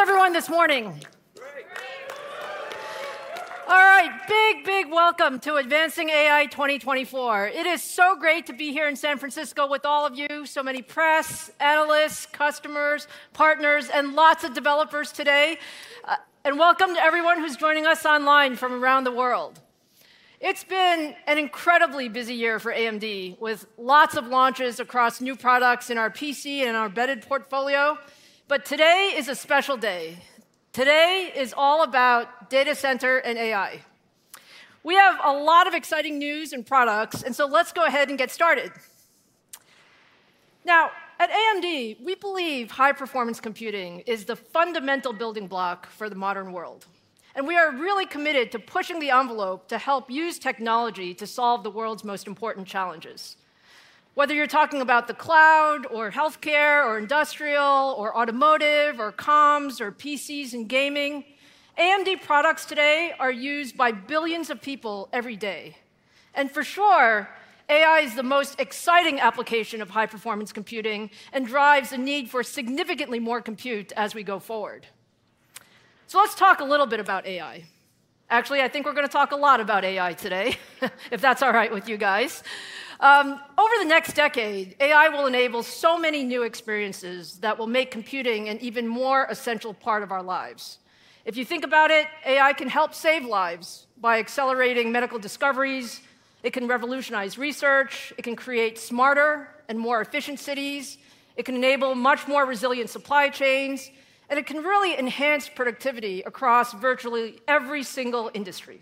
Good morning! How is everyone this morning? Great. Great. All right, big, big welcome to Advancing AI 2024. It is so great to be here in San Francisco with all of you, so many press, analysts, customers, partners, and lots of developers today, and welcome to everyone who's joining us online from around the world. It's been an incredibly busy year for AMD, with lots of launches across new products in our PC and our embedded portfolio, but today is a special day. Today is all about data center and AI. We have a lot of exciting news and products, and so let's go ahead and get started. Now, at AMD, we believe high-performance computing is the fundamental building block for the modern world, and we are really committed to pushing the envelope to help use technology to solve the world's most important challenges. Whether you're talking about the cloud, or healthcare, or industrial, or automotive, or comms, or PCs and gaming, AMD products today are used by billions of people every day. And for sure, AI is the most exciting application of high-performance computing and drives the need for significantly more compute as we go forward. So let's talk a little bit about AI. Actually, I think we're gonna talk a lot about AI today, if that's all right with you guys. Over the next decade, AI will enable so many new experiences that will make computing an even more essential part of our lives. If you think about it, AI can help save lives by accelerating medical discoveries, it can revolutionize research, it can create smarter and more efficient cities, it can enable much more resilient supply chains, and it can really enhance productivity across virtually every single industry.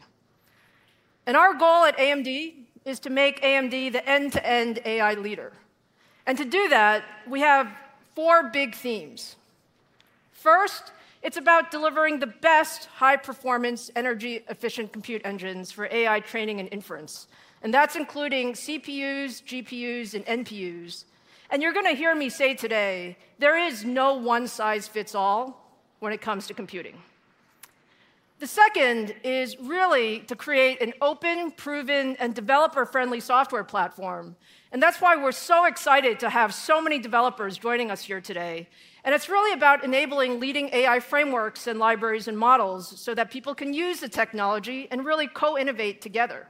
Our goal at AMD is to make AMD the end-to-end AI leader, and to do that, we have four big themes. First, it's about delivering the best high-performance, energy-efficient compute engines for AI training and inference, and that's including CPUs, GPUs, and NPUs. You're gonna hear me say today, there is no one-size-fits-all when it comes to computing. The second is really to create an open, proven, and developer-friendly software platform, and that's why we're so excited to have so many developers joining us here today. It's really about enabling leading AI frameworks, and libraries, and models so that people can use the technology and really co-innovate together.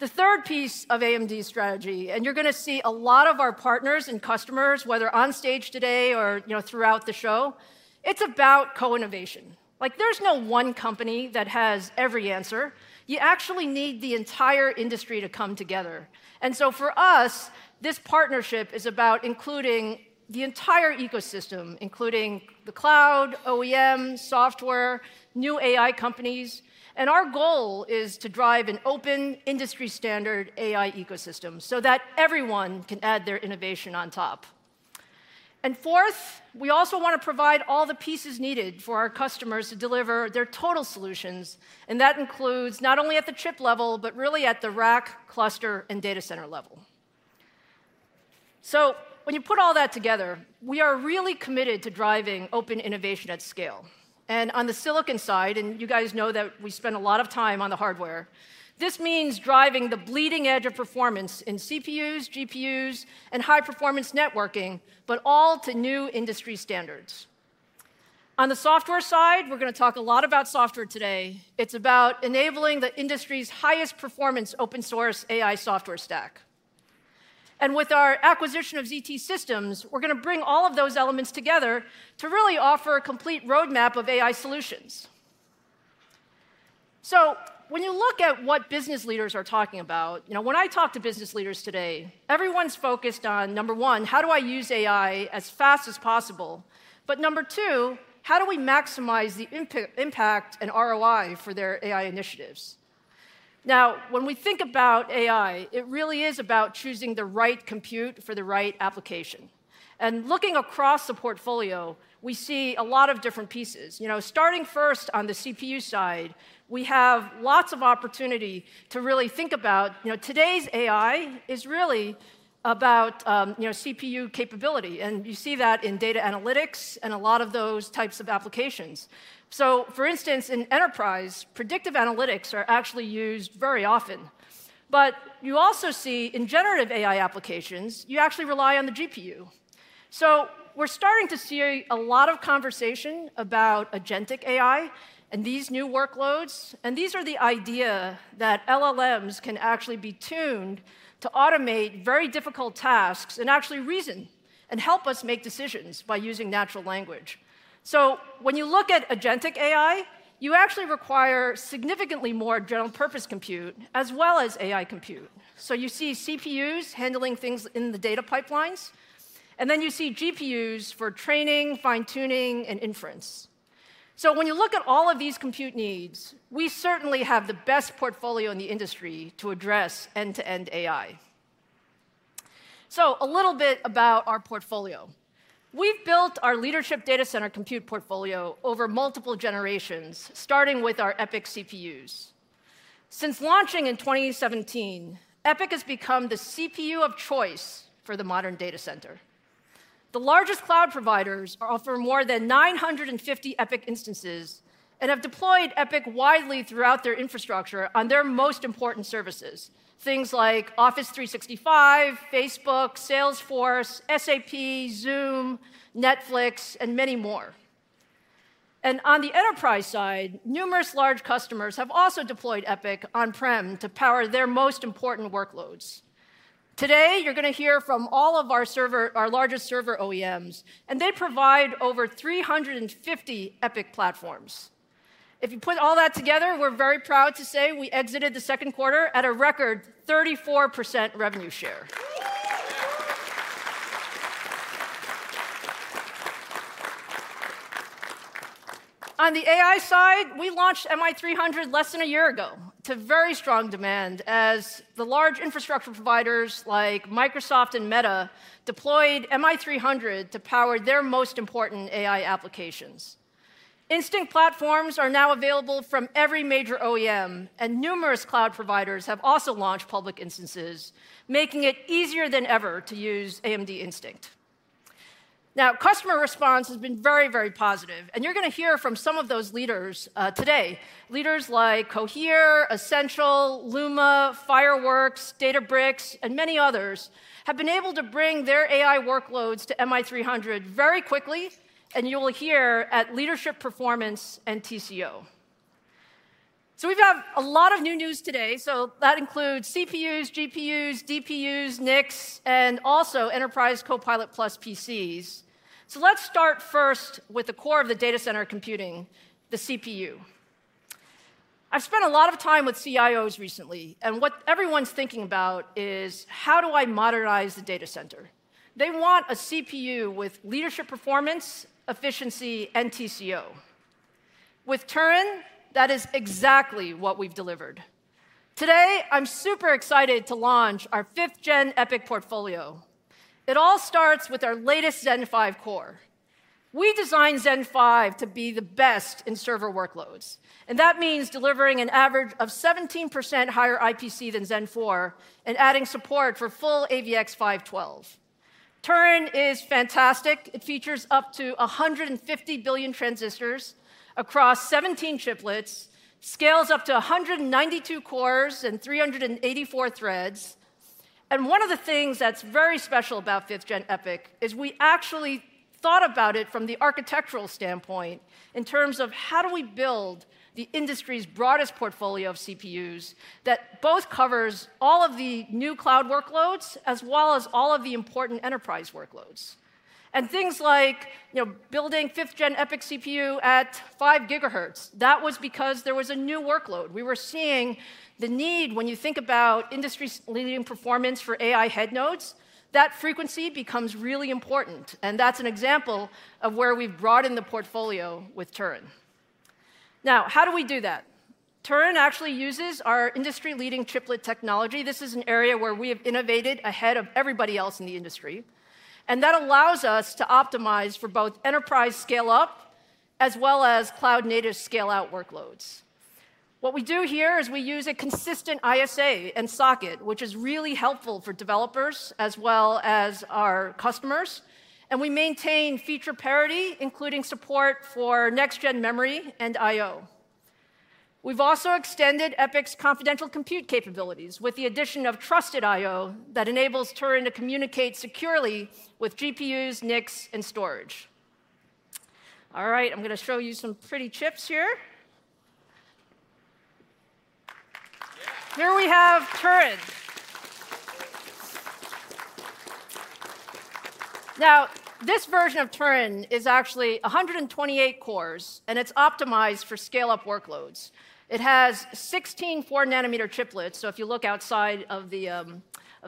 The third piece of AMD's strategy, and you're gonna see a lot of our partners and customers, whether on stage today or, you know, throughout the show, it's about co-innovation. Like, there's no one company that has every answer. You actually need the entire industry to come together. And so for us, this partnership is about including the entire ecosystem, including the cloud, OEM, software, new AI companies, and our goal is to drive an open, industry-standard AI ecosystem so that everyone can add their innovation on top. And fourth, we also wanna provide all the pieces needed for our customers to deliver their total solutions, and that includes not only at the chip level, but really at the rack, cluster, and data center level. So when you put all that together, we are really committed to driving open innovation at scale. And on the silicon side, and you guys know that we spend a lot of time on the hardware, this means driving the bleeding edge of performance in CPUs, GPUs, and high-performance networking, but all to new industry standards. On the software side, we're gonna talk a lot about software today. It's about enabling the industry's highest performance open source AI software stack. And with our acquisition of ZT Systems, we're gonna bring all of those elements together to really offer a complete roadmap of AI solutions. So when you look at what business leaders are talking about... You know, when I talk to business leaders today, everyone's focused on, number one, how do I use AI as fast as possible? But number two, how do we maximize the impact and ROI for their AI initiatives? Now, when we think about AI, it really is about choosing the right compute for the right application. And looking across the portfolio, we see a lot of different pieces. You know, starting first on the CPU side, we have lots of opportunity to really think about, you know, today's AI is really about, you know, CPU capability, and you see that in data analytics and a lot of those types of applications. So for instance, in enterprise, predictive analytics are actually used very often. But you also see in generative AI applications, you actually rely on the GPU. So we're starting to see a lot of conversation about agentic AI and these new workloads, and these are the idea that LLMs can actually be tuned to automate very difficult tasks, and actually reason and help us make decisions by using natural language. So when you look at agentic AI, you actually require significantly more general-purpose compute, as well as AI compute. You see CPUs handling things in the data pipelines, and then you see GPUs for training, fine-tuning, and inference. So when you look at all of these compute needs, we certainly have the best portfolio in the industry to address end-to-end AI. So a little bit about our portfolio. We've built our leadership data center compute portfolio over multiple generations, starting with our EPYC CPUs. Since launching in 2017, EPYC has become the CPU of choice for the modern data center. The largest cloud providers offer more than 950 EPYC instances, and have deployed EPYC widely throughout their infrastructure on their most important services, things like Office 365, Facebook, Salesforce, SAP, Zoom, Netflix, and many more. And on the enterprise side, numerous large customers have also deployed EPYC on-prem to power their most important workloads. Today, you're gonna hear from all of our largest server OEMs, and they provide over 350 EPYC platforms. If you put all that together, we're very proud to say we exited the second quarter at a record 34% revenue share. On the AI side, we launched MI300 less than a year ago to very strong demand, as the large infrastructure providers like Microsoft and Meta deployed MI300 to power their most important AI applications. Instinct platforms are now available from every major OEM, and numerous cloud providers have also launched public instances, making it easier than ever to use AMD Instinct. Now, customer response has been very, very positive, and you're gonna hear from some of those leaders today. Leaders like Cohere, Essential, Luma, Fireworks, Databricks, and many others have been able to bring their AI workloads to MI300 very quickly, and you will hear about leadership performance and TCO. So we've got a lot of new news today, so that includes CPUs, GPUs, DPUs, NICs, and also Enterprise Copilot+ PCs. So let's start first with the core of the data center computing, the CPU. I've spent a lot of time with CIOs recently, and what everyone's thinking about is: how do I modernize the data center? They want a CPU with leadership performance, efficiency, and TCO. With Turin, that is exactly what we've delivered. Today, I'm super excited to launch our 5th Gen EPYC portfolio. It all starts with our latest Zen 5 core. We designed Zen 5 to be the best in server workloads, and that means delivering an average of 17% higher IPC than Zen 4, and adding support for full AVX-512. Turin is fantastic. It features up to 150 billion transistors across 17 chiplets, scales up to 192 cores and 384 threads. And one of the things that's very special about 5th Gen EPYC is we actually thought about it from the architectural standpoint in terms of how do we build the industry's broadest portfolio of CPUs that both covers all of the new cloud workloads, as well as all of the important enterprise workloads? And things like, you know, building 5th Gen EPYC CPU at 5 GHz, that was because there was a new workload. We were seeing the need, when you think about the industry's leading performance for AI head nodes, that frequency becomes really important, and that's an example of where we've broadened the portfolio with Turin. Now, how do we do that? Turin actually uses our industry-leading chiplet technology. This is an area where we have innovated ahead of everybody else in the industry, and that allows us to optimize for both enterprise scale-up as well as cloud-native scale-out workloads. What we do here is we use a consistent ISA and socket, which is really helpful for developers as well as our customers, and we maintain feature parity, including support for next gen memory and IO. We've also extended EPYC's confidential compute capabilities with the addition of Trusted I/O that enables Turin to communicate securely with GPUs, NICs, and storage. All right, I'm gonna show you some pretty chips here. Here we have Turin. Now, this version of Turin is actually 128 cores, and it's optimized for scale-up workloads. It has 16 4-nm, so if you look outside of the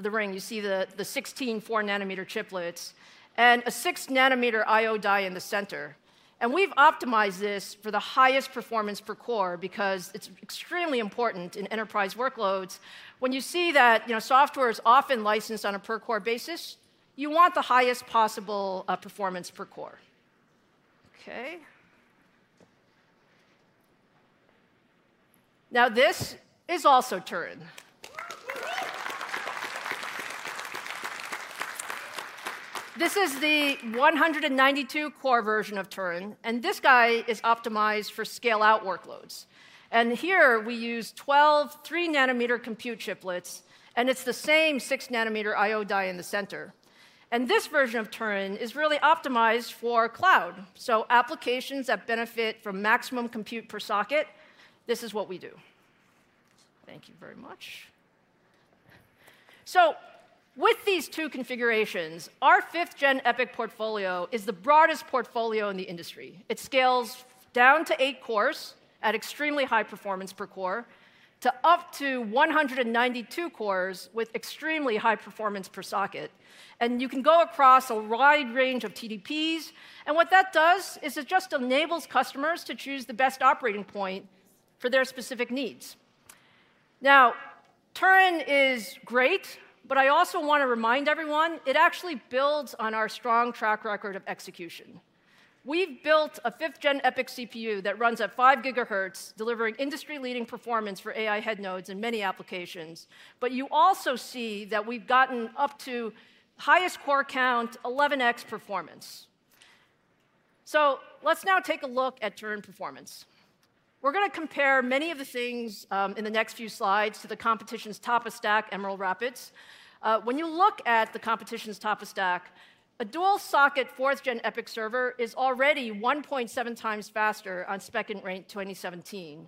ring, you see the 16 4-nm chiplets and a 6-nm I/O die in the center. And we've optimized this for the highest performance per core, because it's extremely important in enterprise workloads. When you see that, you know, software is often licensed on a per-core basis, you want the highest possible performance per core. Okay. Now, this is also Turin. This is the 192 core version of Turin, and this guy is optimized for scale-out workloads. And here we use 12 3-nanometer compute chiplets, and it's the same 6-nanometer I/O die in the center. This version of Turin is really optimized for cloud, so applications that benefit from maximum compute per socket. This is what we do. Thank you very much. With these two configurations, our 5th Gen EPYC portfolio is the broadest portfolio in the industry. It scales down to eight cores at extremely high performance per core, to up to 192 cores with extremely high performance per socket, and you can go across a wide range of TDPs. What that does is it just enables customers to choose the best operating point for their specific needs. Now, Turin is great, but I also want to remind everyone. It actually builds on our strong track record of execution. We've built a 5th Gen EPYC CPU that runs at 5 GHz, delivering industry-leading performance for AI head nodes in many applications. But you also see that we've gotten up to highest core count 11X performance. So let's now take a look at Turin performance. We're gonna compare many of the things in the next few slides to the competition's top of stack, Emerald Rapids. When you look at the competition's top of stack, a dual socket fourth gen EPYC server is already 1.7x faster on SPECint_rate2017.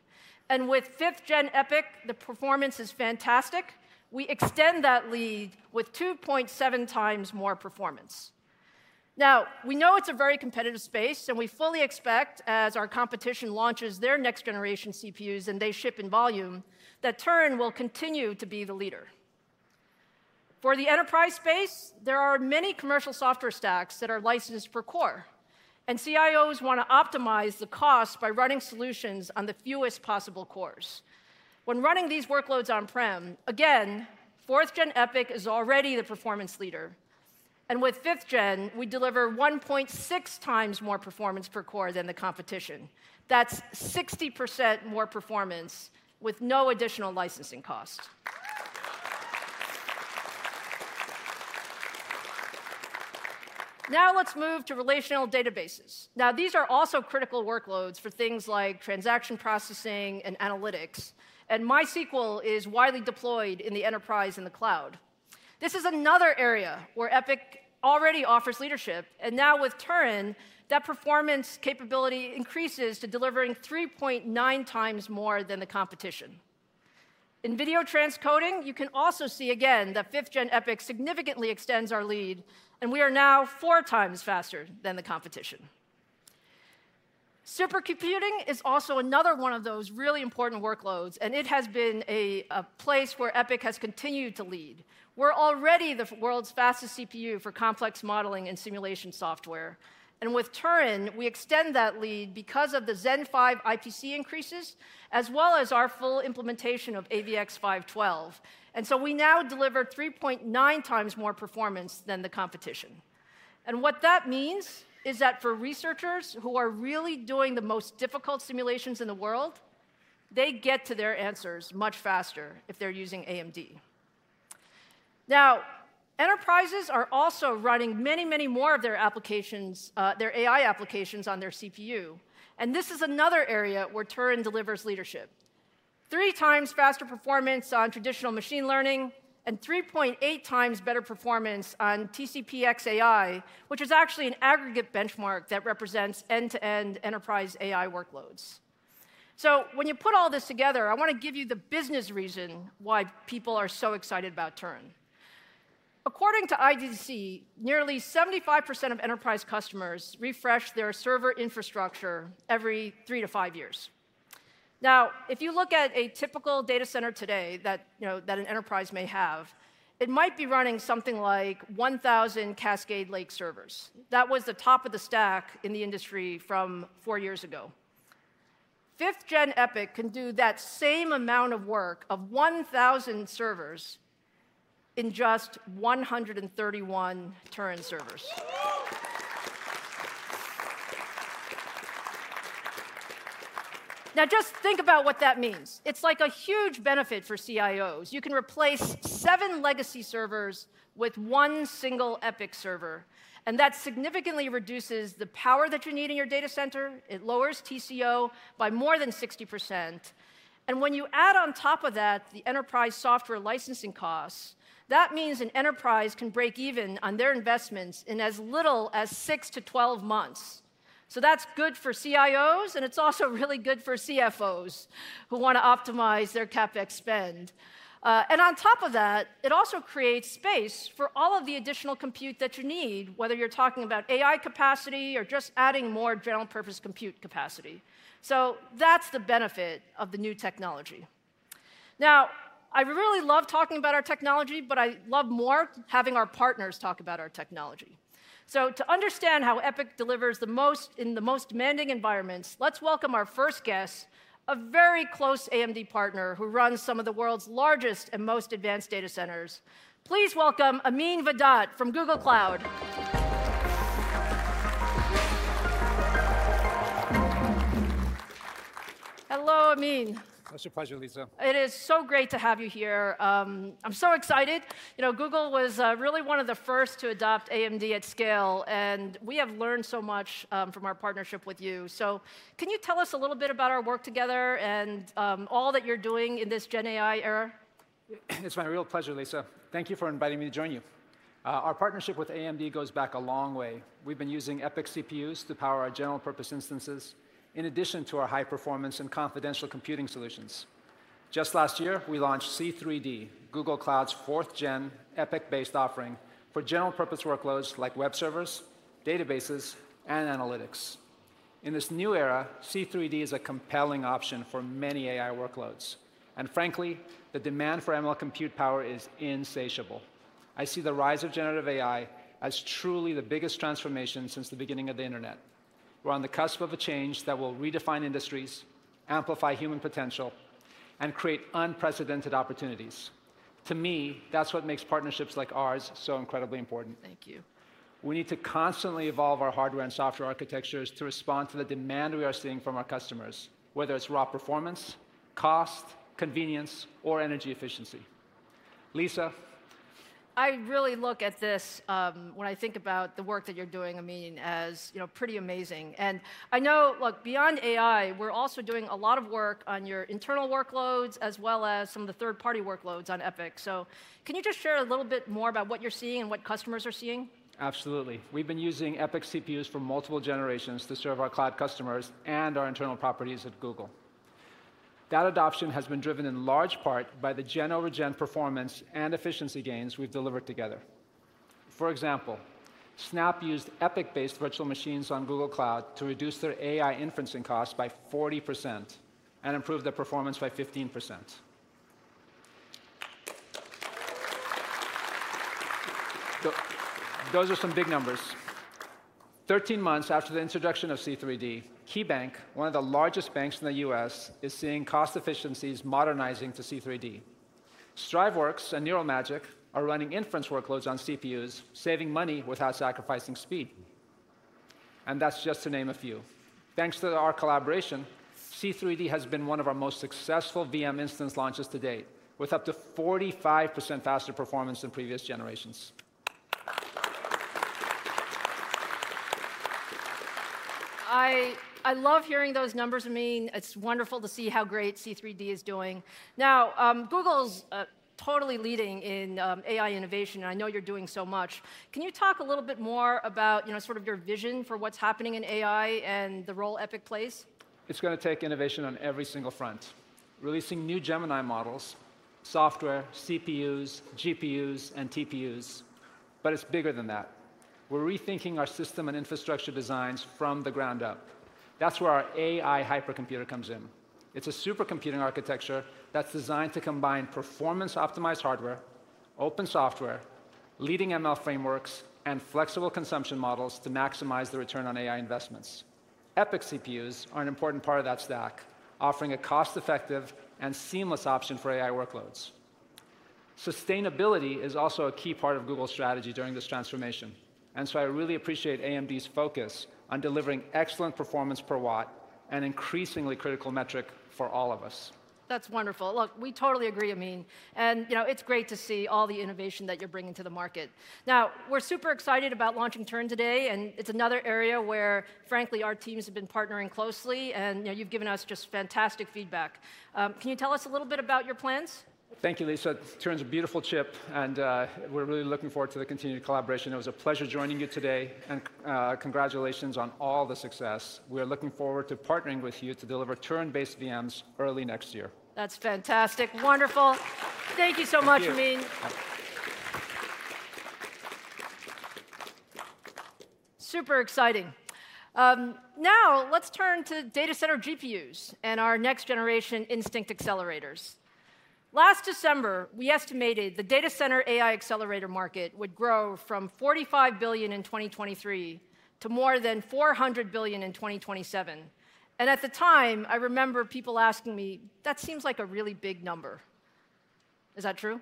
And with 5th Gen EPYC, the performance is fantastic. We extend that lead with 2.7x more performance. Now, we know it's a very competitive space, and we fully expect, as our competition launches their next generation CPUs and they ship in volume, that Turin will continue to be the leader. For the enterprise space, there are many commercial software stacks that are licensed per core, and CIOs want to optimize the cost by running solutions on the fewest possible cores. When running these workloads on-prem, again, 4th Gen EPYC is already the performance leader, and with 5th Gen, we deliver 1.6x more performance per core than the competition. That's 60% more performance with no additional licensing cost. Now, let's move to relational databases. Now, these are also critical workloads for things like transaction processing and analytics, and MySQL is widely deployed in the enterprise and the cloud. This is another area where EPYC already offers leadership, and now with Turin, that performance capability increases to delivering 3.9x more than the competition. In video transcoding, you can also see again that 5th Gen EPYC significantly extends our lead, and we are now four times faster than the competition. Supercomputing is also another one of those really important workloads, and it has been a place where EPYC has continued to lead. We're already the world's fastest CPU for complex modeling and simulation software, and with Turin, we extend that lead because of the Zen 5 IPC increases, as well as our full implementation of AVX-512. And so we now deliver 3.9x more performance than the competition. And what that means is that for researchers who are really doing the most difficult simulations in the world, they get to their answers much faster if they're using AMD. Now, enterprises are also running many, many more of their applications, their AI applications on their CPU, and this is another area where Turin delivers leadership. Three times faster performance on traditional machine learning and 3.8x better performance on TPCx-AI, which is actually an aggregate benchmark that represents end-to-end enterprise AI workloads. So when you put all this together, I wanna give you the business reason why people are so excited about Turin. According to IDC, nearly 75% of enterprise customers refresh their server infrastructure every three to five years. Now, if you look at a typical data center today that, you know, that an enterprise may have, it might be running something like 1,000 Cascade Lake servers. That was the top of the stack in the industry from four years ago. 5th Gen EPYC can do that same amount of work of 1,000 servers in just 131 Turin servers. Now, just think about what that means. It's like a huge benefit for CIOs. You can replace seven legacy servers with one single EPYC server, and that significantly reduces the power that you need in your data center, it lowers TCO by more than 60%. And when you add on top of that the enterprise software licensing costs, that means an enterprise can break even on their investments in as little as six to 12 months. So that's good for CIOs, and it's also really good for CFOs who want to optimize their CapEx spend. And on top of that, it also creates space for all of the additional compute that you need, whether you're talking about AI capacity or just adding more general purpose compute capacity. So that's the benefit of the new technology. Now, I really love talking about our technology, but I love more having our partners talk about our technology. So to understand how EPYC delivers the most in the most demanding environments, let's welcome our first guest, a very close AMD partner who runs some of the world's largest and most advanced data centers. Please welcome Amin Vahdat from Google Cloud. Hello, Amin. Pleasure, pleasure, Lisa. It is so great to have you here. I'm so excited. You know, Google was really one of the first to adopt AMD at scale, and we have learned so much from our partnership with you. So can you tell us a little bit about our work together and all that you're doing in this GenAI era? It's my real pleasure, Lisa. Thank you for inviting me to join you. Our partnership with AMD goes back a long way. We've been using EPYC CPUs to power our general purpose instances, in addition to our high performance and confidential computing solutions. Just last year, we launched C3D, Google Cloud's 4th Gen EPYC-based offering for general purpose workloads like web servers, databases, and analytics. In this new era, C3D is a compelling option for many AI workloads, and frankly, the demand for ML compute power is insatiable. I see the rise of generative AI as truly the biggest transformation since the beginning of the internet. We're on the cusp of a change that will redefine industries, amplify human potential, and create unprecedented opportunities. To me, that's what makes partnerships like ours so incredibly important. Thank you. We need to constantly evolve our hardware and software architectures to respond to the demand we are seeing from our customers, whether it's raw performance, cost, convenience, or energy efficiency. Lisa? I really look at this when I think about the work that you're doing, Amin, as, you know, pretty amazing. I know, look, beyond AI, we're also doing a lot of work on your internal workloads, as well as some of the third-party workloads on EPYC. Can you just share a little bit more about what you're seeing and what customers are seeing? Absolutely. We've been using EPYC CPUs for multiple generations to serve our cloud customers and our internal properties at Google. That adoption has been driven in large part by the gen-over-gen performance and efficiency gains we've delivered together. For example, Snap used EPYC-based virtual machines on Google Cloud to reduce their AI inferencing costs by 40% and improve their performance by 15%. So those are some big numbers. 13 months after the introduction of C3D, KeyBank, one of the largest banks in the U.S., is seeing cost efficiencies modernizing to C3D. Striveworks and Neural Magic are running inference workloads on CPUs, saving money without sacrificing speed, and that's just to name a few. Thanks to our collaboration, C3D has been one of our most successful VM instance launches to date, with up to 45% faster performance than previous generations. I love hearing those numbers, Amin. It's wonderful to see how great C3D is doing. Now, Google's totally leading in AI innovation, and I know you're doing so much. Can you talk a little bit more about, you know, sort of your vision for what's happening in AI and the role EPYC plays? It's gonna take innovation on every single front, releasing new Gemini models, software, CPUs, GPUs, and TPUs, but it's bigger than that. We're rethinking our system and infrastructure designs from the ground up. That's where our AI Hypercomputer comes in. It's a supercomputing architecture that's designed to combine performance-optimized hardware, open software, leading ML frameworks, and flexible consumption models to maximize the return on AI investments. EPYC CPUs are an important part of that stack, offering a cost-effective and seamless option for AI workloads. Sustainability is also a key part of Google's strategy during this transformation, and so I really appreciate AMD's focus on delivering excellent performance per watt, an increasingly critical metric for all of us. That's wonderful. Look, we totally agree, Amin, and, you know, it's great to see all the innovation that you're bringing to the market. Now, we're super excited about launching Turin today, and it's another area where, frankly, our teams have been partnering closely, and, you know, you've given us just fantastic feedback. Can you tell us a little bit about your plans? Thank you, Lisa. Turin's a beautiful chip, and we're really looking forward to the continued collaboration. It was a pleasure joining you today, and congratulations on all the success. We are looking forward to partnering with you to deliver Turin-based VMs early next year. That's fantastic. Wonderful. Thank you so much, Amin. Thank you. Super exciting. Now let's turn to data center GPUs and our next-generation Instinct accelerators. Last December, we estimated the data center AI accelerator market would grow from $45 billion in 2023 to more than $400 billion in 2027, and at the time, I remember people asking me, "That seems like a really big number." Is that true?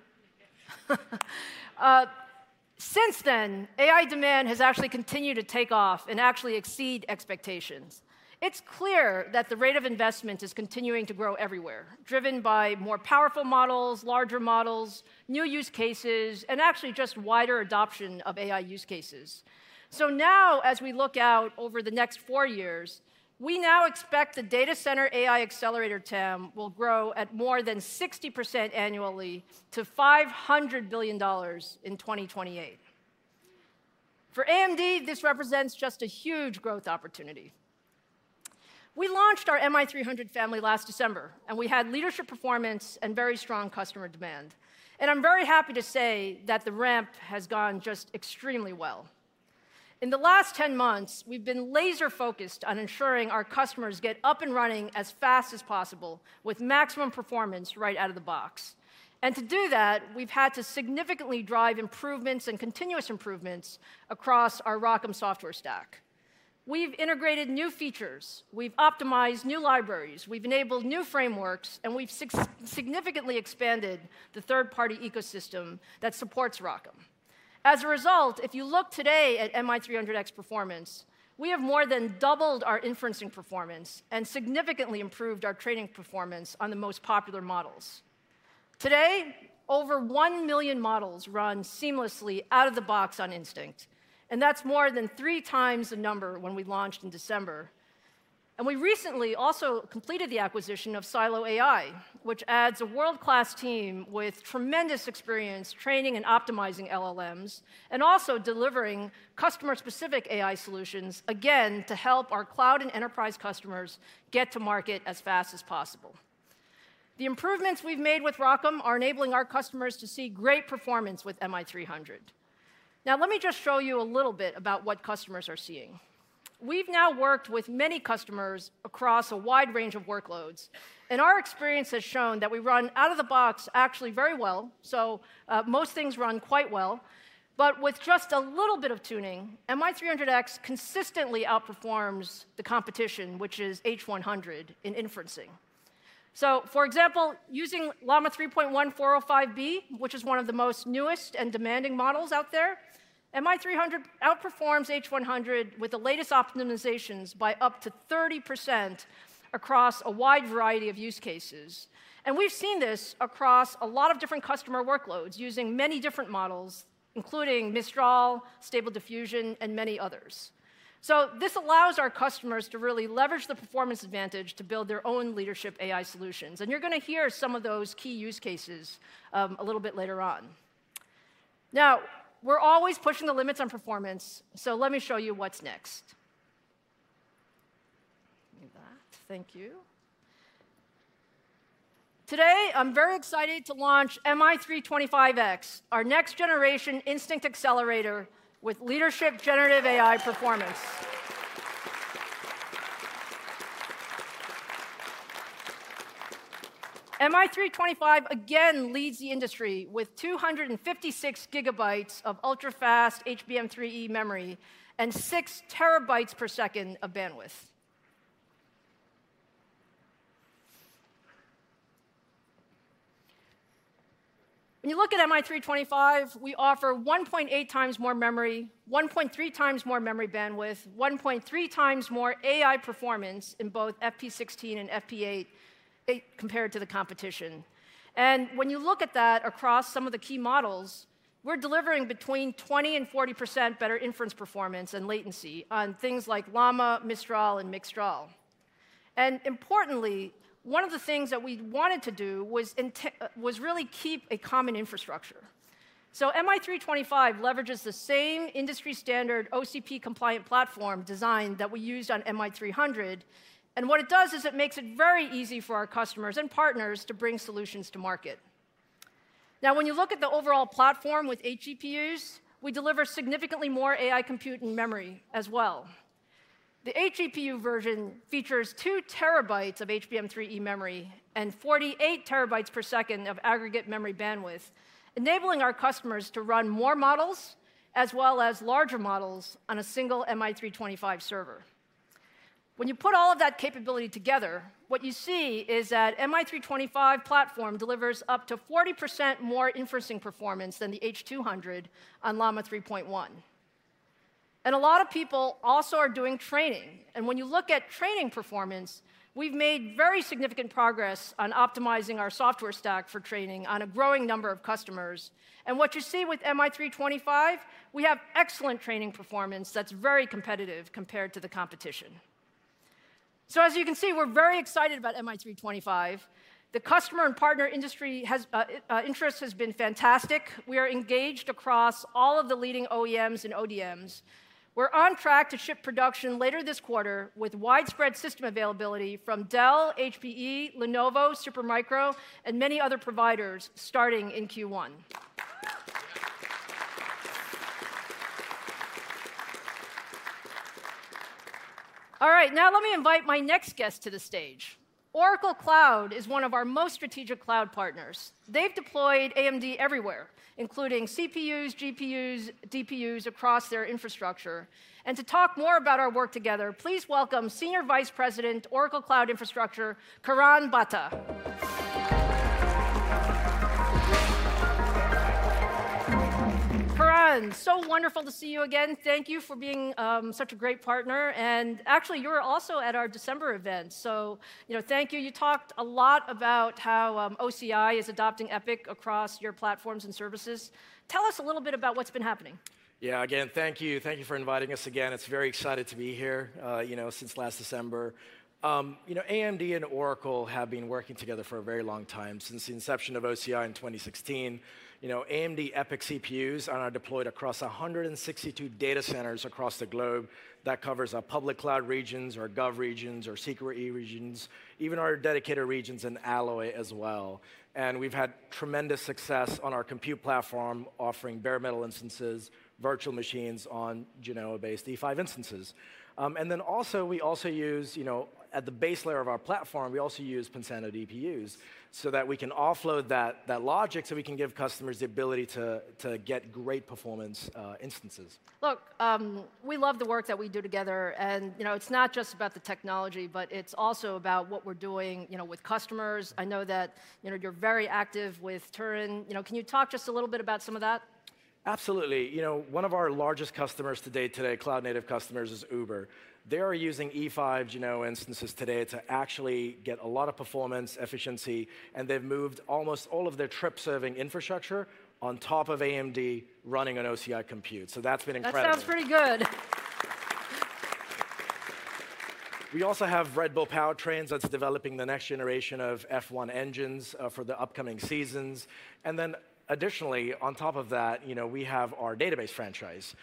Since then, AI demand has actually continued to take off and actually exceed expectations. It's clear that the rate of investment is continuing to grow everywhere, driven by more powerful models, larger models, new use cases, and actually just wider adoption of AI use cases. So now, as we look out over the next four years, we now expect the data center AI accelerator TAM will grow at more than 60% annually to $500 billion in 2028. For AMD, this represents just a huge growth opportunity. We launched our MI300 family last December, and we had leadership performance and very strong customer demand, and I'm very happy to say that the ramp has gone just extremely well. In the last ten months, we've been laser-focused on ensuring our customers get up and running as fast as possible with maximum performance right out of the box, and to do that, we've had to significantly drive improvements and continuous improvements across our ROCm software stack. We've integrated new features, we've optimized new libraries, we've enabled new frameworks, and we've significantly expanded the third-party ecosystem that supports ROCm. As a result, if you look today at MI300X performance, we have more than doubled our inferencing performance and significantly improved our training performance on the most popular models. Today, over one million models run seamlessly out of the box on Instinct, and that's more than three times the number when we launched in December. And we recently also completed the acquisition of Silo AI, which adds a world-class team with tremendous experience training and optimizing LLMs, and also delivering customer-specific AI solutions, again, to help our cloud and enterprise customers get to market as fast as possible. The improvements we've made with ROCm are enabling our customers to see great performance with MI300. Now, let me just show you a little bit about what customers are seeing. We've now worked with many customers across a wide range of workloads, and our experience has shown that we run out of the box actually very well, so, most things run quite well. But with just a little bit of tuning, MI300X consistently outperforms the competition, which is H100, in inferencing... So for example, using Llama 3.1 405B, which is one of the most newest and demanding models out there, MI300 outperforms H100 with the latest optimizations by up to 30% across a wide variety of use cases. And we've seen this across a lot of different customer workloads using many different models, including Mistral, Stable Diffusion, and many others. So this allows our customers to really leverage the performance advantage to build their own leadership AI solutions, and you're gonna hear some of those key use cases a little bit later on. Now, we're always pushing the limits on performance, so let me show you what's next. Give me that. Thank you. Today, I'm very excited to launch MI325X, our next generation Instinct accelerator with leadership generative AI performance. MI325 again leads the industry with 256 GB of ultra-fast HBM3E memory and 6 TBps of bandwidth. When you look at MI325, we offer 1.8x more memory, 1.3x more memory bandwidth, 1.3x more AI performance in both FP16 and FP8 compared to the competition. When you look at that across some of the key models, we're delivering between 20% and 40% better inference performance and latency on things like Llama, Mistral, and Mixtral. Importantly, one of the things that we wanted to do was really keep a common infrastructure. MI325 leverages the same industry-standard OCP-compliant platform design that we used on MI300, and what it does is it makes it very easy for our customers and partners to bring solutions to market. Now, when you look at the overall platform with GPUs, we deliver significantly more AI compute and memory as well. The GPU version features 2 TB of HBM3E memory and 48 TBps of aggregate memory bandwidth, enabling our customers to run more models, as well as larger models, on a single MI325 server. When you put all of that capability together, what you see is that MI325 platform delivers up to 40% more inferencing performance than the H200 on Llama 3.1. And a lot of people also are doing training, and when you look at training performance, we've made very significant progress on optimizing our software stack for training on a growing number of customers. And what you see with MI325X, we have excellent training performance that's very competitive compared to the competition. So as you can see, we're very excited about MI325X. The customer and partner industry interest has been fantastic. We are engaged across all of the leading OEMs and ODMs. We're on track to ship production later this quarter with widespread system availability from Dell, HPE, Lenovo, Supermicro, and many other providers, starting in Q1. All right, now let me invite my next guest to the stage. Oracle Cloud is one of our most strategic cloud partners. They've deployed AMD everywhere, including CPUs, GPUs, DPUs across their infrastructure. And to talk more about our work together, please welcome Senior Vice President, Oracle Cloud Infrastructure, Karan Batta. Karan, so wonderful to see you again. Thank you for being such a great partner, and actually, you were also at our December event, so, you know, thank you. You talked a lot about how OCI is adopting EPYC across your platforms and services. Tell us a little bit about what's been happening. Yeah, again, thank you. Thank you for inviting us again. It's very exciting to be here, you know, since last December. You know, AMD and Oracle have been working together for a very long time, since the inception of OCI in 2016. You know, AMD EPYC CPUs are now deployed across 162 data centers across the globe. That covers our public cloud regions, our gov regions, our secret regions, even our dedicated regions in Alloy as well. We've had tremendous success on our compute platform, offering bare metal instances, virtual machines on Genoa-based E5 instances. And then also, we also use, you know, at the base layer of our platform, we also use Pensando DPUs so that we can offload that logic, so we can give customers the ability to get great performance instances. Look, we love the work that we do together, and, you know, it's not just about the technology, but it's also about what we're doing, you know, with customers. I know that, you know, you're very active with Turin. You know, can you talk just a little bit about some of that? Absolutely. You know, one of our largest customers to date today, cloud-native customers, is Uber. They are using E5s, you know, instances today to actually get a lot of performance, efficiency, and they've moved almost all of their trip-serving infrastructure on top of AMD running on OCI Compute. So that's been incredible. That sounds pretty good. We also have Red Bull Powertrains that's developing the next generation of F1 engines for the upcoming seasons. And then additionally, on top of that, you know, we have our database franchise,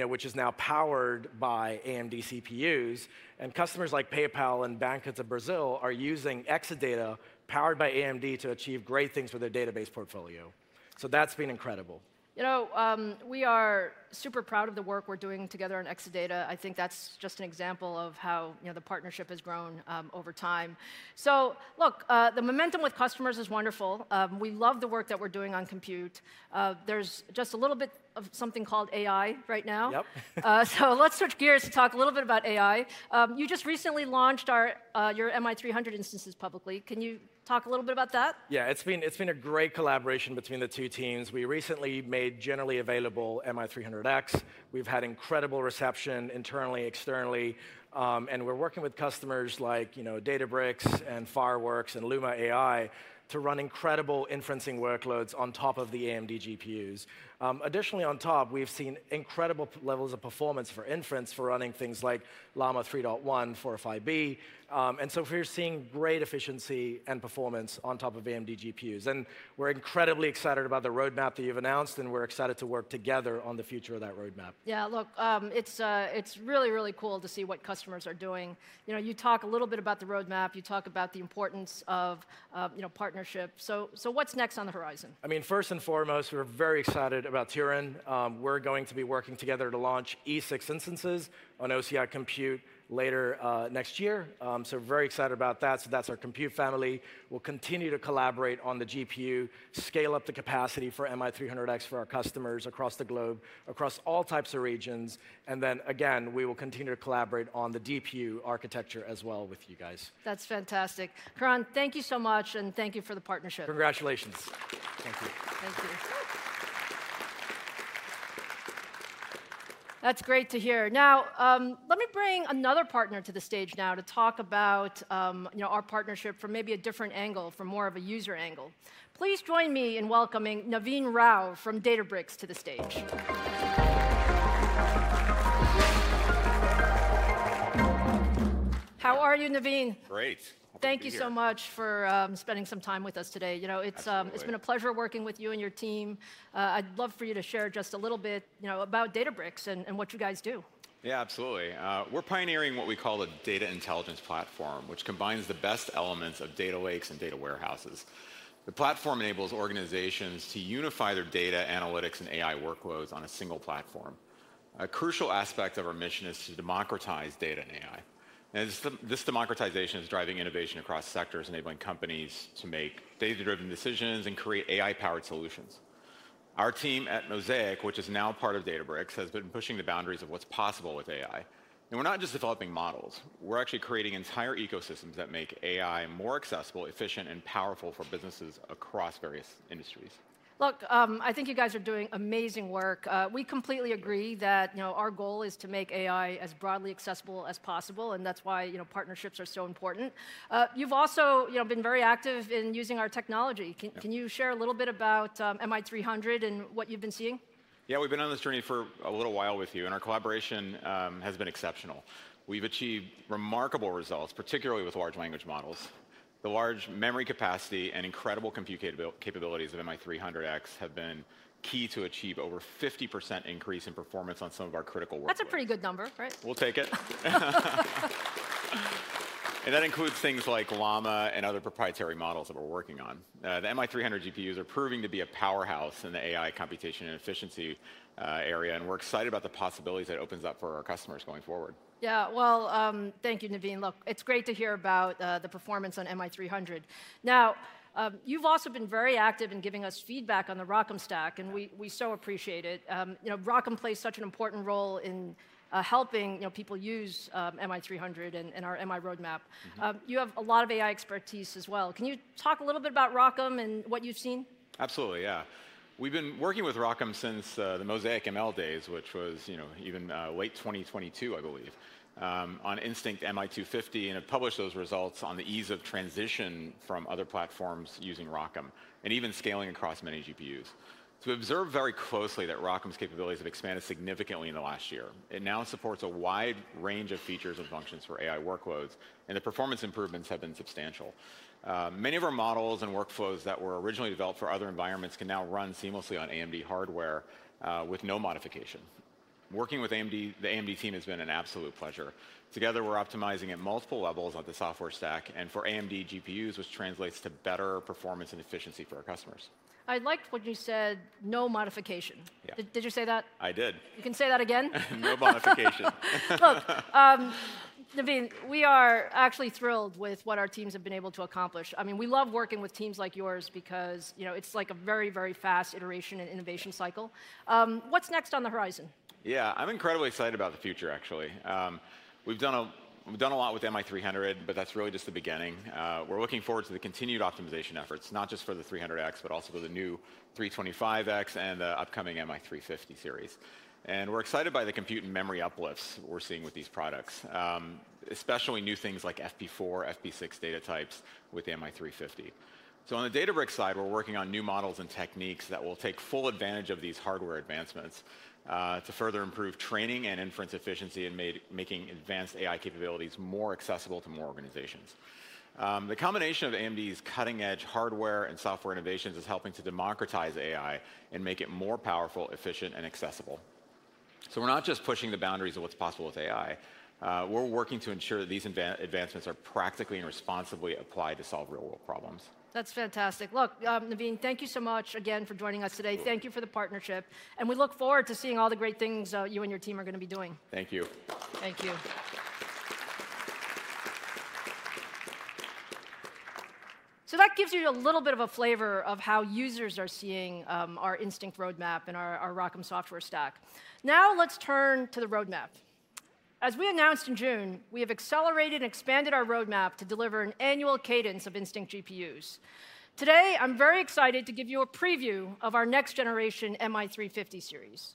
which is now powered by AMD CPUs. And customers like PayPal and Banco do Brasil are using Exadata, powered by AMD, to achieve great things for their database portfolio. So that's been incredible. You know, we are super proud of the work we're doing together on Exadata. I think that's just an example of how, you know, the partnership has grown over time. So look, the momentum with customers is wonderful. We love the work that we're doing on compute. There's just a little bit of something called AI right now. Yep. So let's switch gears to talk a little bit about AI. You just recently launched our, your MI300 instances publicly. Can you talk a little bit about that? Yeah. It's been a great collaboration between the two teams. We recently made generally available MI300X. We've had incredible reception internally, externally, and we're working with customers like, you know, Databricks and Fireworks and Luma AI to run incredible inference workloads on top of the AMD GPUs. Additionally, on top, we've seen incredible levels of performance for inference, for running things like Llama 3.1 405B. So we're seeing great efficiency and performance on top of AMD GPUs, and we're incredibly excited about the roadmap that you've announced, and we're excited to work together on the future of that roadmap. Yeah, look, it's really, really cool to see what customers are doing. You know, you talk a little bit about the roadmap. You talk about the importance of you know, partnership. So, what's next on the horizon? I mean, first and foremost, we're very excited about Turin. We're going to be working together to launch E6 instances on OCI Compute later, next year. So very excited about that. So that's our compute family. We'll continue to collaborate on the GPU, scale up the capacity for MI300X for our customers across the globe, across all types of regions, and then again, we will continue to collaborate on the DPU architecture as well with you guys. That's fantastic. Karan, thank you so much, and thank you for the partnership. Congratulations. Thank you. Thank you. That's great to hear. Now, let me bring another partner to the stage now to talk about, you know, our partnership from maybe a different angle, from more of a user angle. Please join me in welcoming Naveen Rao from Databricks to the stage. How are you, Naveen? Great. Happy to be here. Thank you so much for spending some time with us today. You know, it's- Absolutely... it's been a pleasure working with you and your team. I'd love for you to share just a little bit, you know, about Databricks and what you guys do. Yeah, absolutely. We're pioneering what we call a data intelligence platform, which combines the best elements of data lakes and data warehouses. The platform enables organizations to unify their data, analytics, and AI workloads on a single platform. A crucial aspect of our mission is to democratize data and AI, and this democratization is driving innovation across sectors, enabling companies to make data-driven decisions and create AI-powered solutions. Our team at Mosaic, which is now part of Databricks, has been pushing the boundaries of what's possible with AI. And we're not just developing models; we're actually creating entire ecosystems that make AI more accessible, efficient, and powerful for businesses across various industries. Look, I think you guys are doing amazing work. We completely agree- Yeah... that, you know, our goal is to make AI as broadly accessible as possible, and that's why, you know, partnerships are so important. You've also, you know, been very active in using our technology. Yeah. Can you share a little bit about MI300 and what you've been seeing? Yeah, we've been on this journey for a little while with you, and our collaboration has been exceptional. We've achieved remarkable results, particularly with large language models. The large memory capacity and incredible compute capabilities of MI300X have been key to achieve over 50% increase in performance on some of our critical workloads. That's a pretty good number, right? We'll take it. And that includes things like Llama and other proprietary models that we're working on. The MI300 GPUs are proving to be a powerhouse in the AI computation and efficiency area, and we're excited about the possibilities that opens up for our customers going forward. Yeah. Well, thank you, Naveen. Look, it's great to hear about the performance on MI300. Now, you've also been very active in giving us feedback on the ROCm stack- Yeah... and we so appreciate it. You know, ROCm plays such an important role in helping, you know, people use MI300 and our MI roadmap. Mm-hmm. You have a lot of AI expertise as well. Can you talk a little bit about ROCm and what you've seen? Absolutely, yeah. We've been working with ROCm since the MosaicML days, which was, you know, even late 2022, I believe, on Instinct MI250, and it published those results on the ease of transition from other platforms using ROCm and even scaling across many GPUs. So we've observed very closely that ROCm's capabilities have expanded significantly in the last year. It now supports a wide range of features and functions for AI workloads, and the performance improvements have been substantial. Many of our models and workflows that were originally developed for other environments can now run seamlessly on AMD hardware with no modification. Working with AMD, the AMD team, has been an absolute pleasure. Together, we're optimizing at multiple levels of the software stack and for AMD GPUs, which translates to better performance and efficiency for our customers. I liked what you said, "no modification. Yeah. Did you say that? I did. You can say that again? No modification. Look, Naveen, we are actually thrilled with what our teams have been able to accomplish. I mean, we love working with teams like yours because, you know, it's like a very, very fast iteration and innovation cycle. What's next on the horizon? Yeah. I'm incredibly excited about the future, actually. We've done a lot with MI300, but that's really just the beginning. We're looking forward to the continued optimization efforts, not just for the 300X, but also for the new 325X and the upcoming MI350 series. And we're excited by the compute and memory uplifts we're seeing with these products, especially new things like FP4, FP6 data types with the MI350. So on the Databricks side, we're working on new models and techniques that will take full advantage of these hardware advancements, to further improve training and inference efficiency and making advanced AI capabilities more accessible to more organizations. The combination of AMD's cutting-edge hardware and software innovations is helping to democratize AI and make it more powerful, efficient, and accessible. So we're not just pushing the boundaries of what's possible with AI, we're working to ensure that these advancements are practically and responsibly applied to solve real-world problems. That's fantastic. Look, Naveen, thank you so much again for joining us today. Absolutely. Thank you for the partnership, and we look forward to seeing all the great things you and your team are gonna be doing. Thank you. Thank you. So that gives you a little bit of a flavor of how users are seeing our Instinct roadmap and our ROCm software stack. Now, let's turn to the roadmap. As we announced in June, we have accelerated and expanded our roadmap to deliver an annual cadence of Instinct GPUs. Today, I'm very excited to give you a preview of our next generation MI350 series.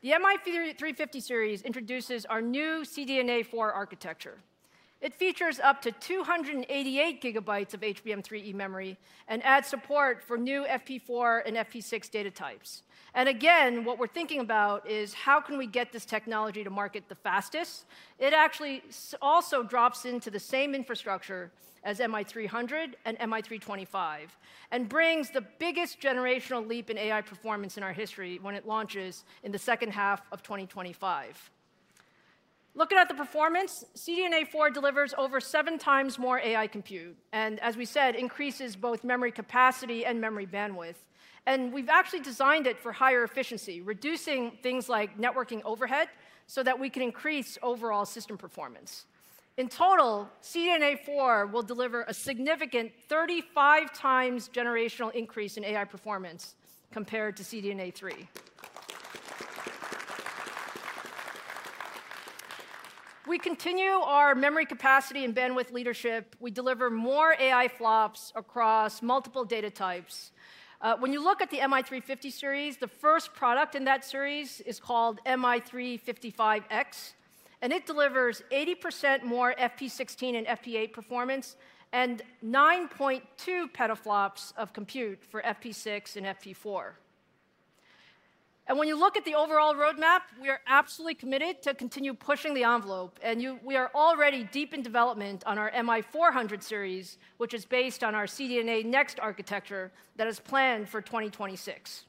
The MI350 series introduces our new CDNA 4 architecture. It features up to 288 GB of HBM3E memory and adds support for new FP4 and FP6 data types. And again, what we're thinking about is: how can we get this technology to market the fastest? It actually also drops into the same infrastructure as MI300 and MI325, and brings the biggest generational leap in AI performance in our history when it launches in the second half of 2025. Looking at the performance, CDNA 4 delivers over seven times more AI compute, and as we said, increases both memory capacity and memory bandwidth. And we've actually designed it for higher efficiency, reducing things like networking overhead, so that we can increase overall system performance. In total, CDNA 4 will deliver a significant 35x generational increase in AI performance compared to CDNA 3. We continue our memory capacity and bandwidth leadership. We deliver more AI FLOPs across multiple data types. When you look at the MI350 series, the first product in that series is called MI355X, and it delivers 80% more FP16 and FP8 performance and 9.2 petaflops of compute for FP6 and FP4. When you look at the overall roadmap, we are absolutely committed to continue pushing the envelope, and we are already deep in development on our MI400 series, which is based on our CDNA Next architecture that is planned for 2026.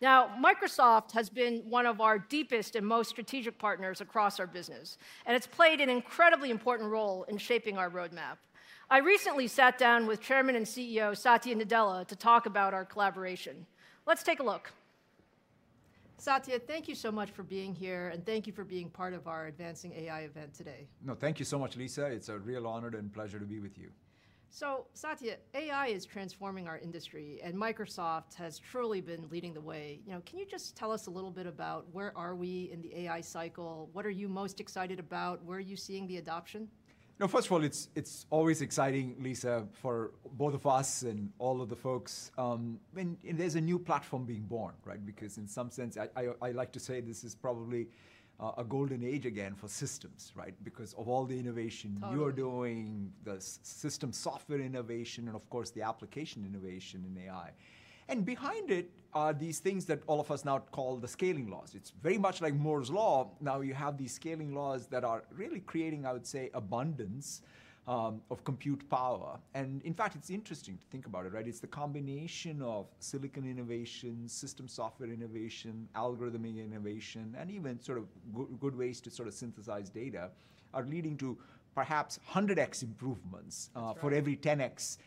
Now, Microsoft has been one of our deepest and most strategic partners across our business, and it's played an incredibly important role in shaping our roadmap. I recently sat down with Chairman and CEO Satya Nadella to talk about our collaboration. Let's take a look. Satya, thank you so much for being here, and thank you for being part of our Advancing AI event today. No, thank you so much, Lisa. It's a real honor and pleasure to be with you. So Satya, AI is transforming our industry, and Microsoft has truly been leading the way. You know, can you just tell us a little bit about where are we in the AI cycle? What are you most excited about? Where are you seeing the adoption? No, first of all, it's always exciting, Lisa, for both of us and all of the folks, when there's a new platform being born, right? Because in some sense, I like to say this is probably a golden age again for systems, right? Because of all the innovation- Totally... you're doing, the system software innovation, and of course, the application innovation in AI. And behind it are these things that all of us now call the scaling laws. It's very much like Moore's Law. Now you have these scaling laws that are really creating, I would say, abundance of compute power. And in fact, it's interesting to think about it, right? It's the combination of silicon innovation, system software innovation, algorithmic innovation, and even sort of good ways to sort of synthesize data, are leading to perhaps hundred X improvements- That's right... for every 10x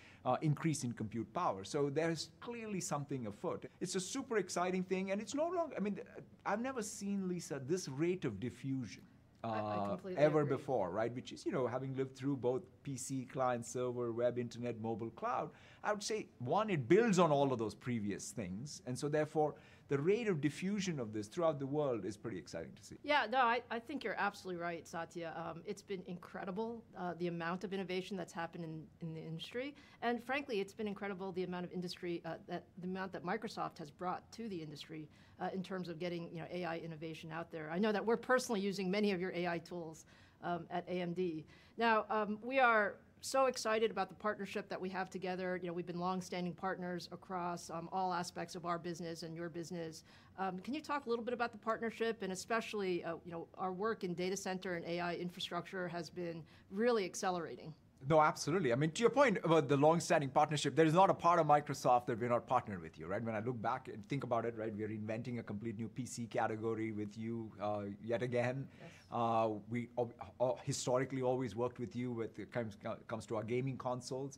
increase in compute power. So there is clearly something afoot. It's a super exciting thing, and it's no longer... I mean, I've never seen, Lisa, this rate of diffusion... I completely agree.... ever before, right? Which is, you know, having lived through both PC, client, server, web, internet, mobile, cloud, I would say one, it builds on all of those previous things, and so therefore, the rate of diffusion of this throughout the world is pretty exciting to see. Yeah, no, I think you're absolutely right, Satya. It's been incredible, the amount of innovation that's happened in the industry, and frankly, it's been incredible the amount that Microsoft has brought to the industry in terms of getting, you know, AI innovation out there. I know that we're personally using many of your AI tools at AMD. Now, we are so excited about the partnership that we have together. You know, we've been long-standing partners across all aspects of our business and your business. Can you talk a little bit about the partnership and especially, you know, our work in data center and AI infrastructure has been really accelerating? No, absolutely. I mean, to your point about the long-standing partnership, there is not a part of Microsoft that we're not partnered with you, right? When I look back and think about it, right, we are inventing a complete new PC category with you, yet again. Yes. We historically always worked with you when it comes to our gaming consoles.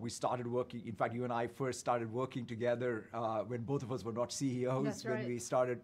We started working. In fact, you and I first started working together when both of us were not CEOs- That's right... when we started,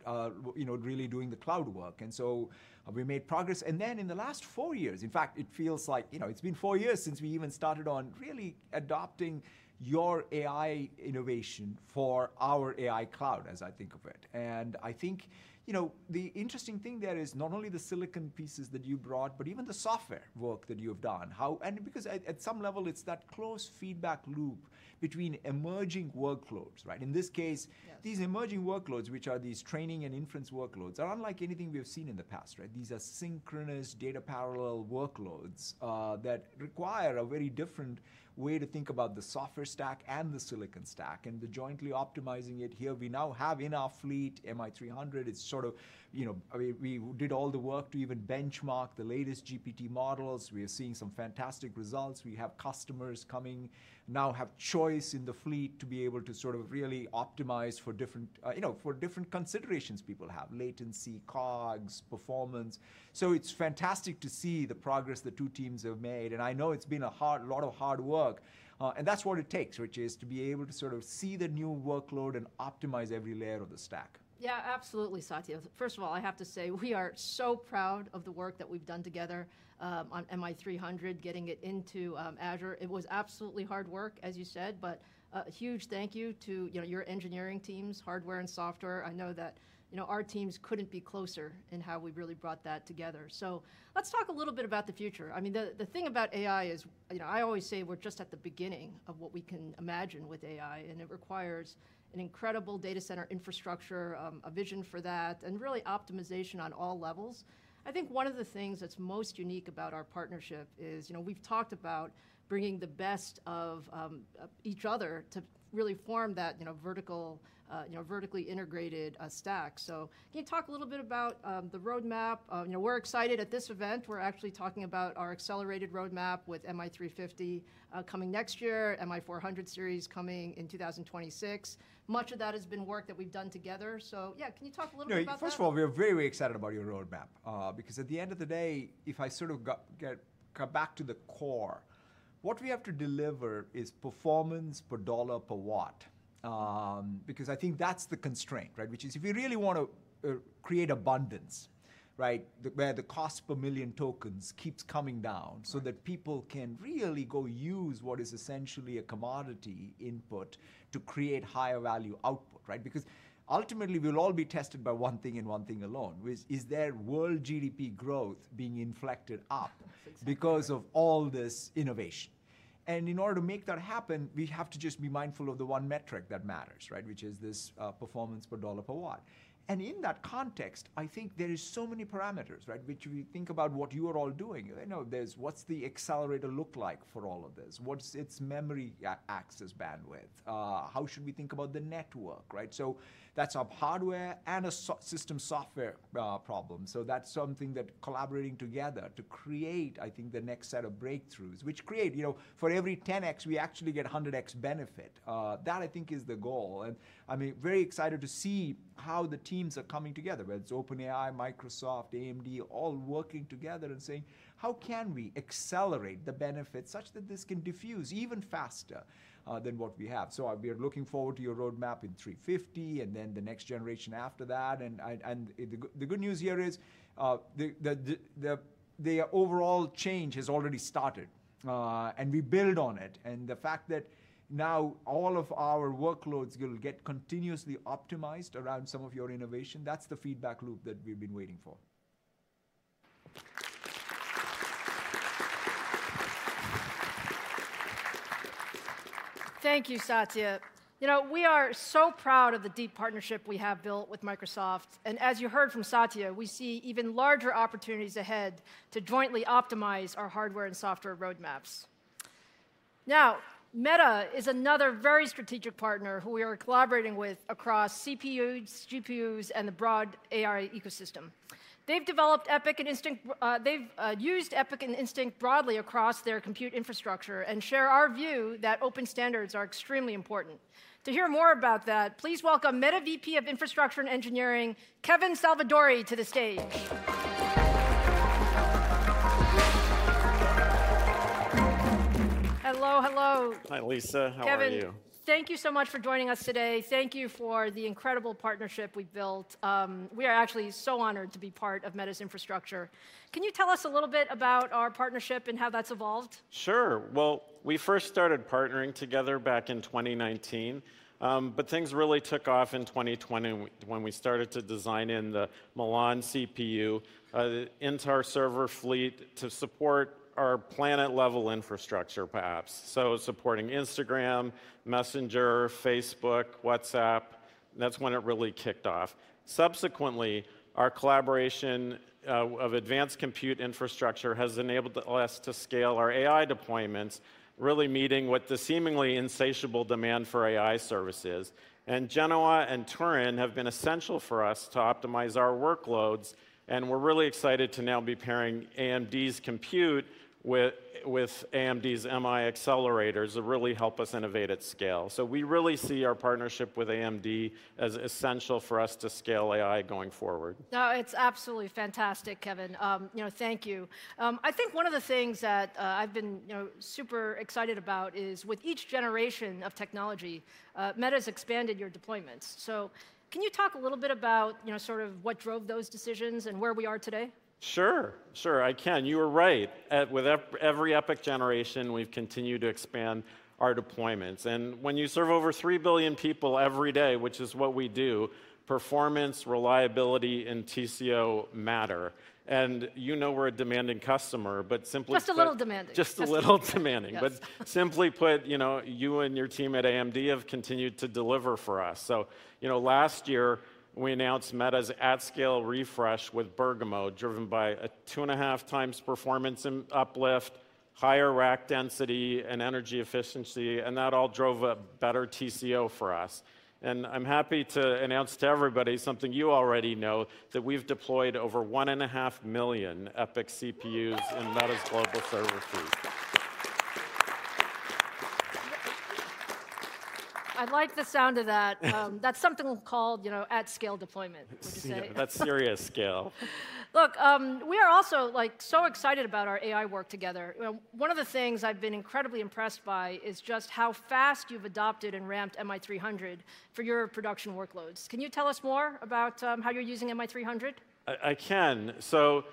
you know, really doing the cloud work, and so we made progress. And then in the last four years, in fact, it feels like, you know, it's been four years since we even started on really adopting your AI innovation for our AI cloud, as I think of it. And I think, you know, the interesting thing there is not only the silicon pieces that you brought, but even the software work that you have done. How- and because at some level, it's that close feedback loop between emerging workloads, right? In this case- Yes... these emerging workloads, which are these training and inference workloads, are unlike anything we have seen in the past, right? These are synchronous data parallel workloads that require a very different way to think about the software stack and the silicon stack, and jointly optimizing it here. We now have in our fleet MI300. It's sort of, you know, I mean, we did all the work to even benchmark the latest GPT models. We are seeing some fantastic results. We have customers coming, now have choice in the fleet to be able to sort of really optimize for different, you know, for different considerations people have: latency, COGS, performance. So it's fantastic to see the progress the two teams have made, and I know it's been a lot of hard work. And that's what it takes, which is to be able to sort of see the new workload and optimize every layer of the stack. Yeah, absolutely, Satya. First of all, I have to say, we are so proud of the work that we've done together, on MI300, getting it into Azure. It was absolutely hard work, as you said. A huge thank you to, you know, your engineering teams, hardware and software. I know that, you know, our teams couldn't be closer in how we really brought that together. So let's talk a little bit about the future. I mean, the thing about AI is, you know, I always say we're just at the beginning of what we can imagine with AI, and it requires an incredible data center infrastructure, a vision for that, and really optimization on all levels. I think one of the things that's most unique about our partnership is, you know, we've talked about bringing the best of, each other to really form that, you know, vertically integrated, stack. So can you talk a little bit about, the roadmap? You know, we're excited at this event. We're actually talking about our accelerated roadmap with MI350, coming next year, MI400 series coming in 2026. Much of that has been work that we've done together, so, yeah, can you talk a little bit about that? Yeah, first of all, we are very excited about your roadmap, because at the end of the day, if I sort of go back to the core, what we have to deliver is performance per dollar per watt. Because I think that's the constraint, right? Which is, if you really wanna create abundance, right, where the cost per million tokens keeps coming down- Right... so that people can really go use what is essentially a commodity input to create higher value output, right? Because ultimately, we'll all be tested by one thing and one thing alone, which is the world GDP growth being inflected up- That's exactly right.... because of all this innovation. And in order to make that happen, we have to just be mindful of the one metric that matters, right, which is this, performance per dollar per watt. And in that context, I think there is so many parameters, right? Which we think about what you are all doing. You know, there's what's the accelerator look like for all of this? What's its memory access bandwidth? How should we think about the network, right? So that's a hardware and a system software problem. So that's something that collaborating together to create, I think, the next set of breakthroughs, which create, you know, for every 10x, we actually get 100x benefit. That, I think, is the goal, and I mean, very excited to see how the teams are coming together, whether it's OpenAI, Microsoft, AMD, all working together and saying: How can we accelerate the benefits such that this can diffuse even faster than what we have? So we are looking forward to your roadmap in 350 and then the next generation after that. And the good news here is, the overall change has already started, and we build on it. And the fact that now all of our workloads will get continuously optimized around some of your innovation, that's the feedback loop that we've been waiting for. Thank you, Satya. You know, we are so proud of the deep partnership we have built with Microsoft, and as you heard from Satya, we see even larger opportunities ahead to jointly optimize our hardware and software roadmaps. Now, Meta is another very strategic partner who we are collaborating with across CPUs, GPUs, and the broad AI ecosystem. They've used EPYC and Instinct broadly across their compute infrastructure and share our view that open standards are extremely important. To hear more about that, please welcome Meta VP of Infrastructure and Engineering, Kevin Salvadori, to the stage. Hello, hello. Hi, Lisa. How are you? Kevin, thank you so much for joining us today. Thank you for the incredible partnership we've built. We are actually so honored to be part of Meta's infrastructure. Can you tell us a little bit about our partnership and how that's evolved? Sure. Well, we first started partnering together back in 2019, but things really took off in 2020 when we started to design in the Milan CPU into our server fleet to support our planet-level infrastructure apps, so supporting Instagram, Messenger, Facebook, WhatsApp, and that's when it really kicked off. Subsequently, our collaboration of advanced compute infrastructure has enabled us to scale our AI deployments, really meeting what the seemingly insatiable demand for AI services. And Genoa and Turin have been essential for us to optimize our workloads, and we're really excited to now be pairing AMD's compute with AMD's MI accelerators that really help us innovate at scale. So we really see our partnership with AMD as essential for us to scale AI going forward. No, it's absolutely fantastic, Kevin. You know, thank you. I think one of the things that, I've been, you know, super excited about is with each generation of technology, Meta's expanded your deployments. So can you talk a little bit about, you know, sort of what drove those decisions and where we are today? Sure, sure, I can. You were right. With every EPYC generation, we've continued to expand our deployments, and when you serve over three billion people every day, which is what we do, performance, reliability, and TCO matter. And you know we're a demanding customer, but simply put- Just a little demanding. Just a little demanding. Yes. But simply put, you know, you and your team at AMD have continued to deliver for us. So, you know, last year, we announced Meta's at-scale refresh with Bergamo, driven by a 2.5x performance and uplift, higher rack density and energy efficiency, and that all drove a better TCO for us. And I'm happy to announce to everybody something you already know, that we've deployed over 1.5 million EPYC CPUs in Meta's global server fleet.... I like the sound of that. That's something called, you know, at-scale deployment, would you say? That's serious scale. Look, we are also, like, so excited about our AI work together. One of the things I've been incredibly impressed by is just how fast you've adopted and ramped MI300 for your production workloads. Can you tell us more about how you're using MI300? I can. So,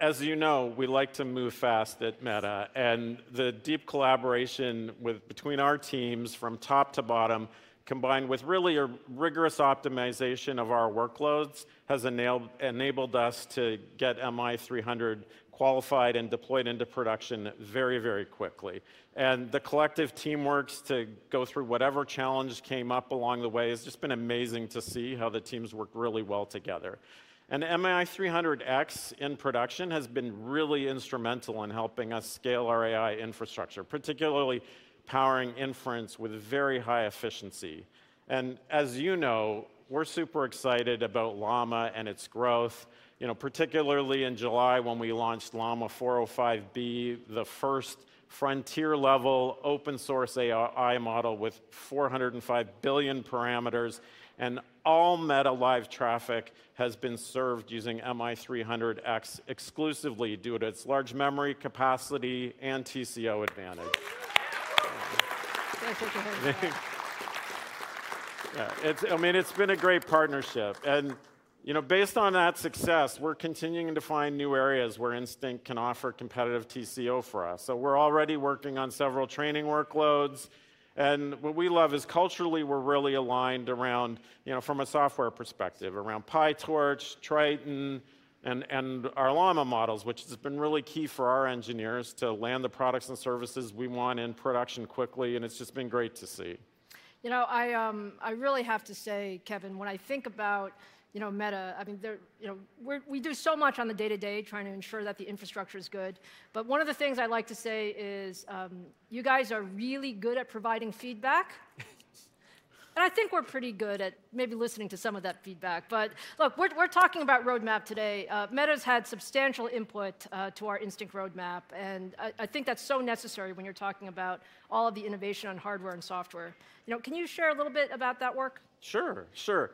as you know, we like to move fast at Meta, and the deep collaboration between our teams from top to bottom, combined with really a rigorous optimization of our workloads, has enabled us to get MI300 qualified and deployed into production very, very quickly. And the collective team works to go through whatever challenge came up along the way. It's just been amazing to see how the teams work really well together. And MI300X in production has been really instrumental in helping us scale our AI infrastructure, particularly powering inference with very high efficiency. And as you know, we're super excited about Llama and its growth. You know, particularly in July when we launched Llama 405B, the first frontier-level open-source AI model with 405 billion parameters, and all Meta live traffic has been served using MI300X exclusively due to its large memory capacity and TCO advantage. That's what you heard. Thank you. Yeah, it's... I mean, it's been a great partnership, and, you know, based on that success, we're continuing to find new areas where Instinct can offer competitive TCO for us. So we're already working on several training workloads, and what we love is culturally, we're really aligned around, you know, from a software perspective, around PyTorch, Triton, and our Llama models, which has been really key for our engineers to land the products and services we want in production quickly, and it's just been great to see. You know, I really have to say, Kevin, when I think about, you know, Meta, I mean, there, you know, we do so much on the day-to-day trying to ensure that the infrastructure is good, but one of the things I like to say is, you guys are really good at providing feedback. And I think we're pretty good at maybe listening to some of that feedback. But look, we're talking about roadmap today. Meta's had substantial input to our Instinct roadmap, and I think that's so necessary when you're talking about all of the innovation on hardware and software. You know, can you share a little bit about that work? Sure. Sure.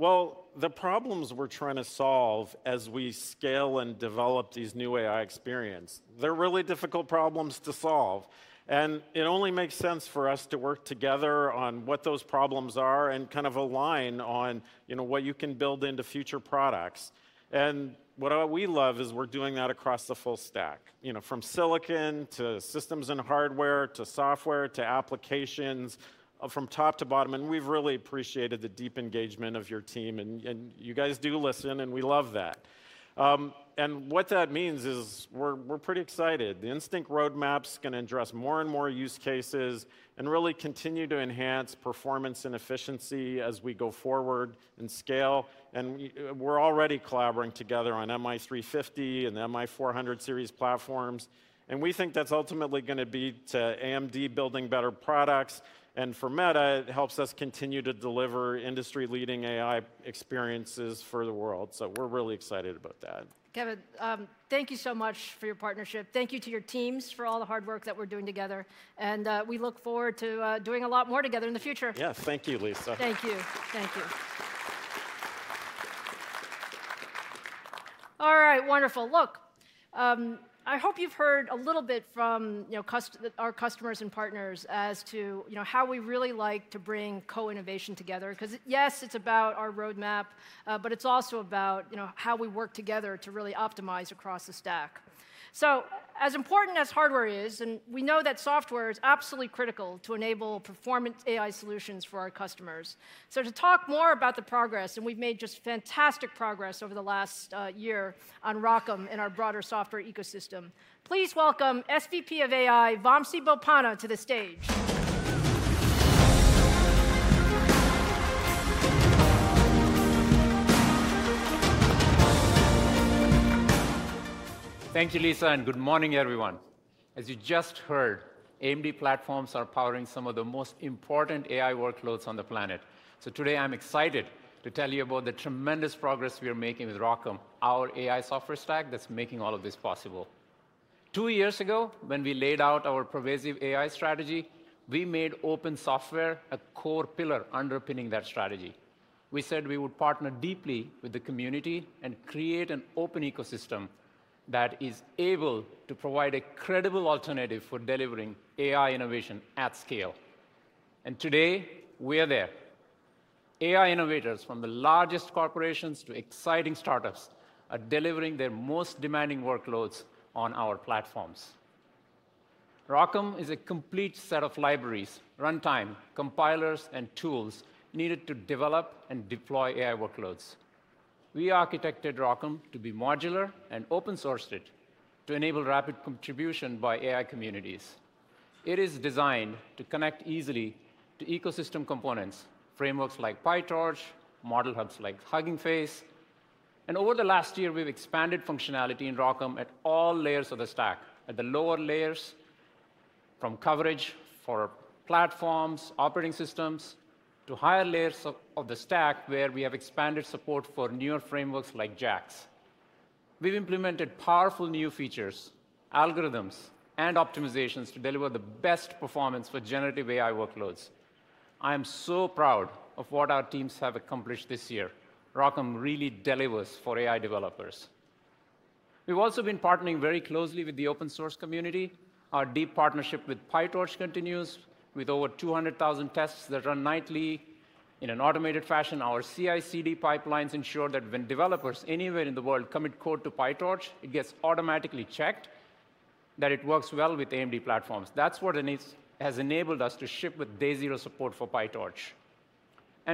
Well, the problems we're trying to solve as we scale and develop these new AI experience, they're really difficult problems to solve, and it only makes sense for us to work together on what those problems are and kind of align on, you know, what you can build into future products. And what we love is we're doing that across the full stack, you know, from silicon to systems and hardware, to software, to applications, from top to bottom, and we've really appreciated the deep engagement of your team, and you guys do listen, and we love that. And what that means is we're pretty excited. The Instinct roadmap's gonna address more and more use cases and really continue to enhance performance and efficiency as we go forward and scale, and we, we're already collaborating together on MI350 and MI400 series platforms, and we think that's ultimately gonna be to AMD building better products, and for Meta, it helps us continue to deliver industry-leading AI experiences for the world, so we're really excited about that. Kevin, thank you so much for your partnership. Thank you to your teams for all the hard work that we're doing together, and we look forward to doing a lot more together in the future. Yeah. Thank you, Lisa. Thank you. Thank you. All right, wonderful. Look, I hope you've heard a little bit from, you know, our customers and partners as to, you know, how we really like to bring co-innovation together. 'Cause yes, it's about our roadmap, but it's also about, you know, how we work together to really optimize across the stack. So as important as hardware is, and we know that software is absolutely critical to enable performance AI solutions for our customers. So to talk more about the progress, and we've made just fantastic progress over the last year on ROCm and our broader software ecosystem, please welcome SVP of AI, Vamsi Boppana, to the stage. Thank you, Lisa, and good morning, everyone. As you just heard, AMD platforms are powering some of the most important AI workloads on the planet. So today, I'm excited to tell you about the tremendous progress we are making with ROCm, our AI software stack that's making all of this possible. Two years ago, when we laid out our pervasive AI strategy, we made open software a core pillar underpinning that strategy. We said we would partner deeply with the community and create an open ecosystem that is able to provide a credible alternative for delivering AI innovation at scale, and today, we are there. AI innovators, from the largest corporations to exciting startups, are delivering their most demanding workloads on our platforms. ROCm is a complete set of libraries, runtime, compilers, and tools needed to develop and deploy AI workloads. We architected ROCm to be modular and open-sourced it to enable rapid contribution by AI communities. It is designed to connect easily to ecosystem components, frameworks like PyTorch, model hubs like Hugging Face. Over the last year, we've expanded functionality in ROCm at all layers of the stack, at the lower layers, from coverage for platforms, operating systems, to higher layers of the stack, where we have expanded support for newer frameworks like JAX.... We've implemented powerful new features, algorithms, and optimizations to deliver the best performance for generative AI workloads. I am so proud of what our teams have accomplished this year. ROCm really delivers for AI developers. We've also been partnering very closely with the open source community. Our deep partnership with PyTorch continues, with over 200,000 tests that run nightly in an automated fashion. Our CI/CD pipelines ensure that when developers anywhere in the world commit code to PyTorch, it gets automatically checked that it works well with AMD platforms. That's what ROCm has enabled us to ship with day zero support for PyTorch.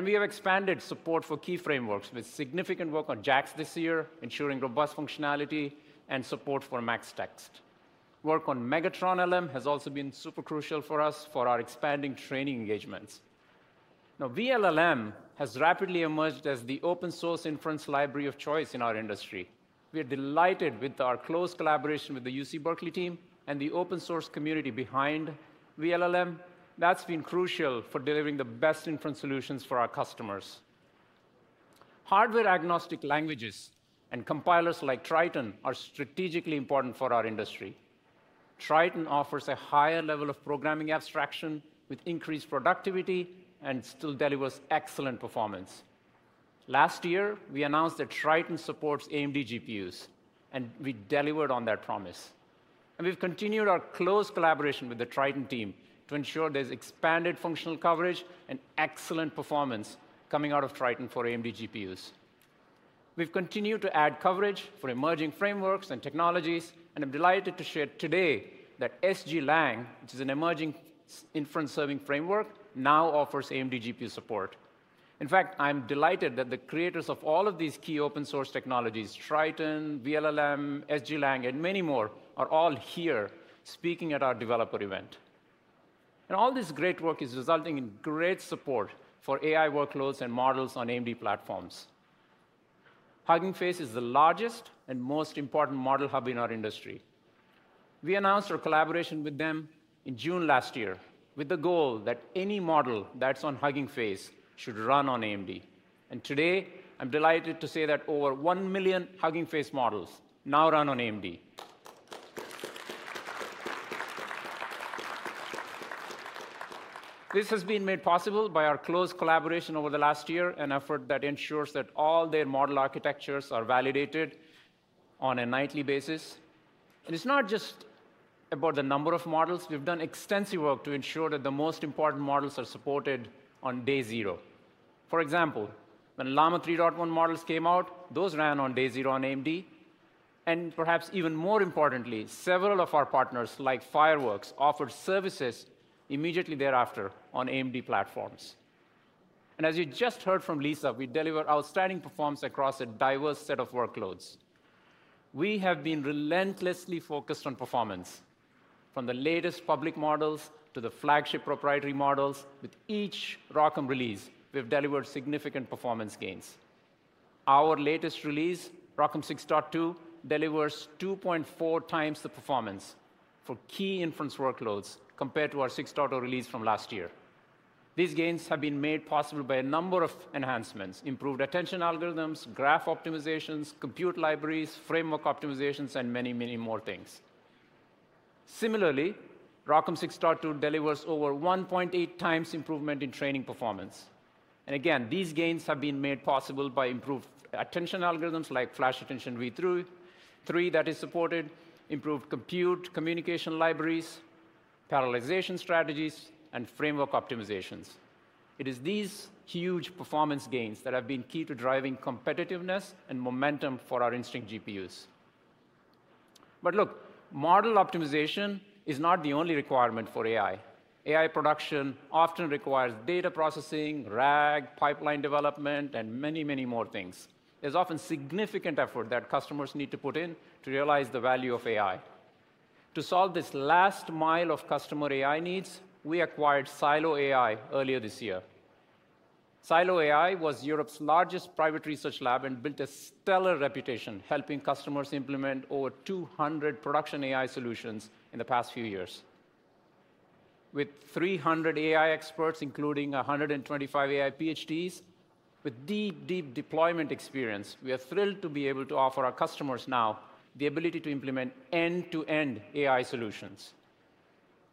We have expanded support for key frameworks, with significant work on JAX this year, ensuring robust functionality and support for MaxText. Work on Megatron-LM has also been super crucial for us, for our expanding training engagements. Now, vLLM has rapidly emerged as the open-source inference library of choice in our industry. We are delighted with our close collaboration with the UC Berkeley team and the open-source community behind vLLM. That's been crucial for delivering the best inference solutions for our customers. Hardware-agnostic languages and compilers like Triton are strategically important for our industry. Triton offers a higher level of programming abstraction with increased productivity and still delivers excellent performance. Last year, we announced that Triton supports AMD GPUs, and we delivered on that promise, and we've continued our close collaboration with the Triton team to ensure there's expanded functional coverage and excellent performance coming out of Triton for AMD GPUs. We've continued to add coverage for emerging frameworks and technologies, and I'm delighted to share today that SGLang, which is an emerging inference serving framework, now offers AMD GPU support. In fact, I'm delighted that the creators of all of these key open source technologies, Triton, vLLM, SGLang, and many more, are all here speaking at our developer event, and all this great work is resulting in great support for AI workloads and models on AMD platforms. Hugging Face is the largest and most important model hub in our industry. We announced our collaboration with them in June last year, with the goal that any model that's on Hugging Face should run on AMD. Today, I'm delighted to say that over one million Hugging Face models now run on AMD. This has been made possible by our close collaboration over the last year, an effort that ensures that all their model architectures are validated on a nightly basis. It's not just about the number of models. We've done extensive work to ensure that the most important models are supported on day zero. For example, when Llama 3.1 models came out, those ran on day zero on AMD, and perhaps even more importantly, several of our partners, like Fireworks, offered services immediately thereafter on AMD platforms. As you just heard from Lisa, we deliver outstanding performance across a diverse set of workloads. We have been relentlessly focused on performance, from the latest public models to the flagship proprietary models. With each ROCm release, we've delivered significant performance gains. Our latest release, ROCm 6.2, delivers 2.4x the performance for key inference workloads compared to our 6.0 release from last year. These gains have been made possible by a number of enhancements: improved attention algorithms, graph optimizations, compute libraries, framework optimizations, and many, many more things. Similarly, ROCm 6.2 delivers over 1.8x improvement in training performance, and again, these gains have been made possible by improved attention algorithms, like FlashAttention-3 that is supported, improved compute communication libraries, parallelization strategies, and framework optimizations. It is these huge performance gains that have been key to driving competitiveness and momentum for our Instinct GPUs. But look, model optimization is not the only requirement for AI. AI production often requires data processing, RAG, pipeline development, and many, many more things. There's often significant effort that customers need to put in to realize the value of AI. To solve this last mile of customer AI needs, we acquired Silo AI earlier this year. Silo AI was Europe's largest private research lab and built a stellar reputation, helping customers implement over 200 production AI solutions in the past few years. With 300 AI experts, including 125 AI PhDs, with deep, deep deployment experience, we are thrilled to be able to offer our customers now the ability to implement end-to-end AI solutions.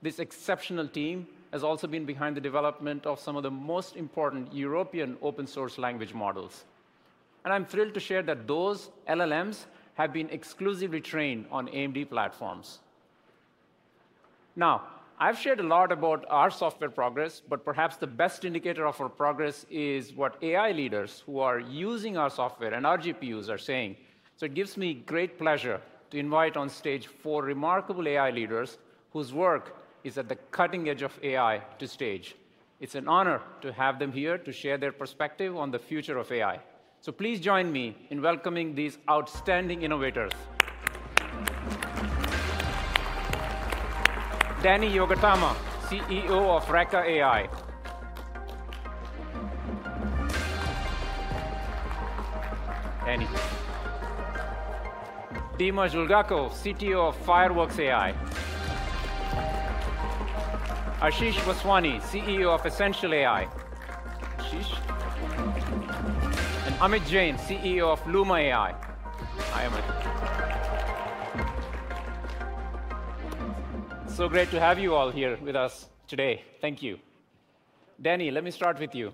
This exceptional team has also been behind the development of some of the most important European open source language models, and I'm thrilled to share that those LLMs have been exclusively trained on AMD platforms. Now, I've shared a lot about our software progress, but perhaps the best indicator of our progress is what AI leaders who are using our software and our GPUs are saying. So it gives me great pleasure to invite on stage four remarkable AI leaders whose work is at the cutting edge of AI. It's an honor to have them here to share their perspective on the future of AI. So please join me in welcoming these outstanding innovators. Dani Yogatama, CEO of Reka AI. Dani. Dima Dzhulgakov, CTO of Fireworks AI. Ashish Vaswani, CEO of Essential AI. Ashish. And Amit Jain, CEO of Luma AI. Hi, Amit. So great to have you all here with us today. Thank you. Dani, let me start with you.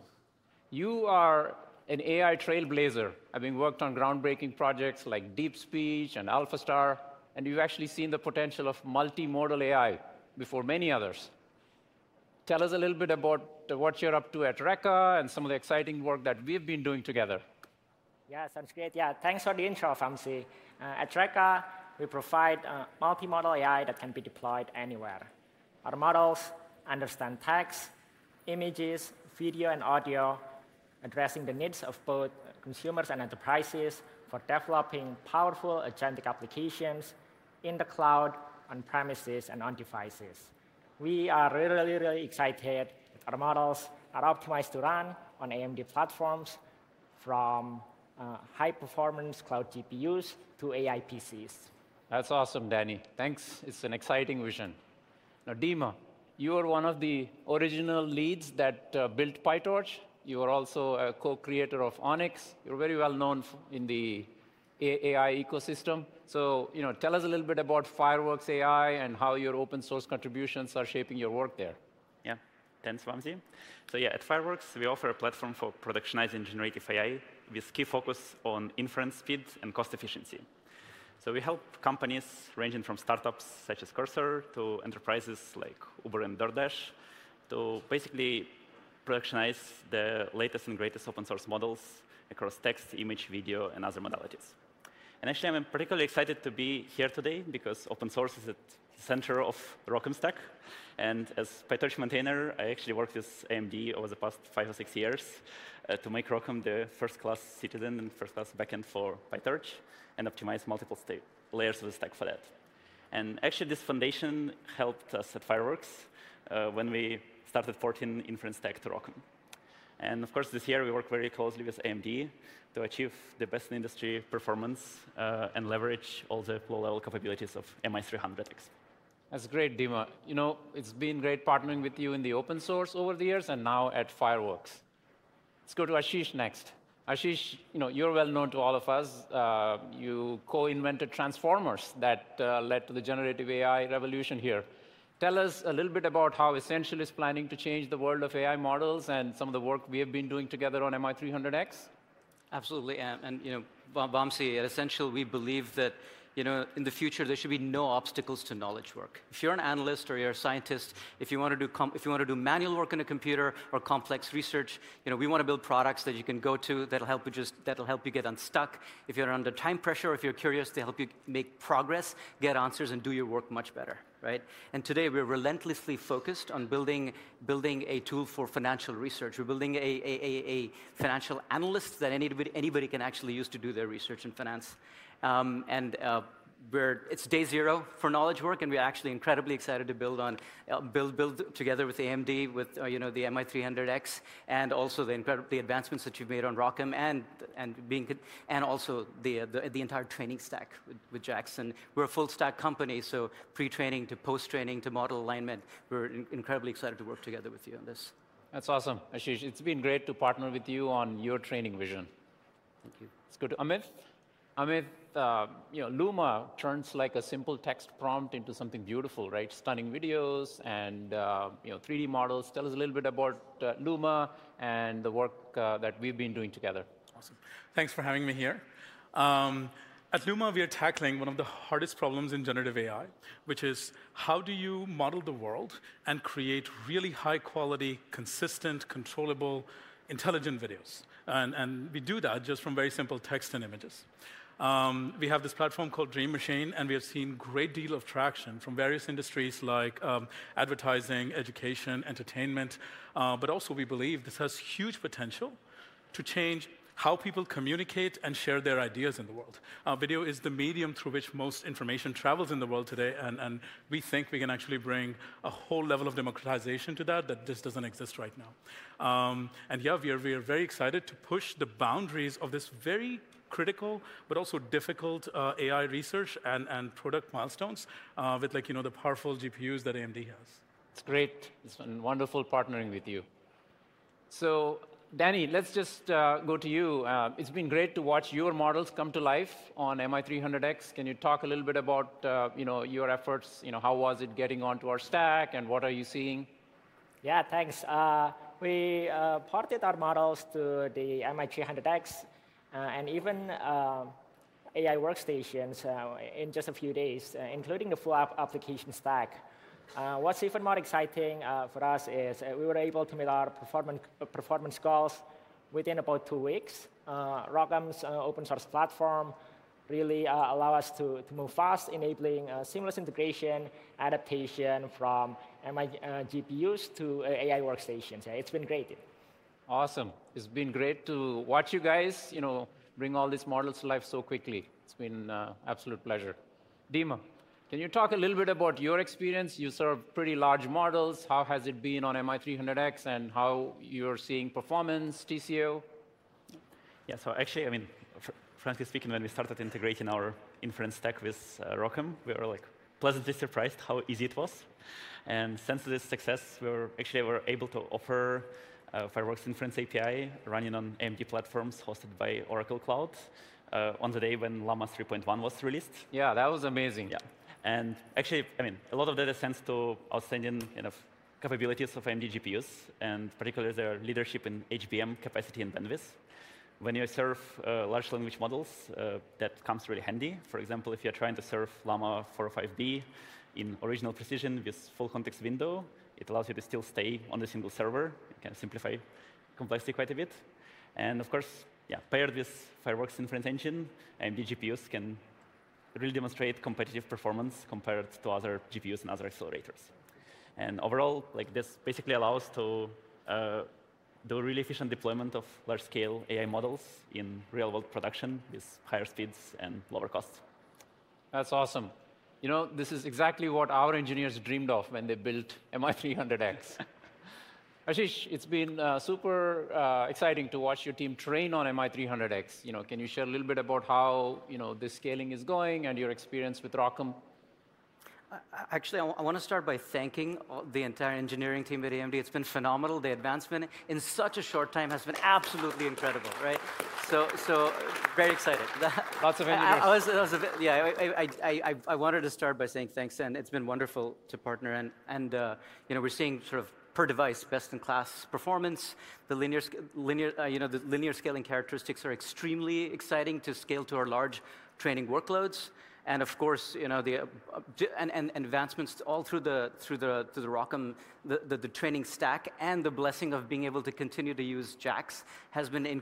You are an AI trailblazer, having worked on groundbreaking projects like DeepSpeech and AlphaStar, and you've actually seen the potential of multimodal AI before many others. Tell us a little bit about what you're up to at Reka and some of the exciting work that we've been doing together. Yeah, sounds great. Yeah, thanks for the intro, Vamsi. At Reka, we provide multimodal AI that can be deployed anywhere. Our models understand text, images, video, and audio, addressing the needs of both consumers and enterprises for developing powerful agentic applications in the cloud, on premises, and on devices. We are really, really, really excited. Our models are optimized to run on AMD platforms from high-performance cloud GPUs to AI PCs. That's awesome, Dani. Thanks. It's an exciting vision. Now, Dima, you are one of the original leads that built PyTorch. You are also a co-creator of ONNX. You're very well known in the AI ecosystem. So, you know, tell us a little bit about Fireworks AI and how your open source contributions are shaping your work there. Yeah. Thanks, Vamsi. So yeah, at Fireworks, we offer a platform for productionizing generative AI with key focus on inference speed and cost efficiency. So we help companies ranging from startups such as Cursor to enterprises like Uber and DoorDash, to basically productionize the latest and greatest open source models across text, image, video, and other modalities. And actually, I'm particularly excited to be here today because open source is at the center of ROCm stack. And as PyTorch maintainer, I actually worked with AMD over the past five or six years to make ROCm the first-class citizen and first-class backend for PyTorch and optimize multiple layers of the stack for that. And actually, this foundation helped us at Fireworks when we started porting inference tech to ROCm. Of course, this year we worked very closely with AMD to achieve the best in industry performance, and leverage all the low-level capabilities of MI300X. That's great, Dima. You know, it's been great partnering with you in the open source over the years and now at Fireworks. Let's go to Ashish next. Ashish, you know, you're well known to all of us. You co-invented Transformers that led to the generative AI revolution here. Tell us a little bit about how Essential is planning to change the world of AI models and some of the work we have been doing together on MI300X. Absolutely, and, you know, Vamsi, at Essential, we believe that, you know, in the future, there should be no obstacles to knowledge work. If you're an analyst or you're a scientist, if you want to do manual work on a computer or complex research, you know, we want to build products that you can go to that'll help you get unstuck. If you're under time pressure or if you're curious, they help you make progress, get answers, and do your work much better, right? And today, we're relentlessly focused on building a tool for financial research. We're building a financial analyst that anybody can actually use to do their research in finance. It's day zero for knowledge work, and we're actually incredibly excited to build together with AMD, with you know, the MI300X, and also the incredible advancements that you've made on ROCm and also the entire training stack with JAX. We're a full stack company, so pre-training to post-training to model alignment, we're incredibly excited to work together with you on this. That's awesome, Ashish. It's been great to partner with you on your training vision. Thank you. Let's go to Amit. Amit, you know, Luma turns like a simple text prompt into something beautiful, right? Stunning videos and, you know, 3D models. Tell us a little bit about Luma and the work that we've been doing together. Awesome. Thanks for having me here. At Luma, we are tackling one of the hardest problems in generative AI, which is: how do you model the world and create really high quality, consistent, controllable, intelligent videos? And we do that just from very simple text and images. We have this platform called Dream Machine, and we have seen great deal of traction from various industries like advertising, education, entertainment. But also, we believe this has huge potential to change how people communicate and share their ideas in the world. Video is the medium through which most information travels in the world today, and we think we can actually bring a whole level of democratization to that just doesn't exist right now. Yeah, we are very excited to push the boundaries of this very critical but also difficult AI research and product milestones with like, you know, the powerful GPUs that AMD has. It's great. It's been wonderful partnering with you. So Dani, let's just go to you. It's been great to watch your models come to life on MI300X. Can you talk a little bit about, you know, your efforts? You know, how was it getting onto our stack, and what are you seeing? Yeah, thanks. We ported our models to the MI300X, and even AI workstations, in just a few days, including the full application stack. What's even more exciting for us is we were able to meet our performance goals within about two weeks. ROCm's open source platform really allow us to move fast, enabling seamless integration, adaptation from MI GPUs to AI workstations. It's been great. Awesome. It's been great to watch you guys, you know, bring all these models to life so quickly. It's been an absolute pleasure. Dima, can you talk a little bit about your experience? You serve pretty large models. How has it been on MI300X, and how you're seeing performance, TCO?... Yeah, so actually, I mean, frankly speaking, when we started integrating our inference stack with ROCm, we were, like, pleasantly surprised how easy it was. And since this success, we were actually able to offer Fireworks inference API running on AMD platforms hosted by Oracle Cloud on the day when Llama 3.1 was released. Yeah, that was amazing. Yeah. And actually, I mean, a lot of data centers tout outstanding, you know, capabilities of AMD GPUs, and particularly their leadership in HBM capacity and bandwidth. When you serve large language models, that comes really handy. For example, if you're trying to serve Llama 405B in original precision with full context window, it allows you to still stay on the single server. It can simplify complexity quite a bit. And of course, yeah, paired with Fireworks inference engine, AMD GPUs can really demonstrate competitive performance compared to other GPUs and other accelerators. And overall, like, this basically allows to do a really efficient deployment of large-scale AI models in real-world production with higher speeds and lower costs. That's awesome. You know, this is exactly what our engineers dreamed of when they built MI300X. Ashish, it's been super exciting to watch your team train on MI300X. You know, can you share a little bit about how, you know, the scaling is going and your experience with ROCm? Actually, I wanna start by thanking the entire engineering team at AMD. It's been phenomenal. The advancement in such a short time has been absolutely incredible, right? So very excited. Lots of energy. Yeah, I wanted to start by saying thanks, and it's been wonderful to partner, and you know, we're seeing sort of per device best-in-class performance. The linear scaling characteristics are extremely exciting to scale to our large training workloads. And of course, you know, the advancements all through the ROCm, the training stack and the blessing of being able to continue to use JAX has been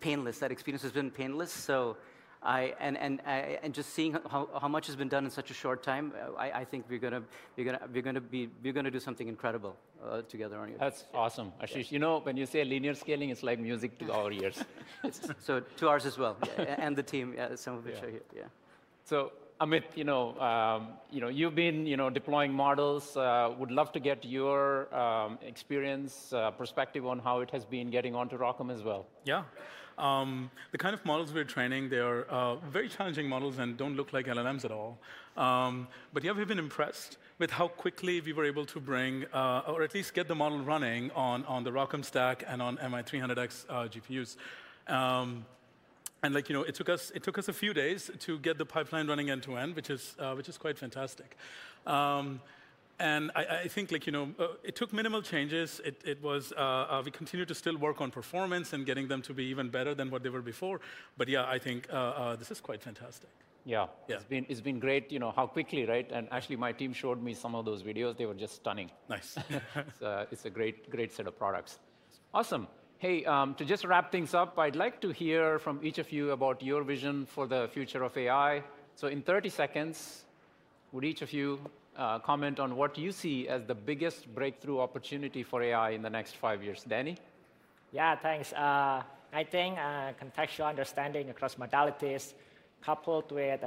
painless. That experience has been painless. And just seeing how much has been done in such a short time, I think we're gonna do something incredible together, aren't we? That's awesome, Ashish. Yeah. You know, when you say linear scaling, it's like music to our ears. So to ours as well, yeah, and the team, some of which are here. Yeah. Yeah. So, Amit, you know, you know, you've been, you know, deploying models. Would love to get your experience, perspective on how it has been getting onto ROCm as well. Yeah. The kind of models we're training, they are very challenging models and don't look like LLMs at all. But yeah, we've been impressed with how quickly we were able to bring or at least get the model running on the ROCm stack and on MI300X GPUs. And like, you know, it took us a few days to get the pipeline running end to end, which is quite fantastic. And I think like, you know, it took minimal changes. We continued to still work on performance and getting them to be even better than what they were before, but yeah, I think this is quite fantastic. Yeah. Yeah. It's been great, you know, how quickly, right? And actually, my team showed me some of those videos. They were just stunning. Nice. It's a great, great set of products. Awesome. Hey, to just wrap things up, I'd like to hear from each of you about your vision for the future of AI. So in thirty seconds, would each of you comment on what you see as the biggest breakthrough opportunity for AI in the next five years? Dani? Yeah, thanks. I think contextual understanding across modalities, coupled with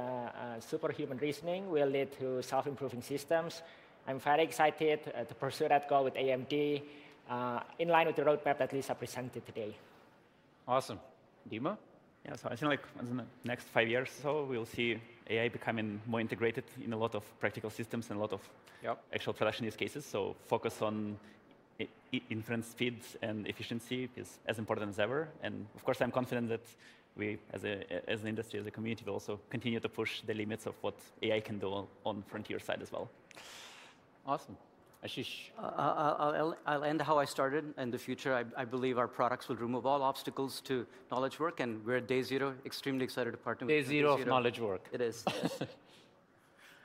superhuman reasoning, will lead to self-improving systems. I'm very excited to pursue that goal with AMD in line with the roadmap that Lisa presented today. Awesome. Dima? Yeah. So I think, like, in the next five years or so, we'll see AI becoming more integrated in a lot of practical systems and a lot of... Yep... actual production use cases. Focus on inference speeds and efficiency is as important as ever. And of course, I'm confident that we, as an industry, as a community, will also continue to push the limits of what AI can do on frontier side as well. Awesome. Ashish? I'll end how I started. In the future, I believe our products will remove all obstacles to knowledge work, and we're at day zero, extremely excited to partner with you- Day zero of knowledge work. It is.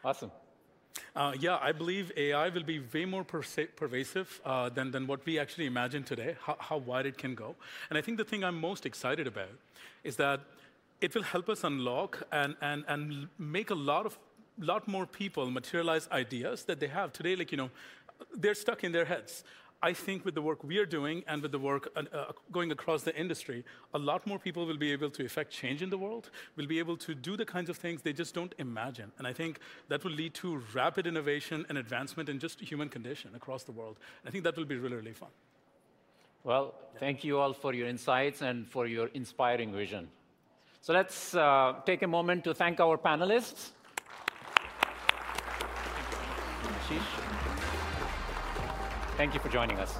Awesome. Yeah, I believe AI will be way more pervasive than what we actually imagine today, how wide it can go. I think the thing I'm most excited about is that it will help us unlock and make a lot more people materialize ideas that they have today. Like, you know, they're stuck in their heads. I think with the work we are doing and with the work going across the industry, a lot more people will be able to effect change in the world. They will be able to do the kinds of things they just don't imagine, and I think that will lead to rapid innovation and advancement in just human condition across the world. I think that will be really, really fun. Thank you all for your insights and for your inspiring vision. So let's take a moment to thank our panelists. Ashish. Thank you for joining us.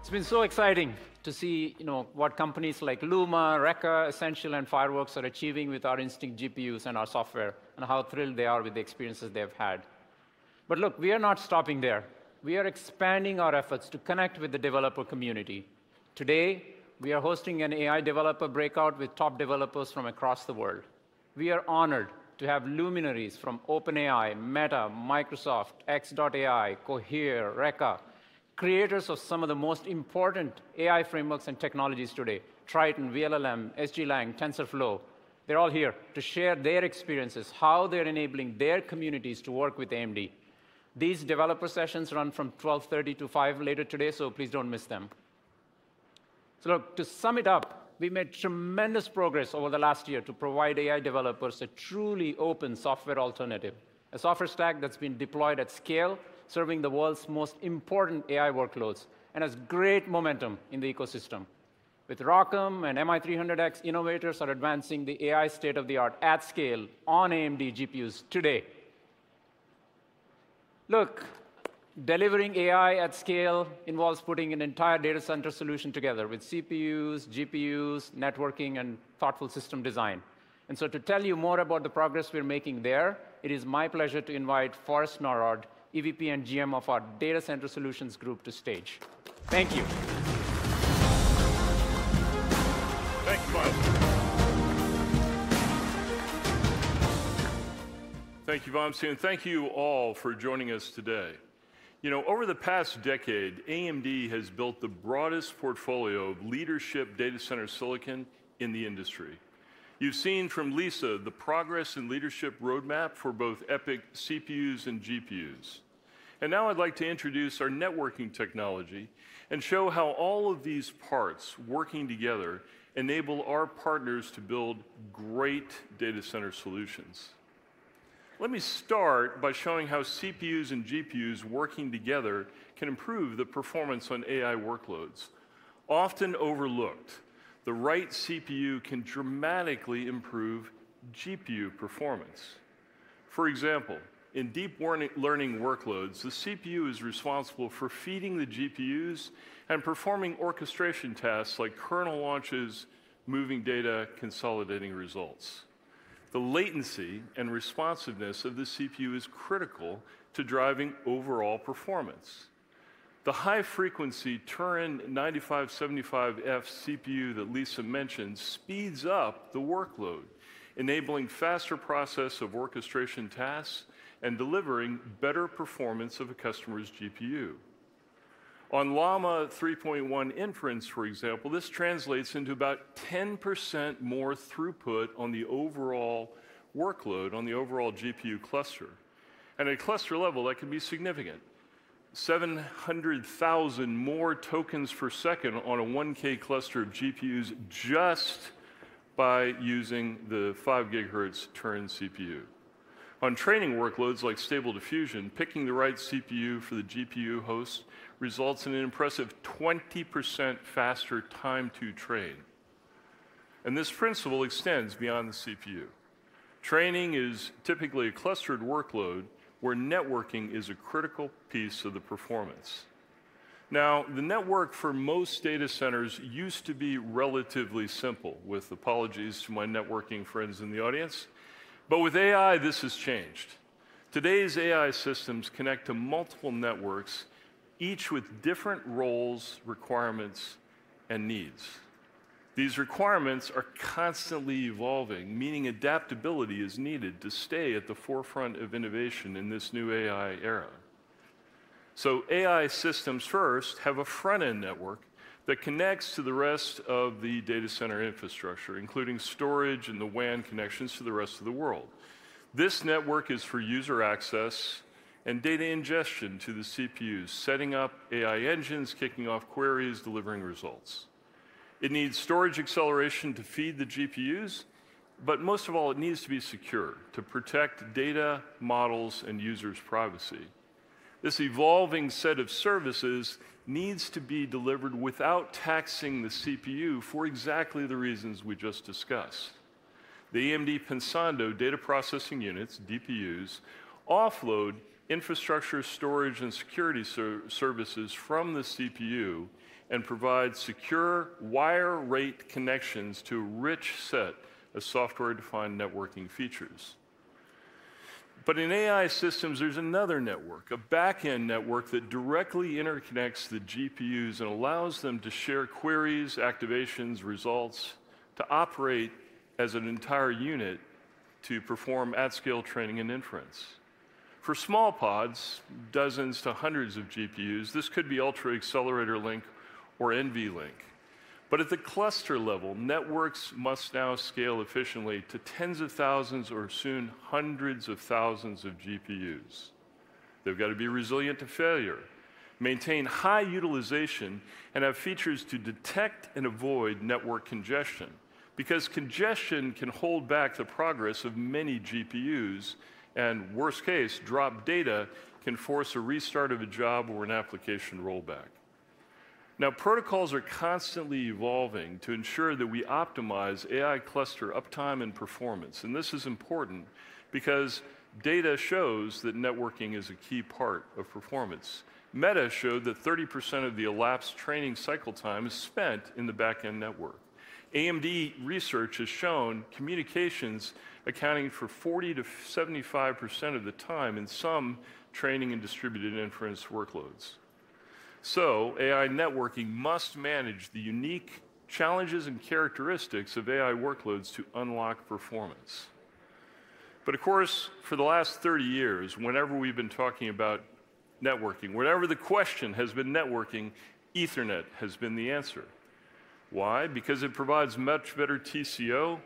It's been so exciting to see, you know, what companies like Luma, Reka, Essential, and Fireworks are achieving with our Instinct GPUs and our software and how thrilled they are with the experiences they have had. But look, we are not stopping there. We are expanding our efforts to connect with the developer community. Today, we are hosting an AI developer breakout with top developers from across the world. We are honored to have luminaries from OpenAI, Meta, Microsoft, xAI, Cohere, Reka, creators of some of the most important AI frameworks and technologies today: Triton, vLLM, SGLang, TensorFlow. They're all here to share their experiences, how they're enabling their communities to work with AMD. These developer sessions run from 12:30 P.M. to 5:00 P.M. later today, so please don't miss them. So look, to sum it up, we made tremendous progress over the last year to provide AI developers a truly open software alternative, a software stack that's been deployed at scale, serving the world's most important AI workloads, and has great momentum in the ecosystem. With ROCm and MI300X, innovators are advancing the AI state-of-the-art at scale on AMD GPUs today. Look, delivering AI at scale involves putting an entire data center solution together with CPUs, GPUs, networking, and thoughtful system design. And so to tell you more about the progress we're making there, it is my pleasure to invite Forrest Norrod, EVP and GM of our Data Center Solutions Group, to the stage. Thank you. Thank you, Vamsi. Thank you, Vamsi, and thank you all for joining us today. You know, over the past decade, AMD has built the broadest portfolio of leadership data center silicon in the industry. You've seen from Lisa the progress and leadership roadmap for both EPYC CPUs and GPUs. And now I'd like to introduce our networking technology and show how all of these parts working together enable our partners to build great data center solutions. Let me start by showing how CPUs and GPUs working together can improve the performance on AI workloads. Often overlooked, the right CPU can dramatically improve GPU performance. For example, in learning workloads, the CPU is responsible for feeding the GPUs and performing orchestration tasks like kernel launches, moving data, consolidating results. The latency and responsiveness of the CPU is critical to driving overall performance. The high-frequency Turin 9575F CPU that Lisa mentioned speeds up the workload, enabling faster process of orchestration tasks and delivering better performance of a customer's GPU. On Llama 3.1 inference, for example, this translates into about 10% more throughput on the overall workload, on the overall GPU cluster. At a cluster level, that can be significant: seven hundred thousand more tokens per second on a 1K cluster of GPUs just by using the 5 GHz Turin CPU. On training workloads like Stable Diffusion, picking the right CPU for the GPU host results in an impressive 20% faster time to train, and this principle extends beyond the CPU. Training is typically a clustered workload, where networking is a critical piece of the performance. Now, the network for most data centers used to be relatively simple, with apologies to my networking friends in the audience, but with AI, this has changed. Today's AI systems connect to multiple networks, each with different roles, requirements, and needs. These requirements are constantly evolving, meaning adaptability is needed to stay at the forefront of innovation in this new AI era. So AI systems first have a front-end network that connects to the rest of the data center infrastructure, including storage and the WAN connections to the rest of the world. This network is for user access and data ingestion to the CPUs, setting up AI engines, kicking off queries, delivering results. It needs storage acceleration to feed the GPUs, but most of all, it needs to be secure to protect data, models, and users' privacy. This evolving set of services needs to be delivered without taxing the CPU for exactly the reasons we just discussed. The AMD Pensando Data Processing Units, DPUs, offload infrastructure, storage, and security services from the CPU and provide secure wire rate connections to a rich set of software-defined networking features. But in AI systems, there's another network, a back-end network that directly interconnects the GPUs and allows them to share queries, activations, results, to operate as an entire unit to perform at-scale training and inference. For small pods, dozens to hundreds of GPUs, this could be Ultra Accelerator Link or NVLink. But at the cluster level, networks must now scale efficiently to tens of thousands or soon hundreds of thousands of GPUs. They've got to be resilient to failure, maintain high utilization, and have features to detect and avoid network congestion, because congestion can hold back the progress of many GPUs, and worst case, dropped data can force a restart of a job or an application rollback. Now, protocols are constantly evolving to ensure that we optimize AI cluster uptime and performance, and this is important because data shows that networking is a key part of performance. Meta showed that 30% of the elapsed training cycle time is spent in the back-end network. AMD research has shown communications accounting for 40%-75% of the time in some training and distributed inference workloads. So AI networking must manage the unique challenges and characteristics of AI workloads to unlock performance. But of course, for the last thirty years, whenever we've been talking about networking, whenever the question has been networking, Ethernet has been the answer. Why? Because it provides much better TCO,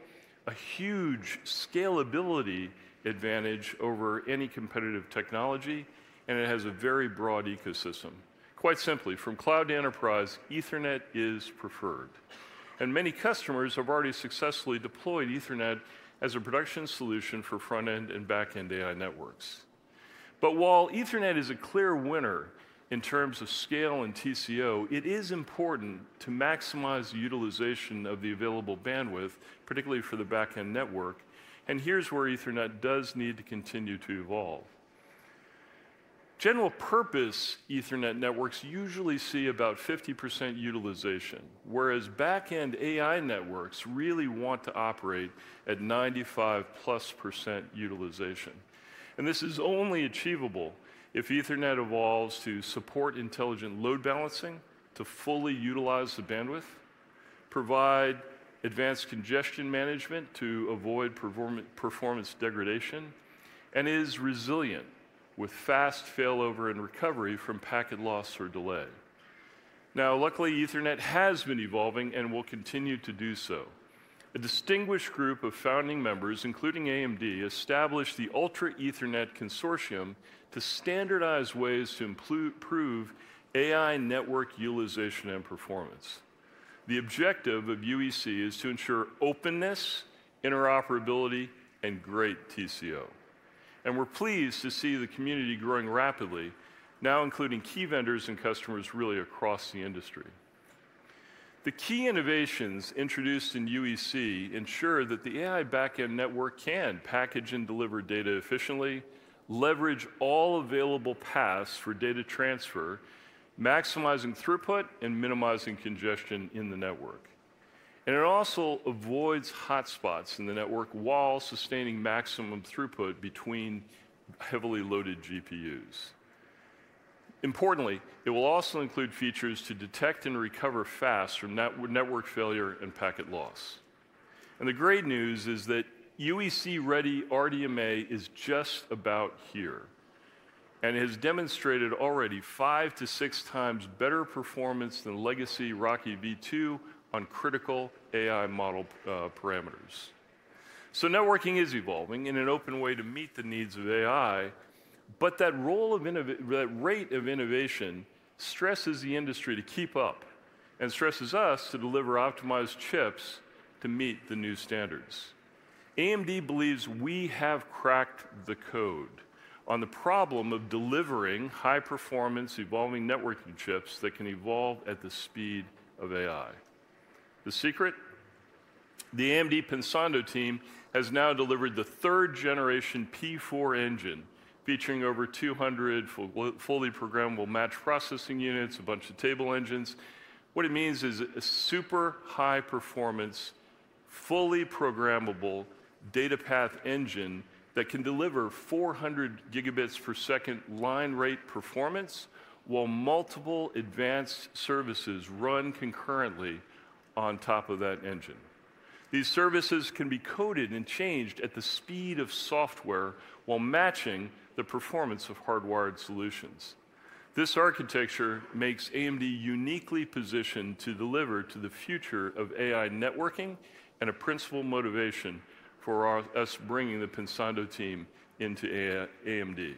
a huge scalability advantage over any competitive technology, and it has a very broad ecosystem. Quite simply, from cloud to enterprise, Ethernet is preferred, and many customers have already successfully deployed Ethernet as a production solution for front-end and back-end AI networks. But while Ethernet is a clear winner in terms of scale and TCO, it is important to maximize utilization of the available bandwidth, particularly for the back-end network, and here's where Ethernet does need to continue to evolve. General purpose Ethernet networks usually see about 50% utilization, whereas back-end AI networks really want to operate at 95%+ utilization. This is only achievable if Ethernet evolves to support intelligent load balancing to fully utilize the bandwidth, provide advanced congestion management to avoid performance degradation, and is resilient, with fast failover and recovery from packet loss or delay. Now, luckily, Ethernet has been evolving and will continue to do so. A distinguished group of founding members, including AMD, established the Ultra Ethernet Consortium to standardize ways to improve AI network utilization and performance. The objective of UEC is to ensure openness, interoperability, and great TCO. We're pleased to see the community growing rapidly, now including key vendors and customers really across the industry. The key innovations introduced in UEC ensure that the AI back-end network can package and deliver data efficiently, leverage all available paths for data transfer, maximizing throughput and minimizing congestion in the network. It also avoids hotspots in the network while sustaining maximum throughput between heavily loaded GPUs. Importantly, it will also include features to detect and recover fast from network failure and packet loss. The great news is that UEC-ready RDMA is just about here, and has demonstrated already five to six times better performance than legacy RoCE v2 on critical AI model parameters. Networking is evolving in an open way to meet the needs of AI, but that rate of innovation stresses the industry to keep up and stresses us to deliver optimized chips to meet the new standards. AMD believes we have cracked the code on the problem of delivering high performance, evolving networking chips that can evolve at the speed of AI. The secret? The AMD Pensando team has now delivered the 3rd Generation P4 engine, featuring over 200 fully programmable match processing units, a bunch of table engines. What it means is a super high performance, fully programmable data path engine that can deliver 400 Gbps line rate performance, while multiple advanced services run concurrently on top of that engine. These services can be coded and changed at the speed of software while matching the performance of hardwired solutions. This architecture makes AMD uniquely positioned to deliver to the future of AI networking, and a principal motivation for us bringing the Pensando team into AMD.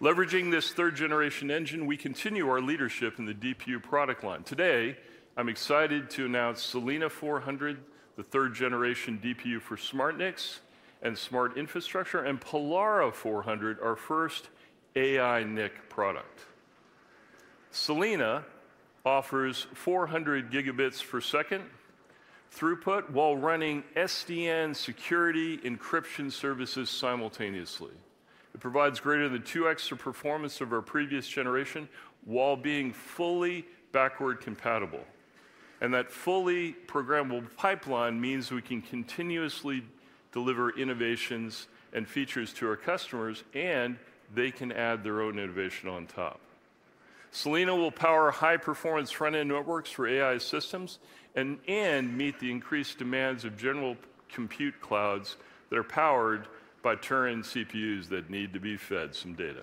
Leveraging this third generation engine, we continue our leadership in the DPU product line. Today, I'm excited to announce Salina 400, the third generation DPU for SmartNICs and smart infrastructure, and Pollara 400, our first AI NIC product. Salina offers 400 Gbps throughput while running SDN security encryption services simultaneously. It provides greater than two extra performance of our previous generation, while being fully backward compatible. And that fully programmable pipeline means we can continuously deliver innovations and features to our customers, and they can add their own innovation on top. Salina will power high performance front-end networks for AI systems and meet the increased demands of general compute clouds that are powered by Turin CPUs that need to be fed some data.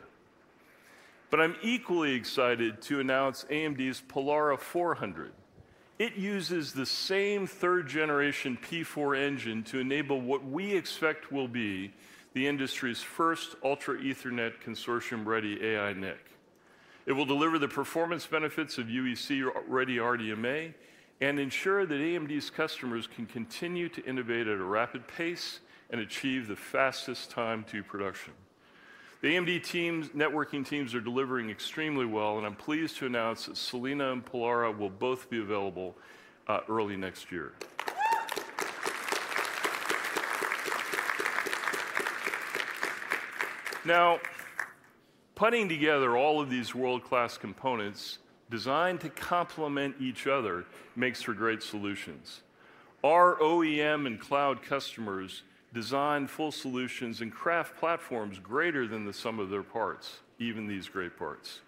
But I'm equally excited to announce AMD's Pollara 400. It uses the same third generation P4 engine to enable what we expect will be the industry's first Ultra Ethernet Consortium-ready AI NIC. It will deliver the performance benefits of UEC-ready RDMA and ensure that AMD's customers can continue to innovate at a rapid pace and achieve the fastest time to production. The AMD teams, networking teams are delivering extremely well, and I'm pleased to announce that Salina and Pollara will both be available early next year. Now, putting together all of these world-class components, designed to complement each other, makes for great solutions. Our OEM and cloud customers design full solutions and craft platforms greater than the sum of their parts, even these great parts.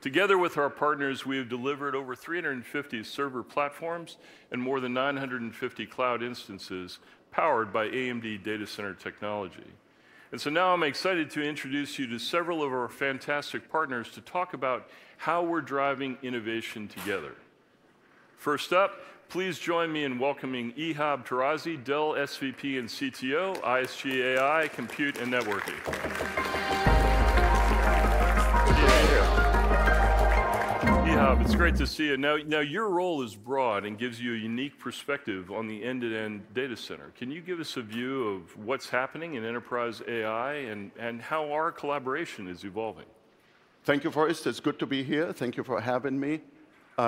Together with our partners, we have delivered over 350 server platforms and more than 950 cloud instances powered by AMD data center technology. And so now I'm excited to introduce you to several of our fantastic partners to talk about how we're driving innovation together. First up, please join me in welcoming Ihab Tarazi, Dell SVP and CTO, ISG, AI, Compute and Networking. Ihab, it's great to see you. Now, your role is broad and gives you a unique perspective on the end-to-end data center. Can you give us a view of what's happening in enterprise AI and how our collaboration is evolving? Thank you, Forrest. It's good to be here. Thank you for having me.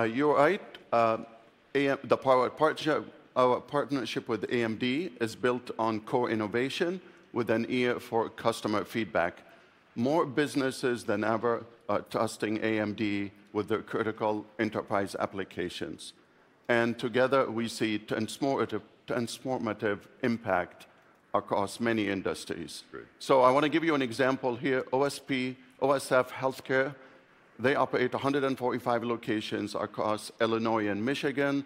You're right, the power partnership, our partnership with AMD is built on core innovation with an ear for customer feedback. More businesses than ever are trusting AMD with their critical enterprise applications, and together we see transformative impact across many industries. Great. So I want to give you an example here: OSF HealthCare, they operate 145 locations across Illinois and Michigan,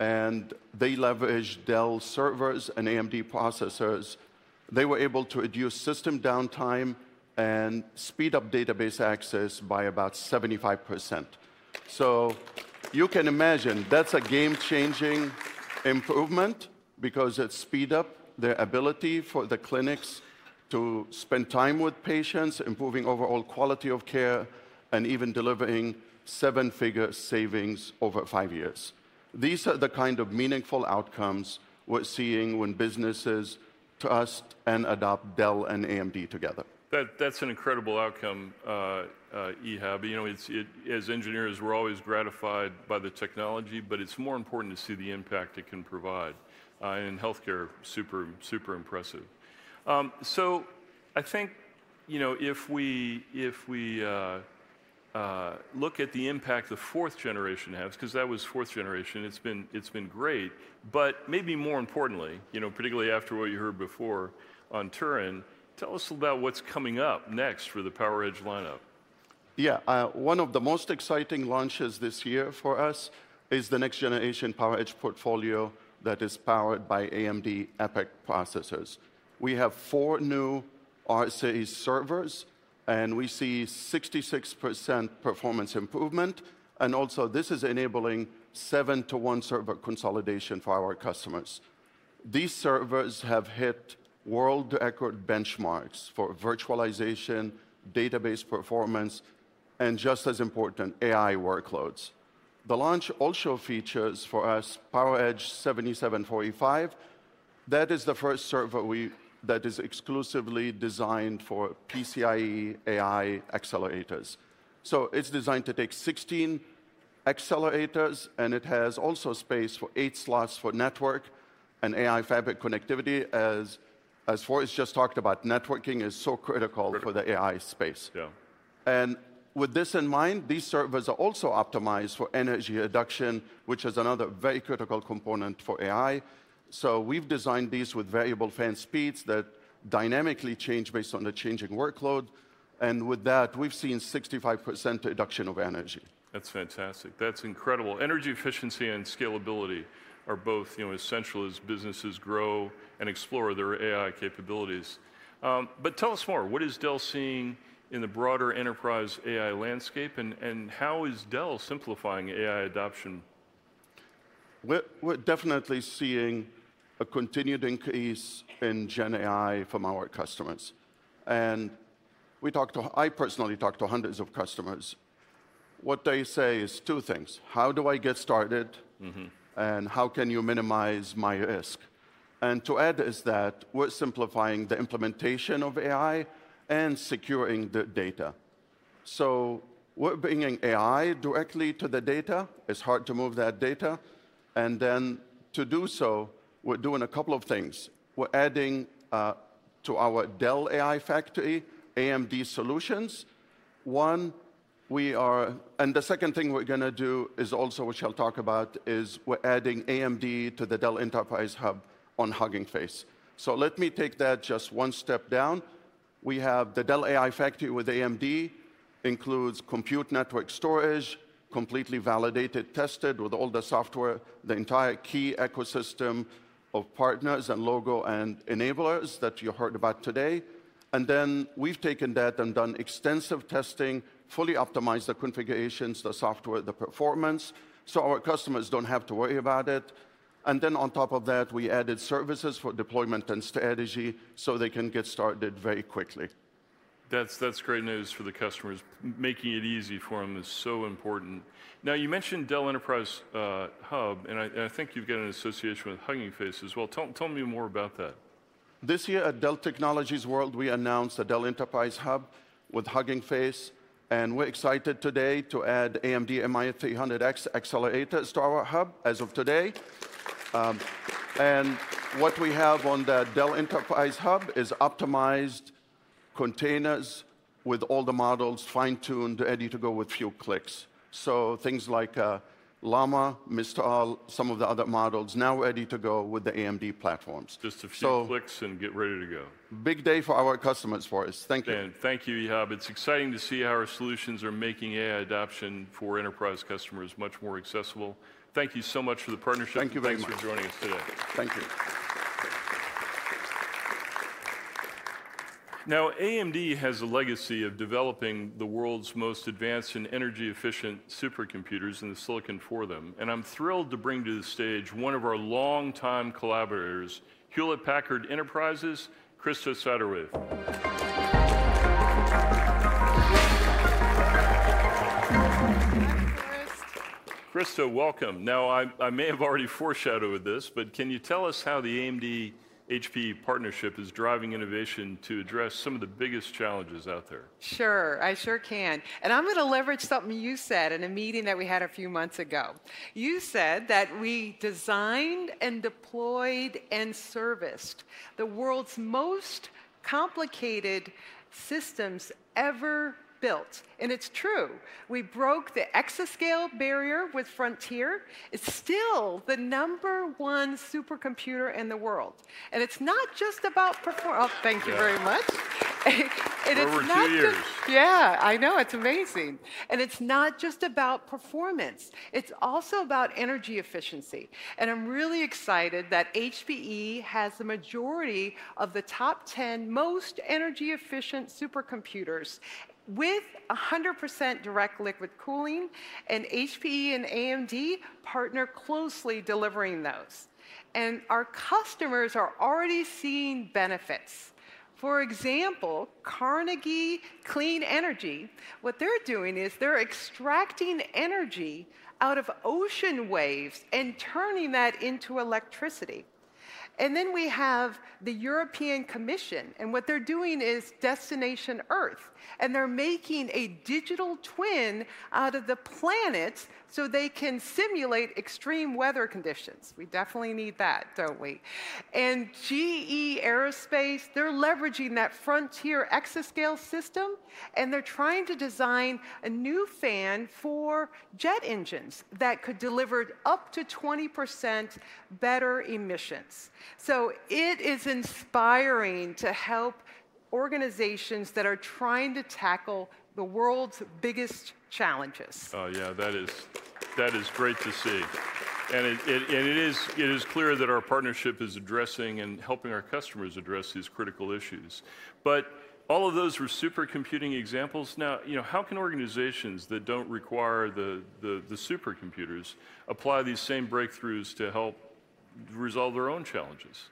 and they leverage Dell servers and AMD processors. They were able to reduce system downtime and speed up database access by about 75%. So you can imagine that's a game-changing improvement because it speed up the ability for the clinics to spend time with patients, improving overall quality of care, and even delivering seven-figure savings over five years. These are the kind of meaningful outcomes we're seeing when businesses trust and adopt Dell and AMD together. That's an incredible outcome, Ihab. You know, it's as engineers, we're always gratified by the technology, but it's more important to see the impact it can provide in healthcare, super impressive. So I think, you know, if we look at the impact the fourth generation has, 'cause that was fourth generation, it's been great, but maybe more importantly, you know, particularly after what you heard before on Turin, tell us about what's coming up next for the PowerEdge lineup. Yeah. One of the most exciting launches this year for us is the next generation PowerEdge portfolio that is powered by AMD EPYC processors. We have four new R7 servers, and we see 66% performance improvement, and also, this is enabling seven-to-one server consolidation for our customers. These servers have hit world record benchmarks for virtualization, database performance, and just as important, AI workloads. The launch also features for us PowerEdge 7745. That is the first server that is exclusively designed for PCIe AI accelerators. So it's designed to take 16 accelerators, and it has also space for eight slots for network and AI fabric connectivity as Forrest just talked about, networking is so critical- Critical. for the AI space. Yeah. And with this in mind, these servers are also optimized for energy reduction, which is another very critical component for AI. So we've designed these with variable fan speeds that dynamically change based on the changing workload, and with that, we've seen 65% reduction of energy. That's fantastic. That's incredible. Energy efficiency and scalability are both, you know, essential as businesses grow and explore their AI capabilities. But tell us more. What is Dell seeing in the broader enterprise AI landscape, and, and how is Dell simplifying AI adoption? We're definitely seeing a continued increase in GenAI from our customers, and I personally talked to hundreds of customers. What they say is two things: "How do I get started? Mm-hmm. And how can you minimize my risk?" And to add is that we're simplifying the implementation of AI and securing the data. So we're bringing AI directly to the data. It's hard to move that data, and then to do so, we're doing a couple of things. We're adding to our Dell AI Factory, AMD solutions. And the second thing we're gonna do is also, which I'll talk about, is we're adding AMD to the Dell Enterprise Hub on Hugging Face. So let me take that just one step down. We have the Dell AI Factory with AMD, includes compute, network, storage, completely validated, tested with all the software, the entire key ecosystem of partners, logos, and enablers that you heard about today. We've taken that and done extensive testing, fully optimized the configurations, the software, the performance, so our customers don't have to worry about it. On top of that, we added services for deployment and strategy, so they can get started very quickly. That's great news for the customers. Making it easy for them is so important. Now, you mentioned Dell Enterprise Hub, and I think you've got an association with Hugging Face as well. Tell me more about that. This year at Dell Technologies World, we announced the Dell Enterprise Hub with Hugging Face, and we're excited today to add AMD MI300X accelerator to our hub as of today. And what we have on the Dell Enterprise Hub is optimized containers with all the models fine-tuned, ready to go with few clicks. So things like, Llama, Mistral, some of the other models now ready to go with the AMD platforms. Just a few- So- -clicks, and get ready to go. Big day for our customers, Forrest. Thank you. Thank you, Ihab. It's exciting to see how our solutions are making AI adoption for enterprise customers much more accessible. Thank you so much for the partnership. Thank you very much. Thanks for joining us today. Thank you. ... Now, AMD has a legacy of developing the world's most advanced and energy-efficient supercomputers and the silicon for them, and I'm thrilled to bring to the stage one of our longtime collaborators, Hewlett Packard Enterprise, Krista Satterthwaite. Hi, Krista. Krista, welcome. Now, I may have already foreshadowed this, but can you tell us how the AMD-HPE partnership is driving innovation to address some of the biggest challenges out there? Sure, I sure can, and I'm gonna leverage something you said in a meeting that we had a few months ago. You said that we designed and deployed and serviced the world's most complicated systems ever built, and it's true. We broke the exascale barrier with Frontier. It's still the number one supercomputer in the world, and it's not just about perform- Oh, thank you very much. Yeah. And it's not just- Over two years. Yeah, I know, it's amazing. And it's not just about performance, it's also about energy efficiency, and I'm really excited that HPE has the majority of the top ten most energy-efficient supercomputers, with 100% direct liquid cooling, and HPE and AMD partner closely delivering those. And our customers are already seeing benefits. For example, Carnegie Clean Energy, what they're doing is they're extracting energy out of ocean waves and turning that into electricity. And then we have the European Commission, and what they're doing is Destination Earth, and they're making a digital twin out of the planet so they can simulate extreme weather conditions. We definitely need that, don't we? And GE Aerospace, they're leveraging that frontier exascale system, and they're trying to design a new fan for jet engines that could deliver up to 20% better emissions. It is inspiring to help organizations that are trying to tackle the world's biggest challenges. Oh, yeah, that is great to see. And it is clear that our partnership is addressing and helping our customers address these critical issues. But all of those were supercomputing examples. Now, you know, how can organizations that don't require the supercomputers apply these same breakthroughs to help resolve their own challenges?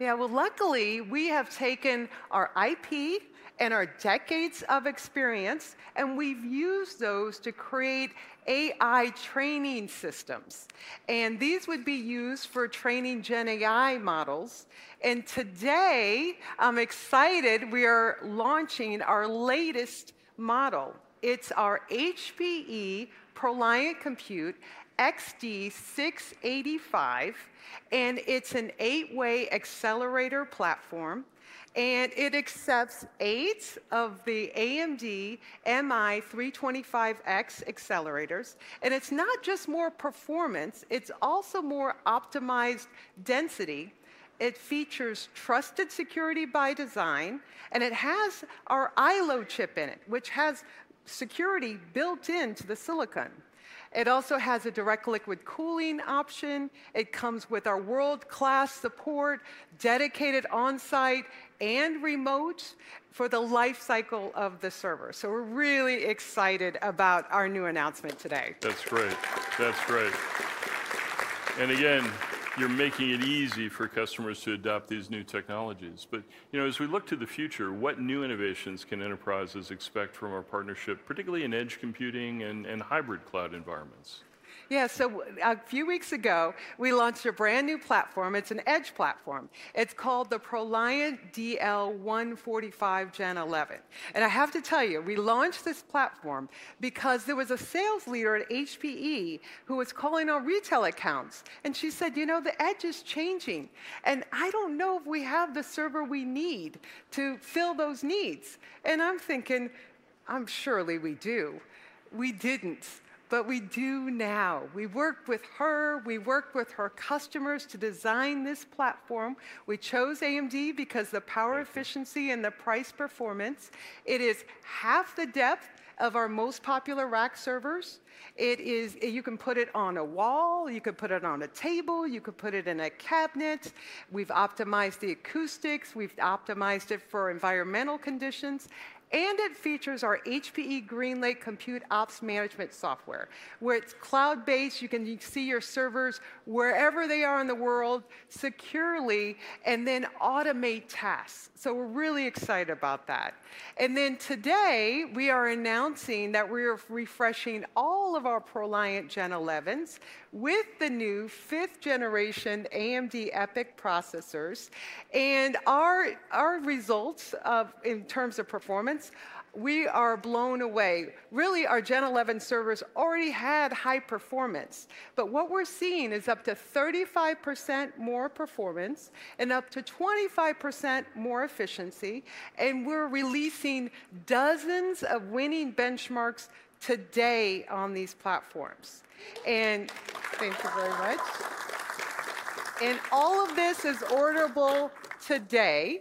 Yeah, well, luckily, we have taken our IP and our decades of experience, and we've used those to create AI training systems, and these would be used for training GenAI models. And today, I'm excited we are launching our latest model. It's our HPE ProLiant Compute XD685, and it's an eight-way accelerator platform, and it accepts eight of the AMD MI325X accelerators. And it's not just more performance, it's also more optimized density. It features trusted security by design, and it has our iLO chip in it, which has security built into the silicon. It also has a direct liquid cooling option. It comes with our world-class support, dedicated on-site and remote, for the life cycle of the server. So we're really excited about our new announcement today. That's great. That's great. And again, you're making it easy for customers to adopt these new technologies. But, you know, as we look to the future, what new innovations can enterprises expect from our partnership, particularly in edge computing and hybrid cloud environments? Yeah, so a few weeks ago, we launched a brand-new platform. It's an edge platform. It's called the ProLiant DL145 Gen11. And I have to tell you, we launched this platform because there was a sales leader at HPE who was calling our retail accounts, and she said, "You know, the edge is changing, and I don't know if we have the server we need to fill those needs." And I'm thinking, "Surely we do." We didn't, but we do now. We worked with her, we worked with her customers to design this platform. We chose AMD because the power efficiency- Great... and the price performance. It is half the depth of our most popular rack servers. It is... You can put it on a wall, you could put it on a table, you could put it in a cabinet. We've optimized the acoustics, we've optimized it for environmental conditions, and it features our HPE GreenLake Compute Ops Management software, where it's cloud-based, you can see your servers wherever they are in the world securely and then automate tasks, so we're really excited about that. And then today, we are announcing that we're refreshing all of our ProLiant Gen11s with the new 5th Generation AMD EPYC processors. And our results in terms of performance, we are blown away. Really, our Gen11 servers already had high performance, but what we're seeing is up to 35% more performance and up to 25% more efficiency, and we're releasing dozens of winning benchmarks today on these platforms. And thank you very much. And all of this is orderable today,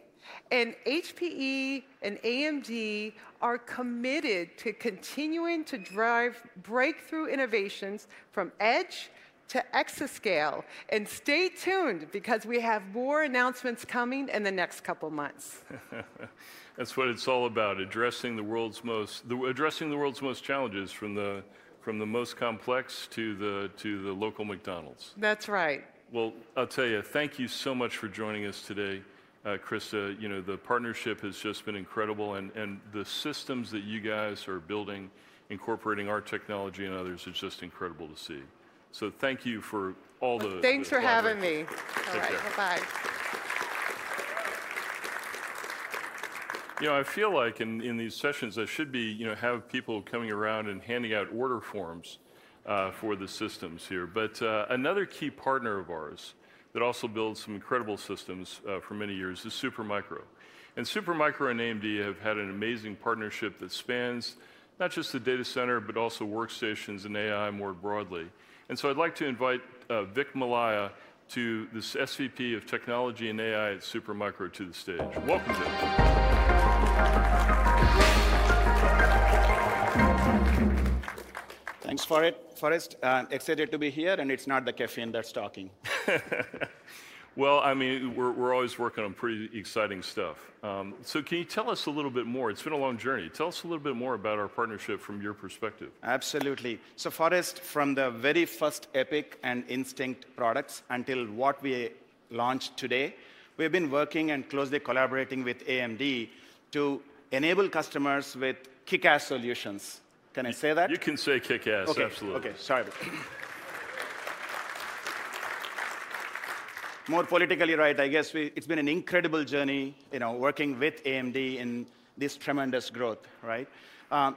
and HPE and AMD are committed to continuing to drive breakthrough innovations from edge to exascale. And stay tuned, because we have more announcements coming in the next couple months. That's what it's all about, addressing the world's most challenges, from the most complex to the local McDonald's. That's right. I'll tell you, thank you so much for joining us today, Krista. You know, the partnership has just been incredible, and the systems that you guys are building, incorporating our technology and others, is just incredible to see. So thank you for all the- Thanks for having me. Take care. All right. Bye. You know, I feel like in these sessions, I should be, you know, have people coming around and handing out order forms for the systems here. But another key partner of ours that also builds some incredible systems for many years is Supermicro. And Supermicro and AMD have had an amazing partnership that spans not just the data center, but also workstations and AI more broadly. And so I'd like to invite Vik Malyala, the SVP of Technology and AI at Supermicro, to the stage. Welcome, Vik. Thanks for it, Forrest. Excited to be here, and it's not the caffeine that's talking. I mean, we're always working on pretty exciting stuff. So can you tell us a little bit more? It's been a long journey. Tell us a little bit more about our partnership from your perspective. Absolutely. So, Forrest, from the very first EPYC and Instinct products until what we launched today, we've been working and closely collaborating with AMD to enable customers with kick-ass solutions. Can I say that? You can say kick-ass. Okay. Absolutely. Okay. Sorry. More politically, right? I guess we. It's been an incredible journey, you know, working with AMD in this tremendous growth, right?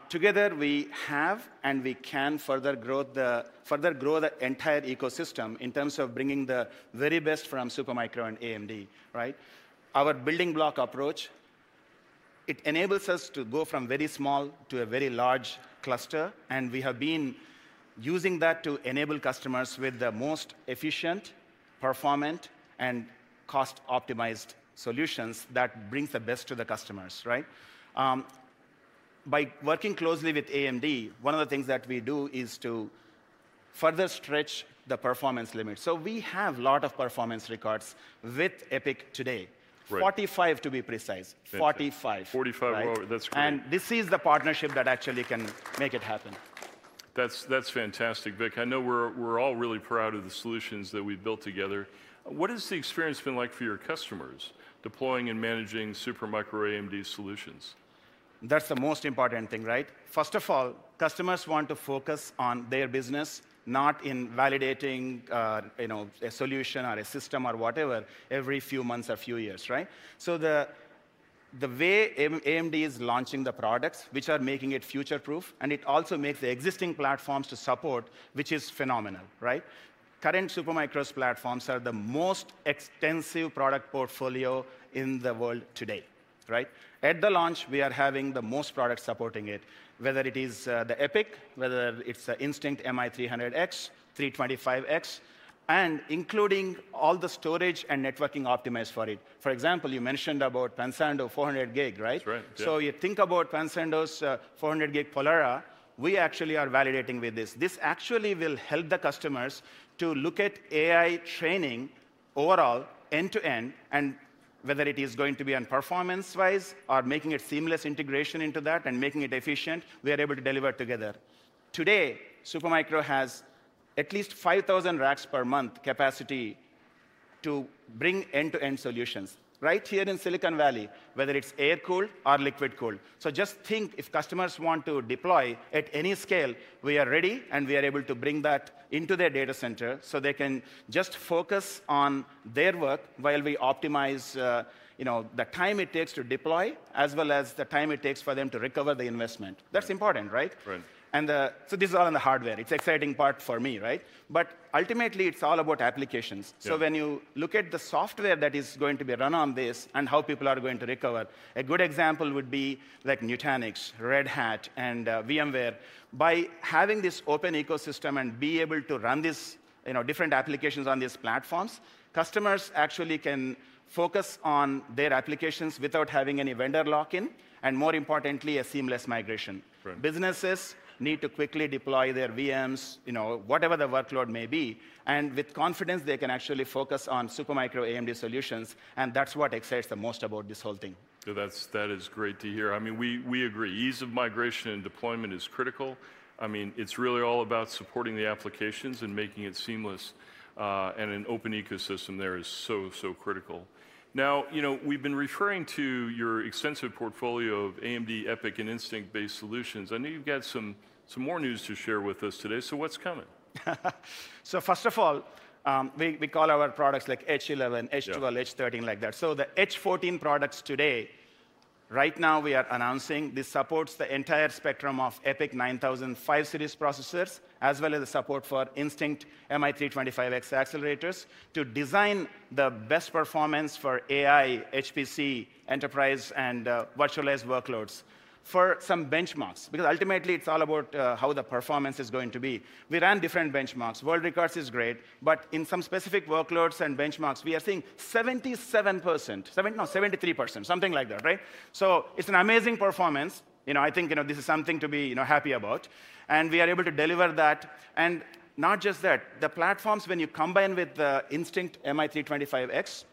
Together we have and we can further growth the, further grow the entire ecosystem in terms of bringing the very best from Supermicro and AMD, right? Our building block approach, it enables us to go from very small to a very large cluster, and we have been using that to enable customers with the most efficient, performant, and cost-optimized solutions that bring the best to the customers, right? By working closely with AMD, one of the things that we do is to further stretch the performance limit. So we have a lot of performance records with EPYC today- Right. 45, to be precise. Fantastic. 45. 45. Wow, that's great. This is the partnership that actually can make it happen. That's fantastic, Vik. I know we're all really proud of the solutions that we've built together. What has the experience been like for your customers, deploying and managing Supermicro AMD solutions? That's the most important thing, right? First of all, customers want to focus on their business, not in validating, you know, a solution or a system or whatever every few months or few years, right? So the way AMD is launching the products, which are making it future-proof, and it also makes the existing platforms to support, which is phenomenal, right? Current Supermicro's platforms are the most extensive product portfolio in the world today, right? At the launch, we are having the most products supporting it, whether it is the EPYC, whether it's the Instinct MI300X, MI325X, and including all the storage and networking optimized for it. For example, you mentioned about Pensando four hundred gig, right? That's right. Yeah. You think about Pensando's 400 gig Pollara, we actually are validating with this. This actually will help the customers to look at AI training overall, end-to-end, and whether it is going to be on performance-wise or making a seamless integration into that and making it efficient, we are able to deliver together. Today, Supermicro has at least 5,000 racks per month capacity to bring end-to-end solutions right here in Silicon Valley, whether it's air-cooled or liquid-cooled. Just think, if customers want to deploy at any scale, we are ready, and we are able to bring that into their data center, so they can just focus on their work while we optimize, you know, the time it takes to deploy, as well as the time it takes for them to recover the investment. Yeah. That's important, right? Right. This is all in the hardware. It's exciting part for me, right? But ultimately, it's all about applications. Yeah. When you look at the software that is going to be run on this and how people are going to recover, a good example would be like Nutanix, Red Hat, and VMware. By having this open ecosystem and be able to run this, you know, different applications on these platforms, customers actually can focus on their applications without having any vendor lock-in, and more importantly, a seamless migration. Right. Businesses need to quickly deploy their VMs, you know, whatever the workload may be, and with confidence, they can actually focus on Supermicro AMD solutions, and that's what excites the most about this whole thing. That is great to hear. I mean, we agree. Ease of migration and deployment is critical. I mean, it's really all about supporting the applications and making it seamless, and an open ecosystem there is so critical. Now, you know, we've been referring to your extensive portfolio of AMD EPYC and Instinct-based solutions. I know you've got some more news to share with us today. So what's coming? First of all, we call our products like H11- Yeah... H12, H13, like that. So the H14 products today, right now, we are announcing this supports the entire spectrum of EPYC 9005 Series processors, as well as the support for Instinct MI325X accelerators to design-... the best performance for AI, HPC, enterprise, and virtualized workloads for some benchmarks, because ultimately it's all about how the performance is going to be. We ran different benchmarks. World records is great, but in some specific workloads and benchmarks, we are seeing 77%, seven- no, 73%, something like that, right? So it's an amazing performance. You know, I think, you know, this is something to be, you know, happy about, and we are able to deliver that. And not just that, the platforms, when you combine with the Instinct MI325X,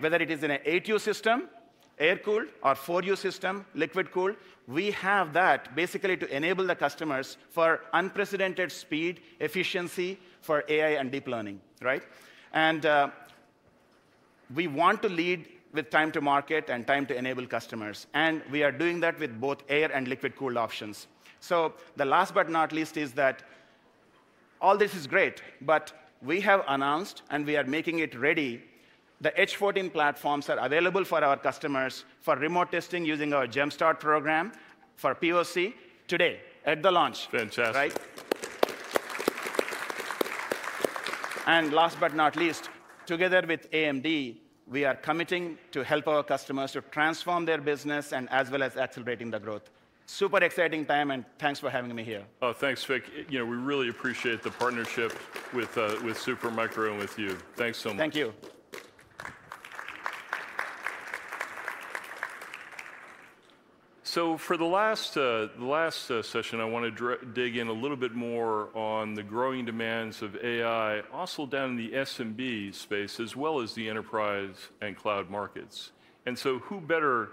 whether it is in an 8U system, air-cooled, or 4U system, liquid-cooled, we have that basically to enable the customers for unprecedented speed, efficiency for AI and deep learning, right? And, we want to lead with time to market and time to enable customers, and we are doing that with both air- and liquid-cooled options. So the last but not least is that all this is great, but we have announced, and we are making it ready, the H14 platforms are available for our customers for remote testing using our JumpStart program for POC today at the launch. Fantastic. Right, and last but not least, together with AMD, we are committing to help our customers to transform their business and as well as accelerating their growth. Super exciting time, and thanks for having me here. Oh, thanks, Vic. You know, we really appreciate the partnership with Supermicro and with you. Thanks so much. Thank you. So for the last session, I want to dig in a little bit more on the growing demands of AI, also down in the SMB space, as well as the enterprise and cloud markets. And so who better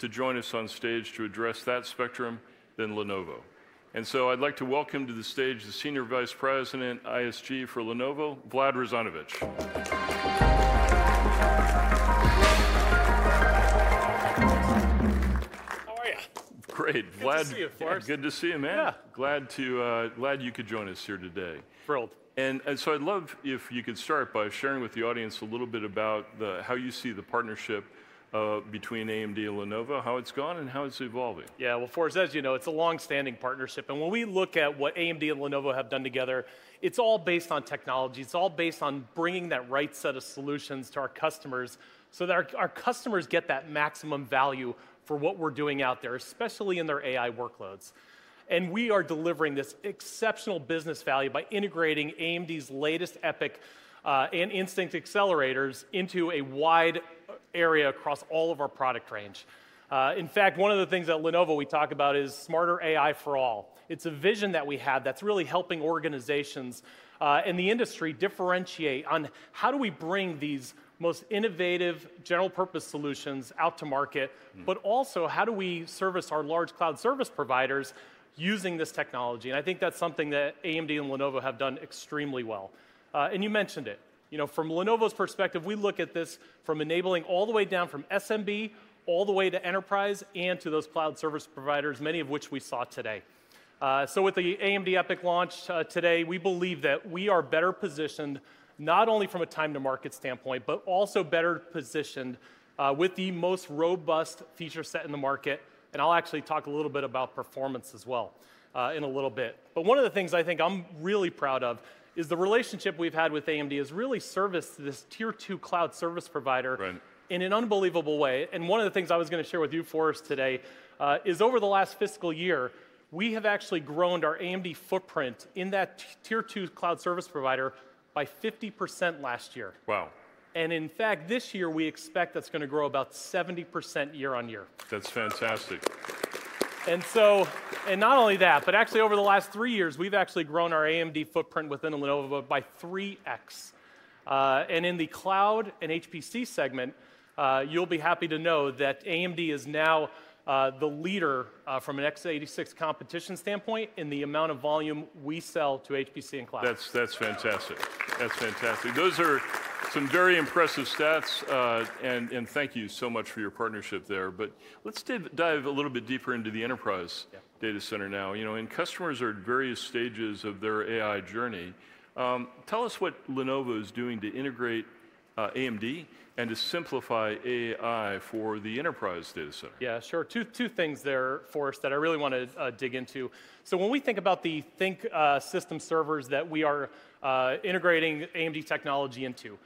to join us on stage to address that spectrum than Lenovo? And so I'd like to welcome to the stage the Senior Vice President, ISG for Lenovo, Vlad Rozanovich. How are you? Great, Vlad. Good to see you, Forrest. Good to see you, man. Yeah. Glad you could join us here today. Thrilled. I'd love if you could start by sharing with the audience a little bit about how you see the partnership between AMD and Lenovo, how it's gone, and how it's evolving. Yeah. Well, Forrest, as you know, it's a long-standing partnership, and when we look at what AMD and Lenovo have done together, it's all based on technology. It's all based on bringing that right set of solutions to our customers so that our customers get that maximum value for what we're doing out there, especially in their AI workloads. And we are delivering this exceptional business value by integrating AMD's latest EPYC and Instinct accelerators into a wide array across all of our product range. In fact, one of the things at Lenovo we talk about is smarter AI for all. It's a vision that we have that's really helping organizations and the industry differentiate on how do we bring these most innovative general-purpose solutions out to market. Mm... but also, how do we service our large cloud service providers using this technology, and I think that's something that AMD and Lenovo have done extremely well, and you mentioned it, you know, from Lenovo's perspective, we look at this from enabling all the way down from SMB, all the way to enterprise, and to those cloud service providers, many of which we saw today, so with the AMD EPYC launch, today, we believe that we are better positioned not only from a time-to-market standpoint but also better positioned, with the most robust feature set in the market, and I'll actually talk a little bit about performance as well, in a little bit, but one of the things I think I'm really proud of is the relationship we've had with AMD has really serviced this Tier 2 cloud service provider- Right... in an unbelievable way, and one of the things I was going to share with you, Forrest, today is over the last fiscal year, we have actually grown our AMD footprint in that tier 2 cloud service provider by 50% last year. Wow. In fact, this year, we expect that's going to grow about 70% year-on-year. That's fantastic. And not only that, but actually, over the last three years, we've actually grown our AMD footprint within Lenovo by three x. And in the cloud and HPC segment, you'll be happy to know that AMD is now the leader from an x86 competition standpoint in the amount of volume we sell to HPC and cloud. That's fantastic. That's fantastic. Those are some very impressive stats. And thank you so much for your partnership there. But let's dive a little bit deeper into the enterprise- Yeah... data center now. You know, and customers are at various stages of their AI journey. Tell us what Lenovo is doing to integrate AMD and to simplify AI for the enterprise data center. Yeah, sure. Two things there, Forrest, that I really want to dig into. So when we think about the ThinkSystem servers that we are integrating AMD technology into,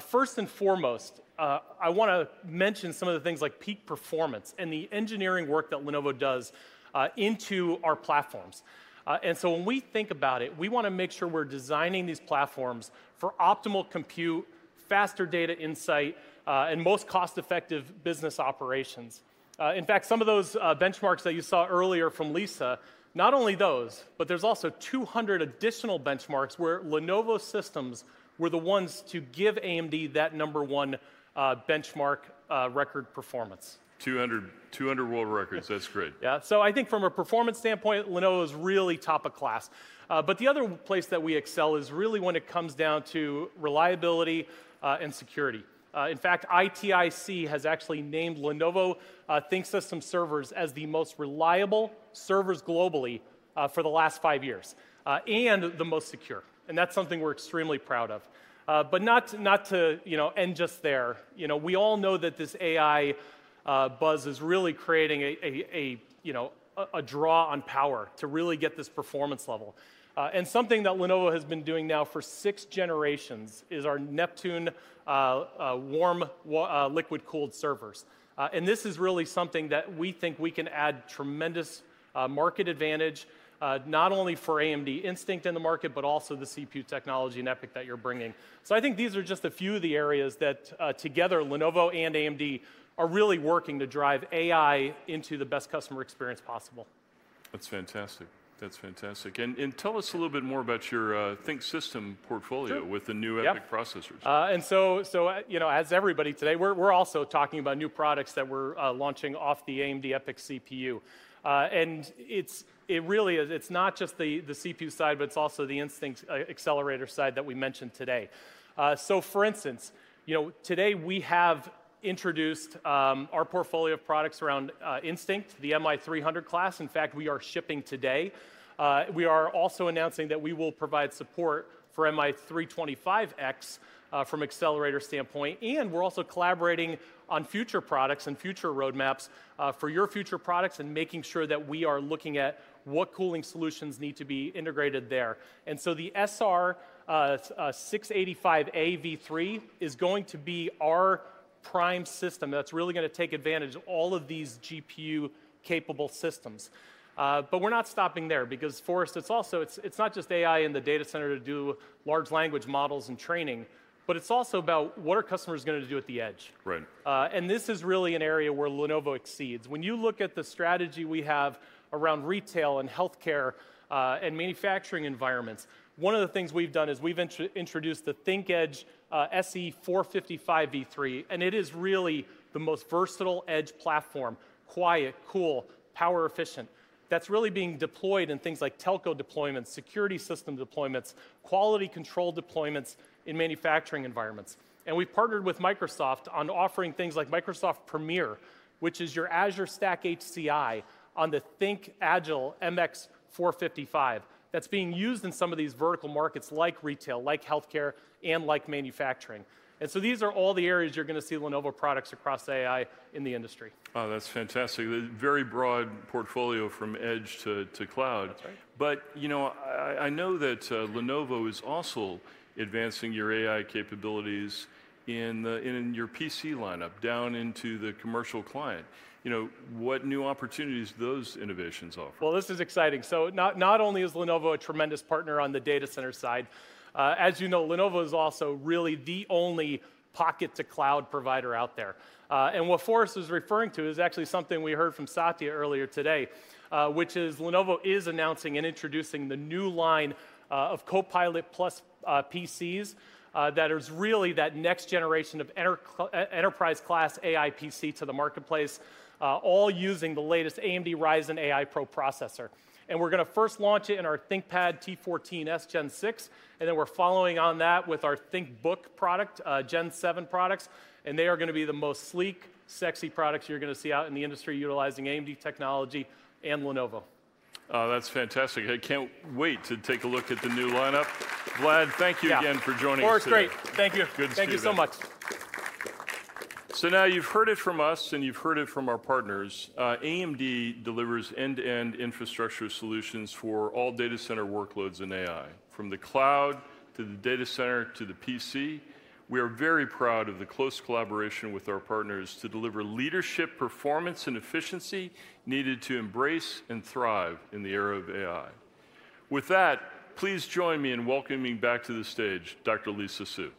first and foremost, I want to mention some of the things like peak performance and the engineering work that Lenovo does into our platforms. And so when we think about it, we want to make sure we're designing these platforms for optimal compute, faster data insight, and most cost-effective business operations. In fact, some of those benchmarks that you saw earlier from Lisa, not only those, but there's also 200 additional benchmarks where Lenovo systems were the ones to give AMD that number one benchmark record performance. 200, 200 world records. That's great. Yeah. So I think from a performance standpoint, Lenovo is really top of class. But the other place that we excel is really when it comes down to reliability and security. In fact, ITIC has actually named Lenovo ThinkSystem servers as the most reliable servers globally for the last five years and the most secure, and that's something we're extremely proud of. But not to you know end just there, you know we all know that this AI buzz is really creating a draw on power to really get this performance level. And something that Lenovo has been doing now for six generations is our Neptune warm water liquid-cooled servers. And this is really something that we think we can add tremendous market advantage, not only for AMD Instinct in the market, but also the CPU technology and EPYC that you're bringing. So I think these are just a few of the areas that, together, Lenovo and AMD are really working to drive AI into the best customer experience possible.... That's fantastic. That's fantastic. And, and tell us a little bit more about your ThinkSystem portfolio? Sure. with the new EPYC processors. Yep. And so, you know, as everybody today, we're also talking about new products that we're launching off the AMD EPYC CPU. And it's really not just the CPU side, but it's also the Instinct accelerator side that we mentioned today. So for instance, you know, today we have introduced our portfolio of products around Instinct, the MI300 class. In fact, we are shipping today. We are also announcing that we will provide support for MI325X from accelerator standpoint, and we're also collaborating on future products and future roadmaps for your future products, and making sure that we are looking at what cooling solutions need to be integrated there. So the SR685a V3 is going to be our prime system that's really gonna take advantage of all of these GPU-capable systems. But we're not stopping there, because Forrest, it's also... It's not just AI in the data center to do large language models and training, but it's also about what are customers gonna do at the edge? Right. And this is really an area where Lenovo exceeds. When you look at the strategy we have around retail, and healthcare, and manufacturing environments, one of the things we've done is we've introduced the ThinkEdge SE455 V3, and it is really the most versatile edge platform, quiet, cool, power efficient, that's really being deployed in things like telco deployments, security system deployments, quality control deployments in manufacturing environments. And we've partnered with Microsoft on offering things like Microsoft Premier, which is your Azure Stack HCI on the ThinkAgile MX455, that's being used in some of these vertical markets like retail, like healthcare, and like manufacturing. And so these are all the areas you're gonna see Lenovo products across AI in the industry. Oh, that's fantastic. A very broad portfolio from edge to cloud. That's right. But, you know, I know that Lenovo is also advancing your AI capabilities in the, in your PC lineup, down into the commercial client. You know, what new opportunities do those innovations offer? This is exciting. So not only is Lenovo a tremendous partner on the data center side, as you know, Lenovo is also really the only edge-to-cloud provider out there. And what Forrest is referring to is actually something we heard from Satya earlier today, which is Lenovo is announcing and introducing the new line of Copilot+ PCs that is really the next generation of enterprise class AI PC to the marketplace, all using the latest AMD Ryzen AI Pro processor. And we're gonna first launch it in our ThinkPad T14s Gen 6, and then we're following on that with our ThinkBook product, Gen 7 products, and they are gonna be the most sleek, sexy products you're gonna see out in the industry utilizing AMD technology and Lenovo. Oh, that's fantastic. I can't wait to take a look at the new lineup. Vlad, thank you again- Yeah... for joining us today. Forrest, great. Thank you. Good to see you. Thank you so much. So now you've heard it from us, and you've heard it from our partners. AMD delivers end-to-end infrastructure solutions for all data center workloads in AI. From the cloud, to the data center, to the PC, we are very proud of the close collaboration with our partners to deliver leadership, performance, and efficiency needed to embrace and thrive in the era of AI. With that, please join me in welcoming back to the stage Dr. Lisa Su.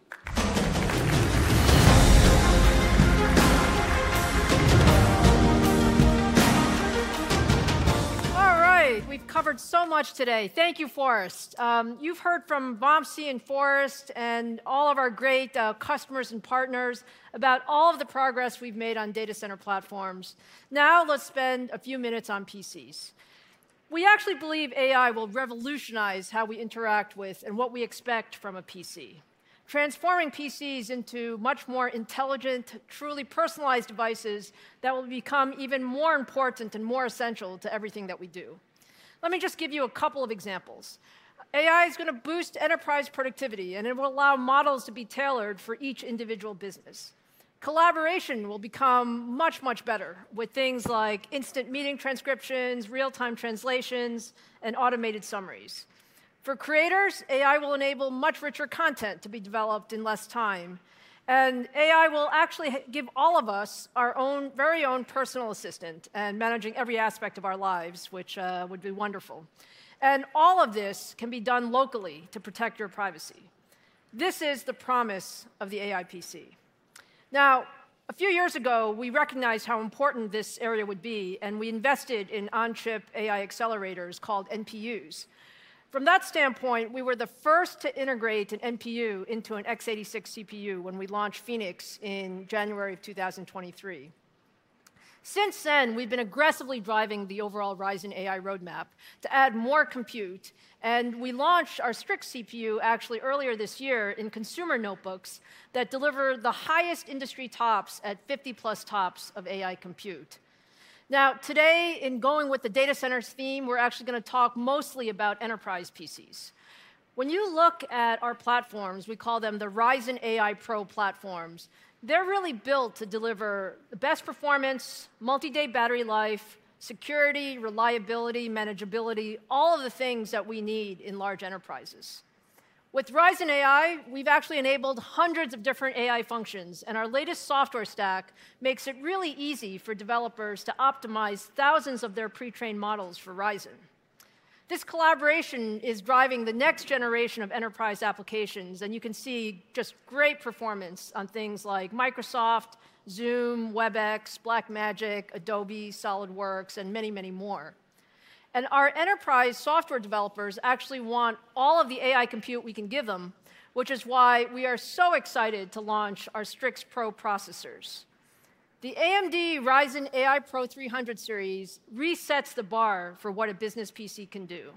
All right, we've covered so much today. Thank you, Forrest. You've heard from Vamsi and Forrest, and all of our great customers and partners about all of the progress we've made on data center platforms. Now, let's spend a few minutes on PCs. We actually believe AI will revolutionize how we interact with, and what we expect from a PC, transforming PCs into much more intelligent, truly personalized devices that will become even more important and more essential to everything that we do. Let me just give you a couple of examples. AI is gonna boost enterprise productivity, and it will allow models to be tailored for each individual business. Collaboration will become much, much better with things like instant meeting transcriptions, real-time translations, and automated summaries. For creators, AI will enable much richer content to be developed in less time, and AI will actually give all of us our own, very own personal assistant in managing every aspect of our lives, which would be wonderful, and all of this can be done locally to protect your privacy. This is the promise of the AI PC. Now, a few years ago, we recognized how important this area would be, and we invested in on-chip AI accelerators called NPUs. From that standpoint, we were the first to integrate an NPU into an x86 CPU when we launched Phoenix in January of 2023. Since then, we've been aggressively driving the overall Ryzen AI roadmap to add more compute, and we launched our Strix CPU actually earlier this year in consumer notebooks that deliver the highest industry TOPS at 50+ TOPS of AI compute. Now, today, in going with the data centers theme, we're actually gonna talk mostly about enterprise PCs. When you look at our platforms, we call them the Ryzen AI Pro platforms, they're really built to deliver the best performance, multi-day battery life, security, reliability, manageability, all of the things that we need in large enterprises. With Ryzen AI, we've actually enabled hundreds of different AI functions, and our latest software stack makes it really easy for developers to optimize thousands of their pre-trained models for Ryzen AI. This collaboration is driving the next generation of enterprise applications, and you can see just great performance on things like Microsoft, Zoom, Webex, Blackmagic, Adobe, SolidWorks, and many, many more, and our enterprise software developers actually want all of the AI compute we can give them, which is why we are so excited to launch our Strix Pro processors. The AMD Ryzen AI Pro 300 Series resets the bar for what a business PC can do.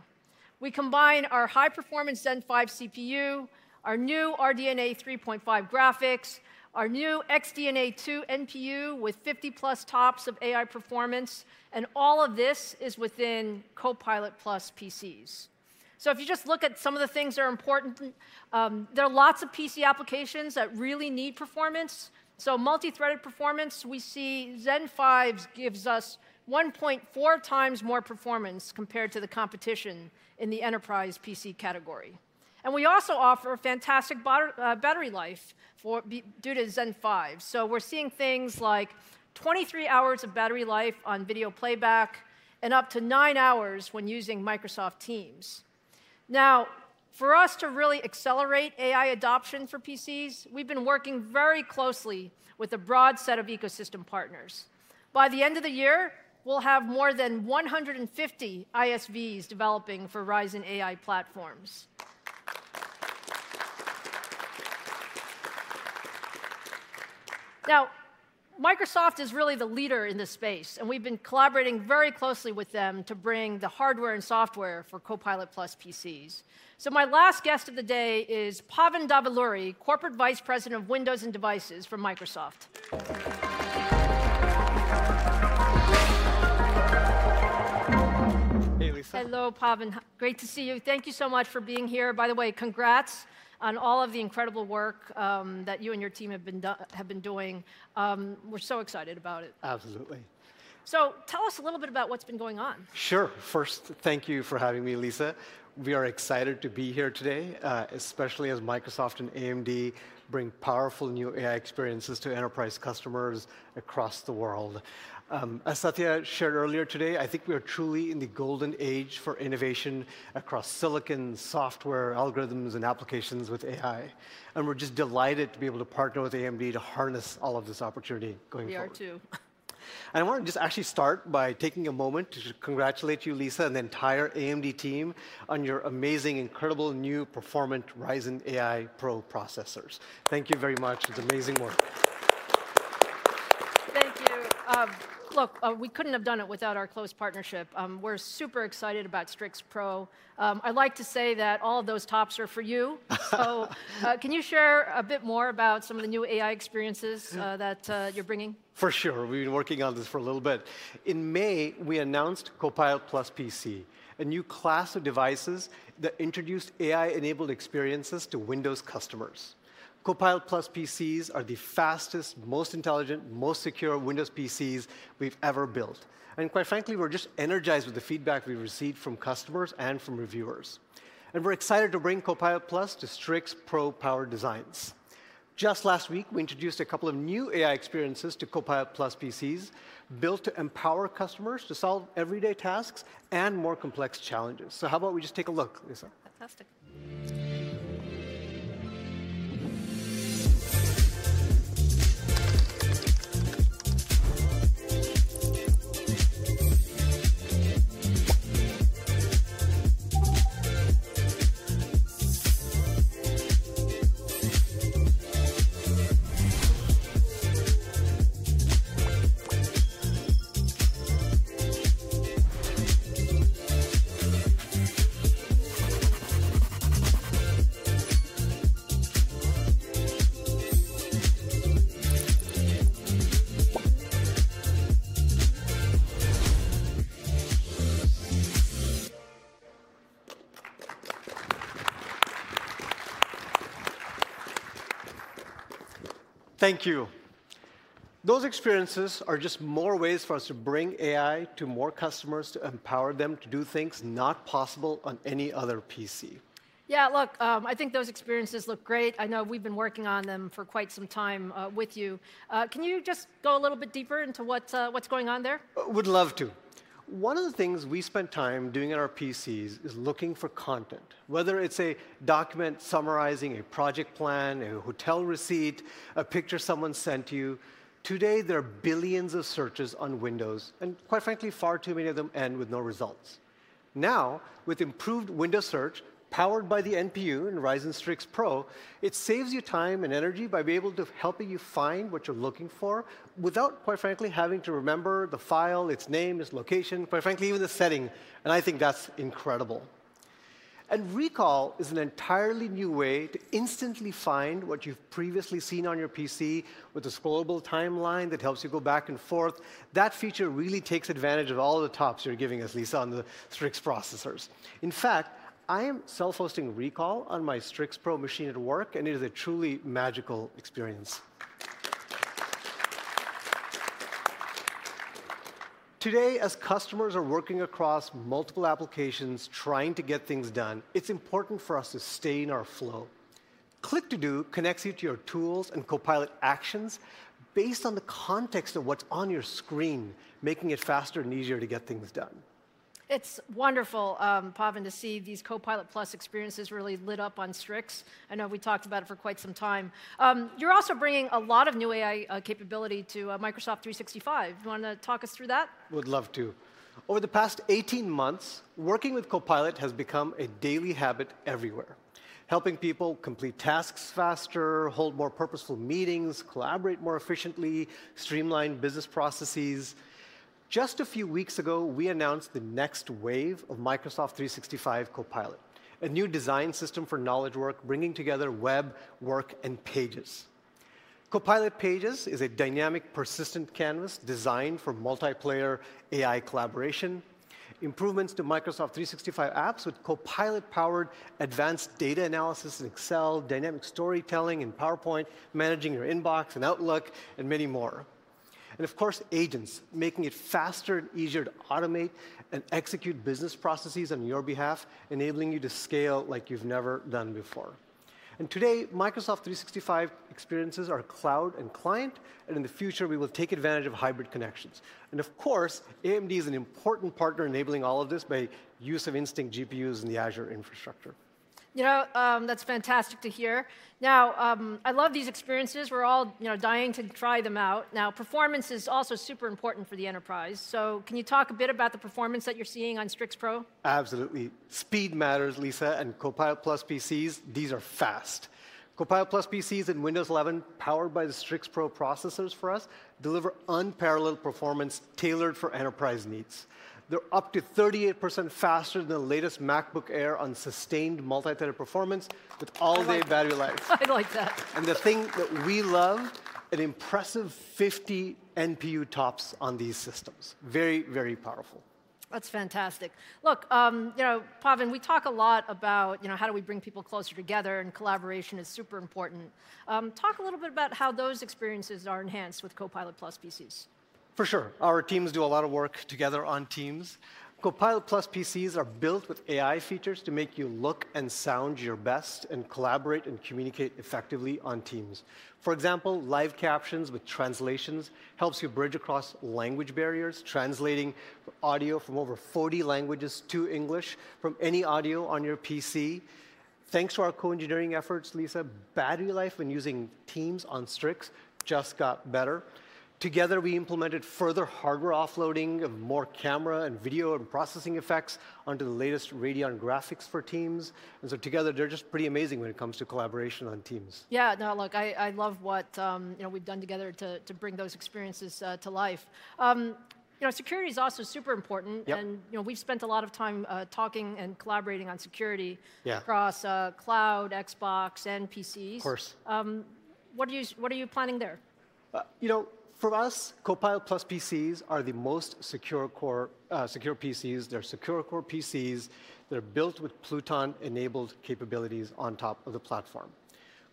We combine our high-performance Zen 5 CPU, our new RDNA 3.5 graphics, our new XDNA 2 NPU with 50+ TOPS of AI performance, and all of this is within Copilot+ PCs. So if you just look at some of the things that are important, there are lots of PC applications that really need performance. So multi-threaded performance, we see Zen 5 gives us 1.4x more performance compared to the competition in the enterprise PC category. And we also offer fantastic battery life due to Zen 5. So we're seeing things like 23 hours of battery life on video playback and up to 9 hours when using Microsoft Teams. Now, for us to really accelerate AI adoption for PCs, we've been working very closely with a broad set of ecosystem partners. By the end of the year, we'll have more than 150 ISVs developing for Ryzen AI platforms. Now, Microsoft is really the leader in this space, and we've been collaborating very closely with them to bring the hardware and software for Copilot+ PCs. My last guest of the day is Pavan Davuluri, Corporate Vice President of Windows and Devices for Microsoft. Hey, Lisa. Hello, Pavan. Great to see you. Thank you so much for being here. By the way, congrats on all of the incredible work that you and your team have been doing. We're so excited about it. Absolutely. So tell us a little bit about what's been going on. Sure. First, thank you for having me, Lisa. We are excited to be here today, especially as Microsoft and AMD bring powerful new AI experiences to enterprise customers across the world. As Satya shared earlier today, I think we are truly in the golden age for innovation across silicon, software, algorithms, and applications with AI, and we're just delighted to be able to partner with AMD to harness all of this opportunity going forward. We are, too. I wanna just actually start by taking a moment to congratulate you, Lisa, and the entire AMD team on your amazing, incredible, new performant Ryzen AI Pro processors. Thank you very much. It's amazing work. Thank you. Look, we couldn't have done it without our close partnership. We're super excited about Strix Pro. I'd like to say that all of those TOPS are for you. So, can you share a bit more about some of the new AI experiences? Yeah... that, you're bringing? For sure. We've been working on this for a little bit. In May, we announced Copilot+ PC, a new class of devices that introduced AI-enabled experiences to Windows customers. Copilot+ PCs are the fastest, most intelligent, most secure Windows PCs we've ever built, and quite frankly, we're just energized with the feedback we've received from customers and from reviewers. And we're excited to bring Copilot+ to Strix Pro power designs. Just last week, we introduced a couple of new AI experiences to Copilot+ PCs, built to empower customers to solve everyday tasks and more complex challenges. So how about we just take a look, Lisa? Fantastic. Thank you. Those experiences are just more ways for us to bring AI to more customers, to empower them to do things not possible on any other PC. Yeah, look, I think those experiences look great. I know we've been working on them for quite some time, with you. Can you just go a little bit deeper into what's going on there? Would love to. One of the things we spend time doing on our PCs is looking for content, whether it's a document summarizing a project plan, a hotel receipt, a picture someone sent you. Today, there are billions of searches on Windows, and quite frankly, far too many of them end with no results. Now, with improved Windows Search, powered by the NPU and Ryzen Strix Pro, it saves you time and energy by being able to helping you find what you're looking for without, quite frankly, having to remember the file, its name, its location, quite frankly, even the setting, and I think that's incredible, and Recall is an entirely new way to instantly find what you've previously seen on your PC with a scrollable timeline that helps you go back and forth. That feature really takes advantage of all the TOPS you're giving us, Lisa, on the Strix processors. In fact, I am self-hosting Recall on my Strix Pro machine at work, and it is a truly magical experience. Today, as customers are working across multiple applications trying to get things done, it's important for us to stay in our flow. Click to Do connects you to your tools and Copilot actions based on the context of what's on your screen, making it faster and easier to get things done. It's wonderful, Pavan, to see these Copilot+ experiences really lit up on Strix. I know we talked about it for quite some time. You're also bringing a lot of new AI capability to Microsoft 365. You wanna talk us through that? Would love to. Over the past 18 months, working with Copilot has become a daily habit everywhere, helping people complete tasks faster, hold more purposeful meetings, collaborate more efficiently, streamline business processes. Just a few weeks ago, we announced the next wave of Microsoft 365 Copilot, a new design system for knowledge work, bringing together web, work, and pages. Copilot Pages is a dynamic, persistent canvas designed for multiplayer AI collaboration, improvements to Microsoft 365 apps with Copilot-powered advanced data analysis in Excel, dynamic storytelling in PowerPoint, managing your inbox in Outlook, and many more. And of course, agents, making it faster and easier to automate and execute business processes on your behalf, enabling you to scale like you've never done before. And today, Microsoft 365 experiences are cloud and client, and in the future, we will take advantage of hybrid connections. Of course, AMD is an important partner enabling all of this by use of Instinct GPUs in the Azure infrastructure. You know, that's fantastic to hear. Now, I love these experiences. We're all, you know, dying to try them out. Now, performance is also super important for the enterprise, so can you talk a bit about the performance that you're seeing on Strix Pro? Absolutely. Speed matters, Lisa, and Copilot+ PCs, these are fast. Copilot+ PCs and Windows 11, powered by the Strix Pro processors for us, deliver unparalleled performance tailored for enterprise needs. They're up to 38% faster than the latest MacBook Air on sustained multi-threaded performance with all-day battery life. I like that. The thing that we love, an impressive 50 NPU TOPS on these systems. Very, very powerful. That's fantastic. Look, you know, Pavan, we talk a lot about, you know, how do we bring people closer together, and collaboration is super important. Talk a little bit about how those experiences are enhanced with Copilot+ PCs. For sure. Our teams do a lot of work together on Teams. Copilot+ PCs are built with AI features to make you look and sound your best and collaborate and communicate effectively on Teams. For example, live captions with translations helps you bridge across language barriers, translating audio from over forty languages to English from any audio on your PC. Thanks to our co-engineering efforts, Lisa, battery life when using Teams on Strix just got better. Together, we implemented further hardware offloading of more camera and video and processing effects onto the latest Radeon graphics for Teams. And so together, they're just pretty amazing when it comes to collaboration on Teams. Yeah. Now, look, I love what, you know, we've done together to bring those experiences to life. You know, security is also super important. Yep. -and, you know, we've spent a lot of time, talking and collaborating on security- Yeah... across, cloud, Xbox, and PCs. Of course. What are you planning there? You know, for us, Copilot+ PCs are the most Secured-core PCs. They're Secured-core PCs that are built with Pluton-enabled capabilities on top of the platform.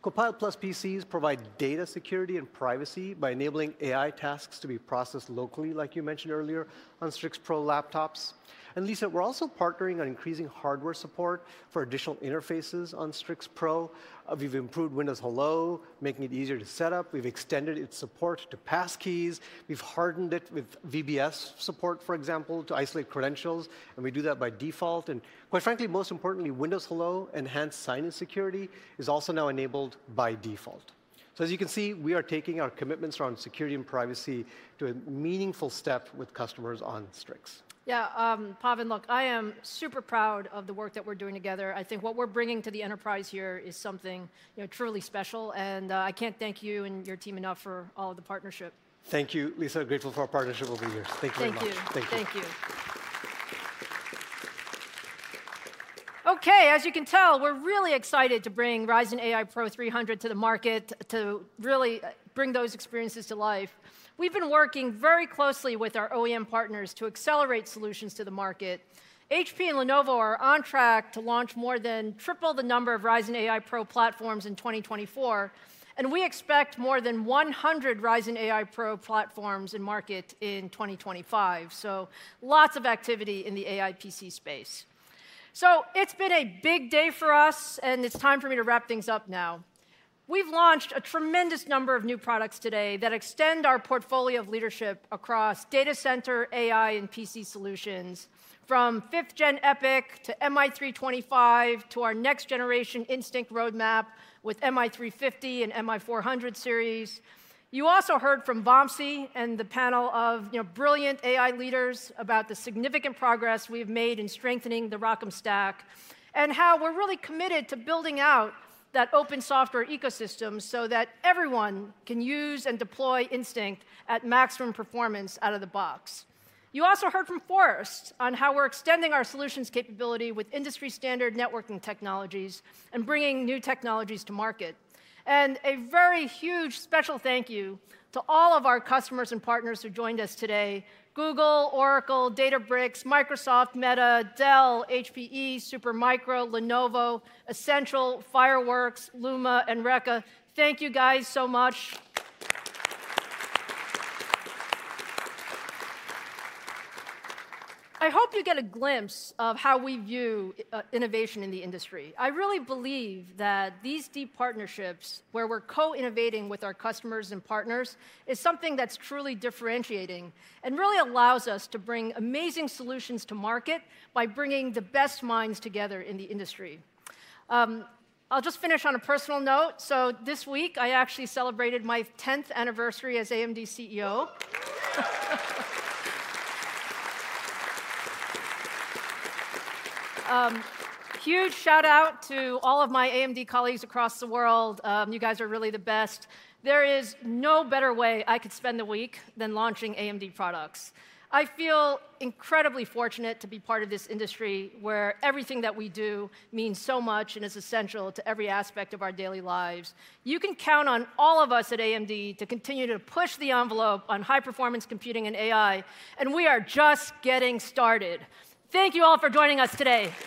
Copilot+ PCs provide data security and privacy by enabling AI tasks to be processed locally, like you mentioned earlier, on Strix Pro laptops. And Lisa, we're also partnering on increasing hardware support for additional interfaces on Strix Pro. We've improved Windows Hello, making it easier to set up. We've extended its support to passkeys. We've hardened it with VBS support, for example, to isolate credentials, and we do that by default. And quite frankly, most importantly, Windows Hello enhanced sign-in security is also now enabled by default. So as you can see, we are taking our commitments around security and privacy to a meaningful step with customers on Strix. Yeah, Pavan, look, I am super proud of the work that we're doing together. I think what we're bringing to the enterprise here is something, you know, truly special, and I can't thank you and your team enough for all of the partnership. Thank you, Lisa. Grateful for our partnership over the years. Thank you very much. Thank you. Thank you. Thank you. Okay, as you can tell, we're really excited to bring Ryzen AI Pro 300 to the market to really bring those experiences to life. We've been working very closely with our OEM partners to accelerate solutions to the market. HP and Lenovo are on track to launch more than triple the number of Ryzen AI Pro platforms in 2024, and we expect more than 100 Ryzen AI Pro platforms in market in 2025, so lots of activity in the AI PC space. So it's been a big day for us, and it's time for me to wrap things up now. We've launched a tremendous number of new products today that extend our portfolio of leadership across data center, AI, and PC solutions, from 5th-Gen EPYC to MI325, to our next generation Instinct roadmap with MI350 and MI400 series. You also heard from Vamsi and the panel of, you know, brilliant AI leaders about the significant progress we've made in strengthening the ROCm stack and how we're really committed to building out that open software ecosystem so that everyone can use and deploy Instinct at maximum performance out of the box. You also heard from Forrest on how we're extending our solutions capability with industry-standard networking technologies and bringing new technologies to market. And a very huge special thank you to all of our customers and partners who joined us today: Google, Oracle, Databricks, Microsoft, Meta, Dell, HPE, Supermicro, Lenovo, Essential, Fireworks, Luma, and Reka. Thank you guys so much. I hope you get a glimpse of how we view innovation in the industry. I really believe that these deep partnerships, where we're co-innovating with our customers and partners, is something that's truly differentiating and really allows us to bring amazing solutions to market by bringing the best minds together in the industry. I'll just finish on a personal note. So this week, I actually celebrated my tenth anniversary as AMD CEO. Huge shout-out to all of my AMD colleagues across the world. You guys are really the best. There is no better way I could spend the week than launching AMD products. I feel incredibly fortunate to be part of this industry, where everything that we do means so much and is essential to every aspect of our daily lives. You can count on all of us at AMD to continue to push the envelope on high-performance computing and AI, and we are just getting started. Thank you all for joining us today.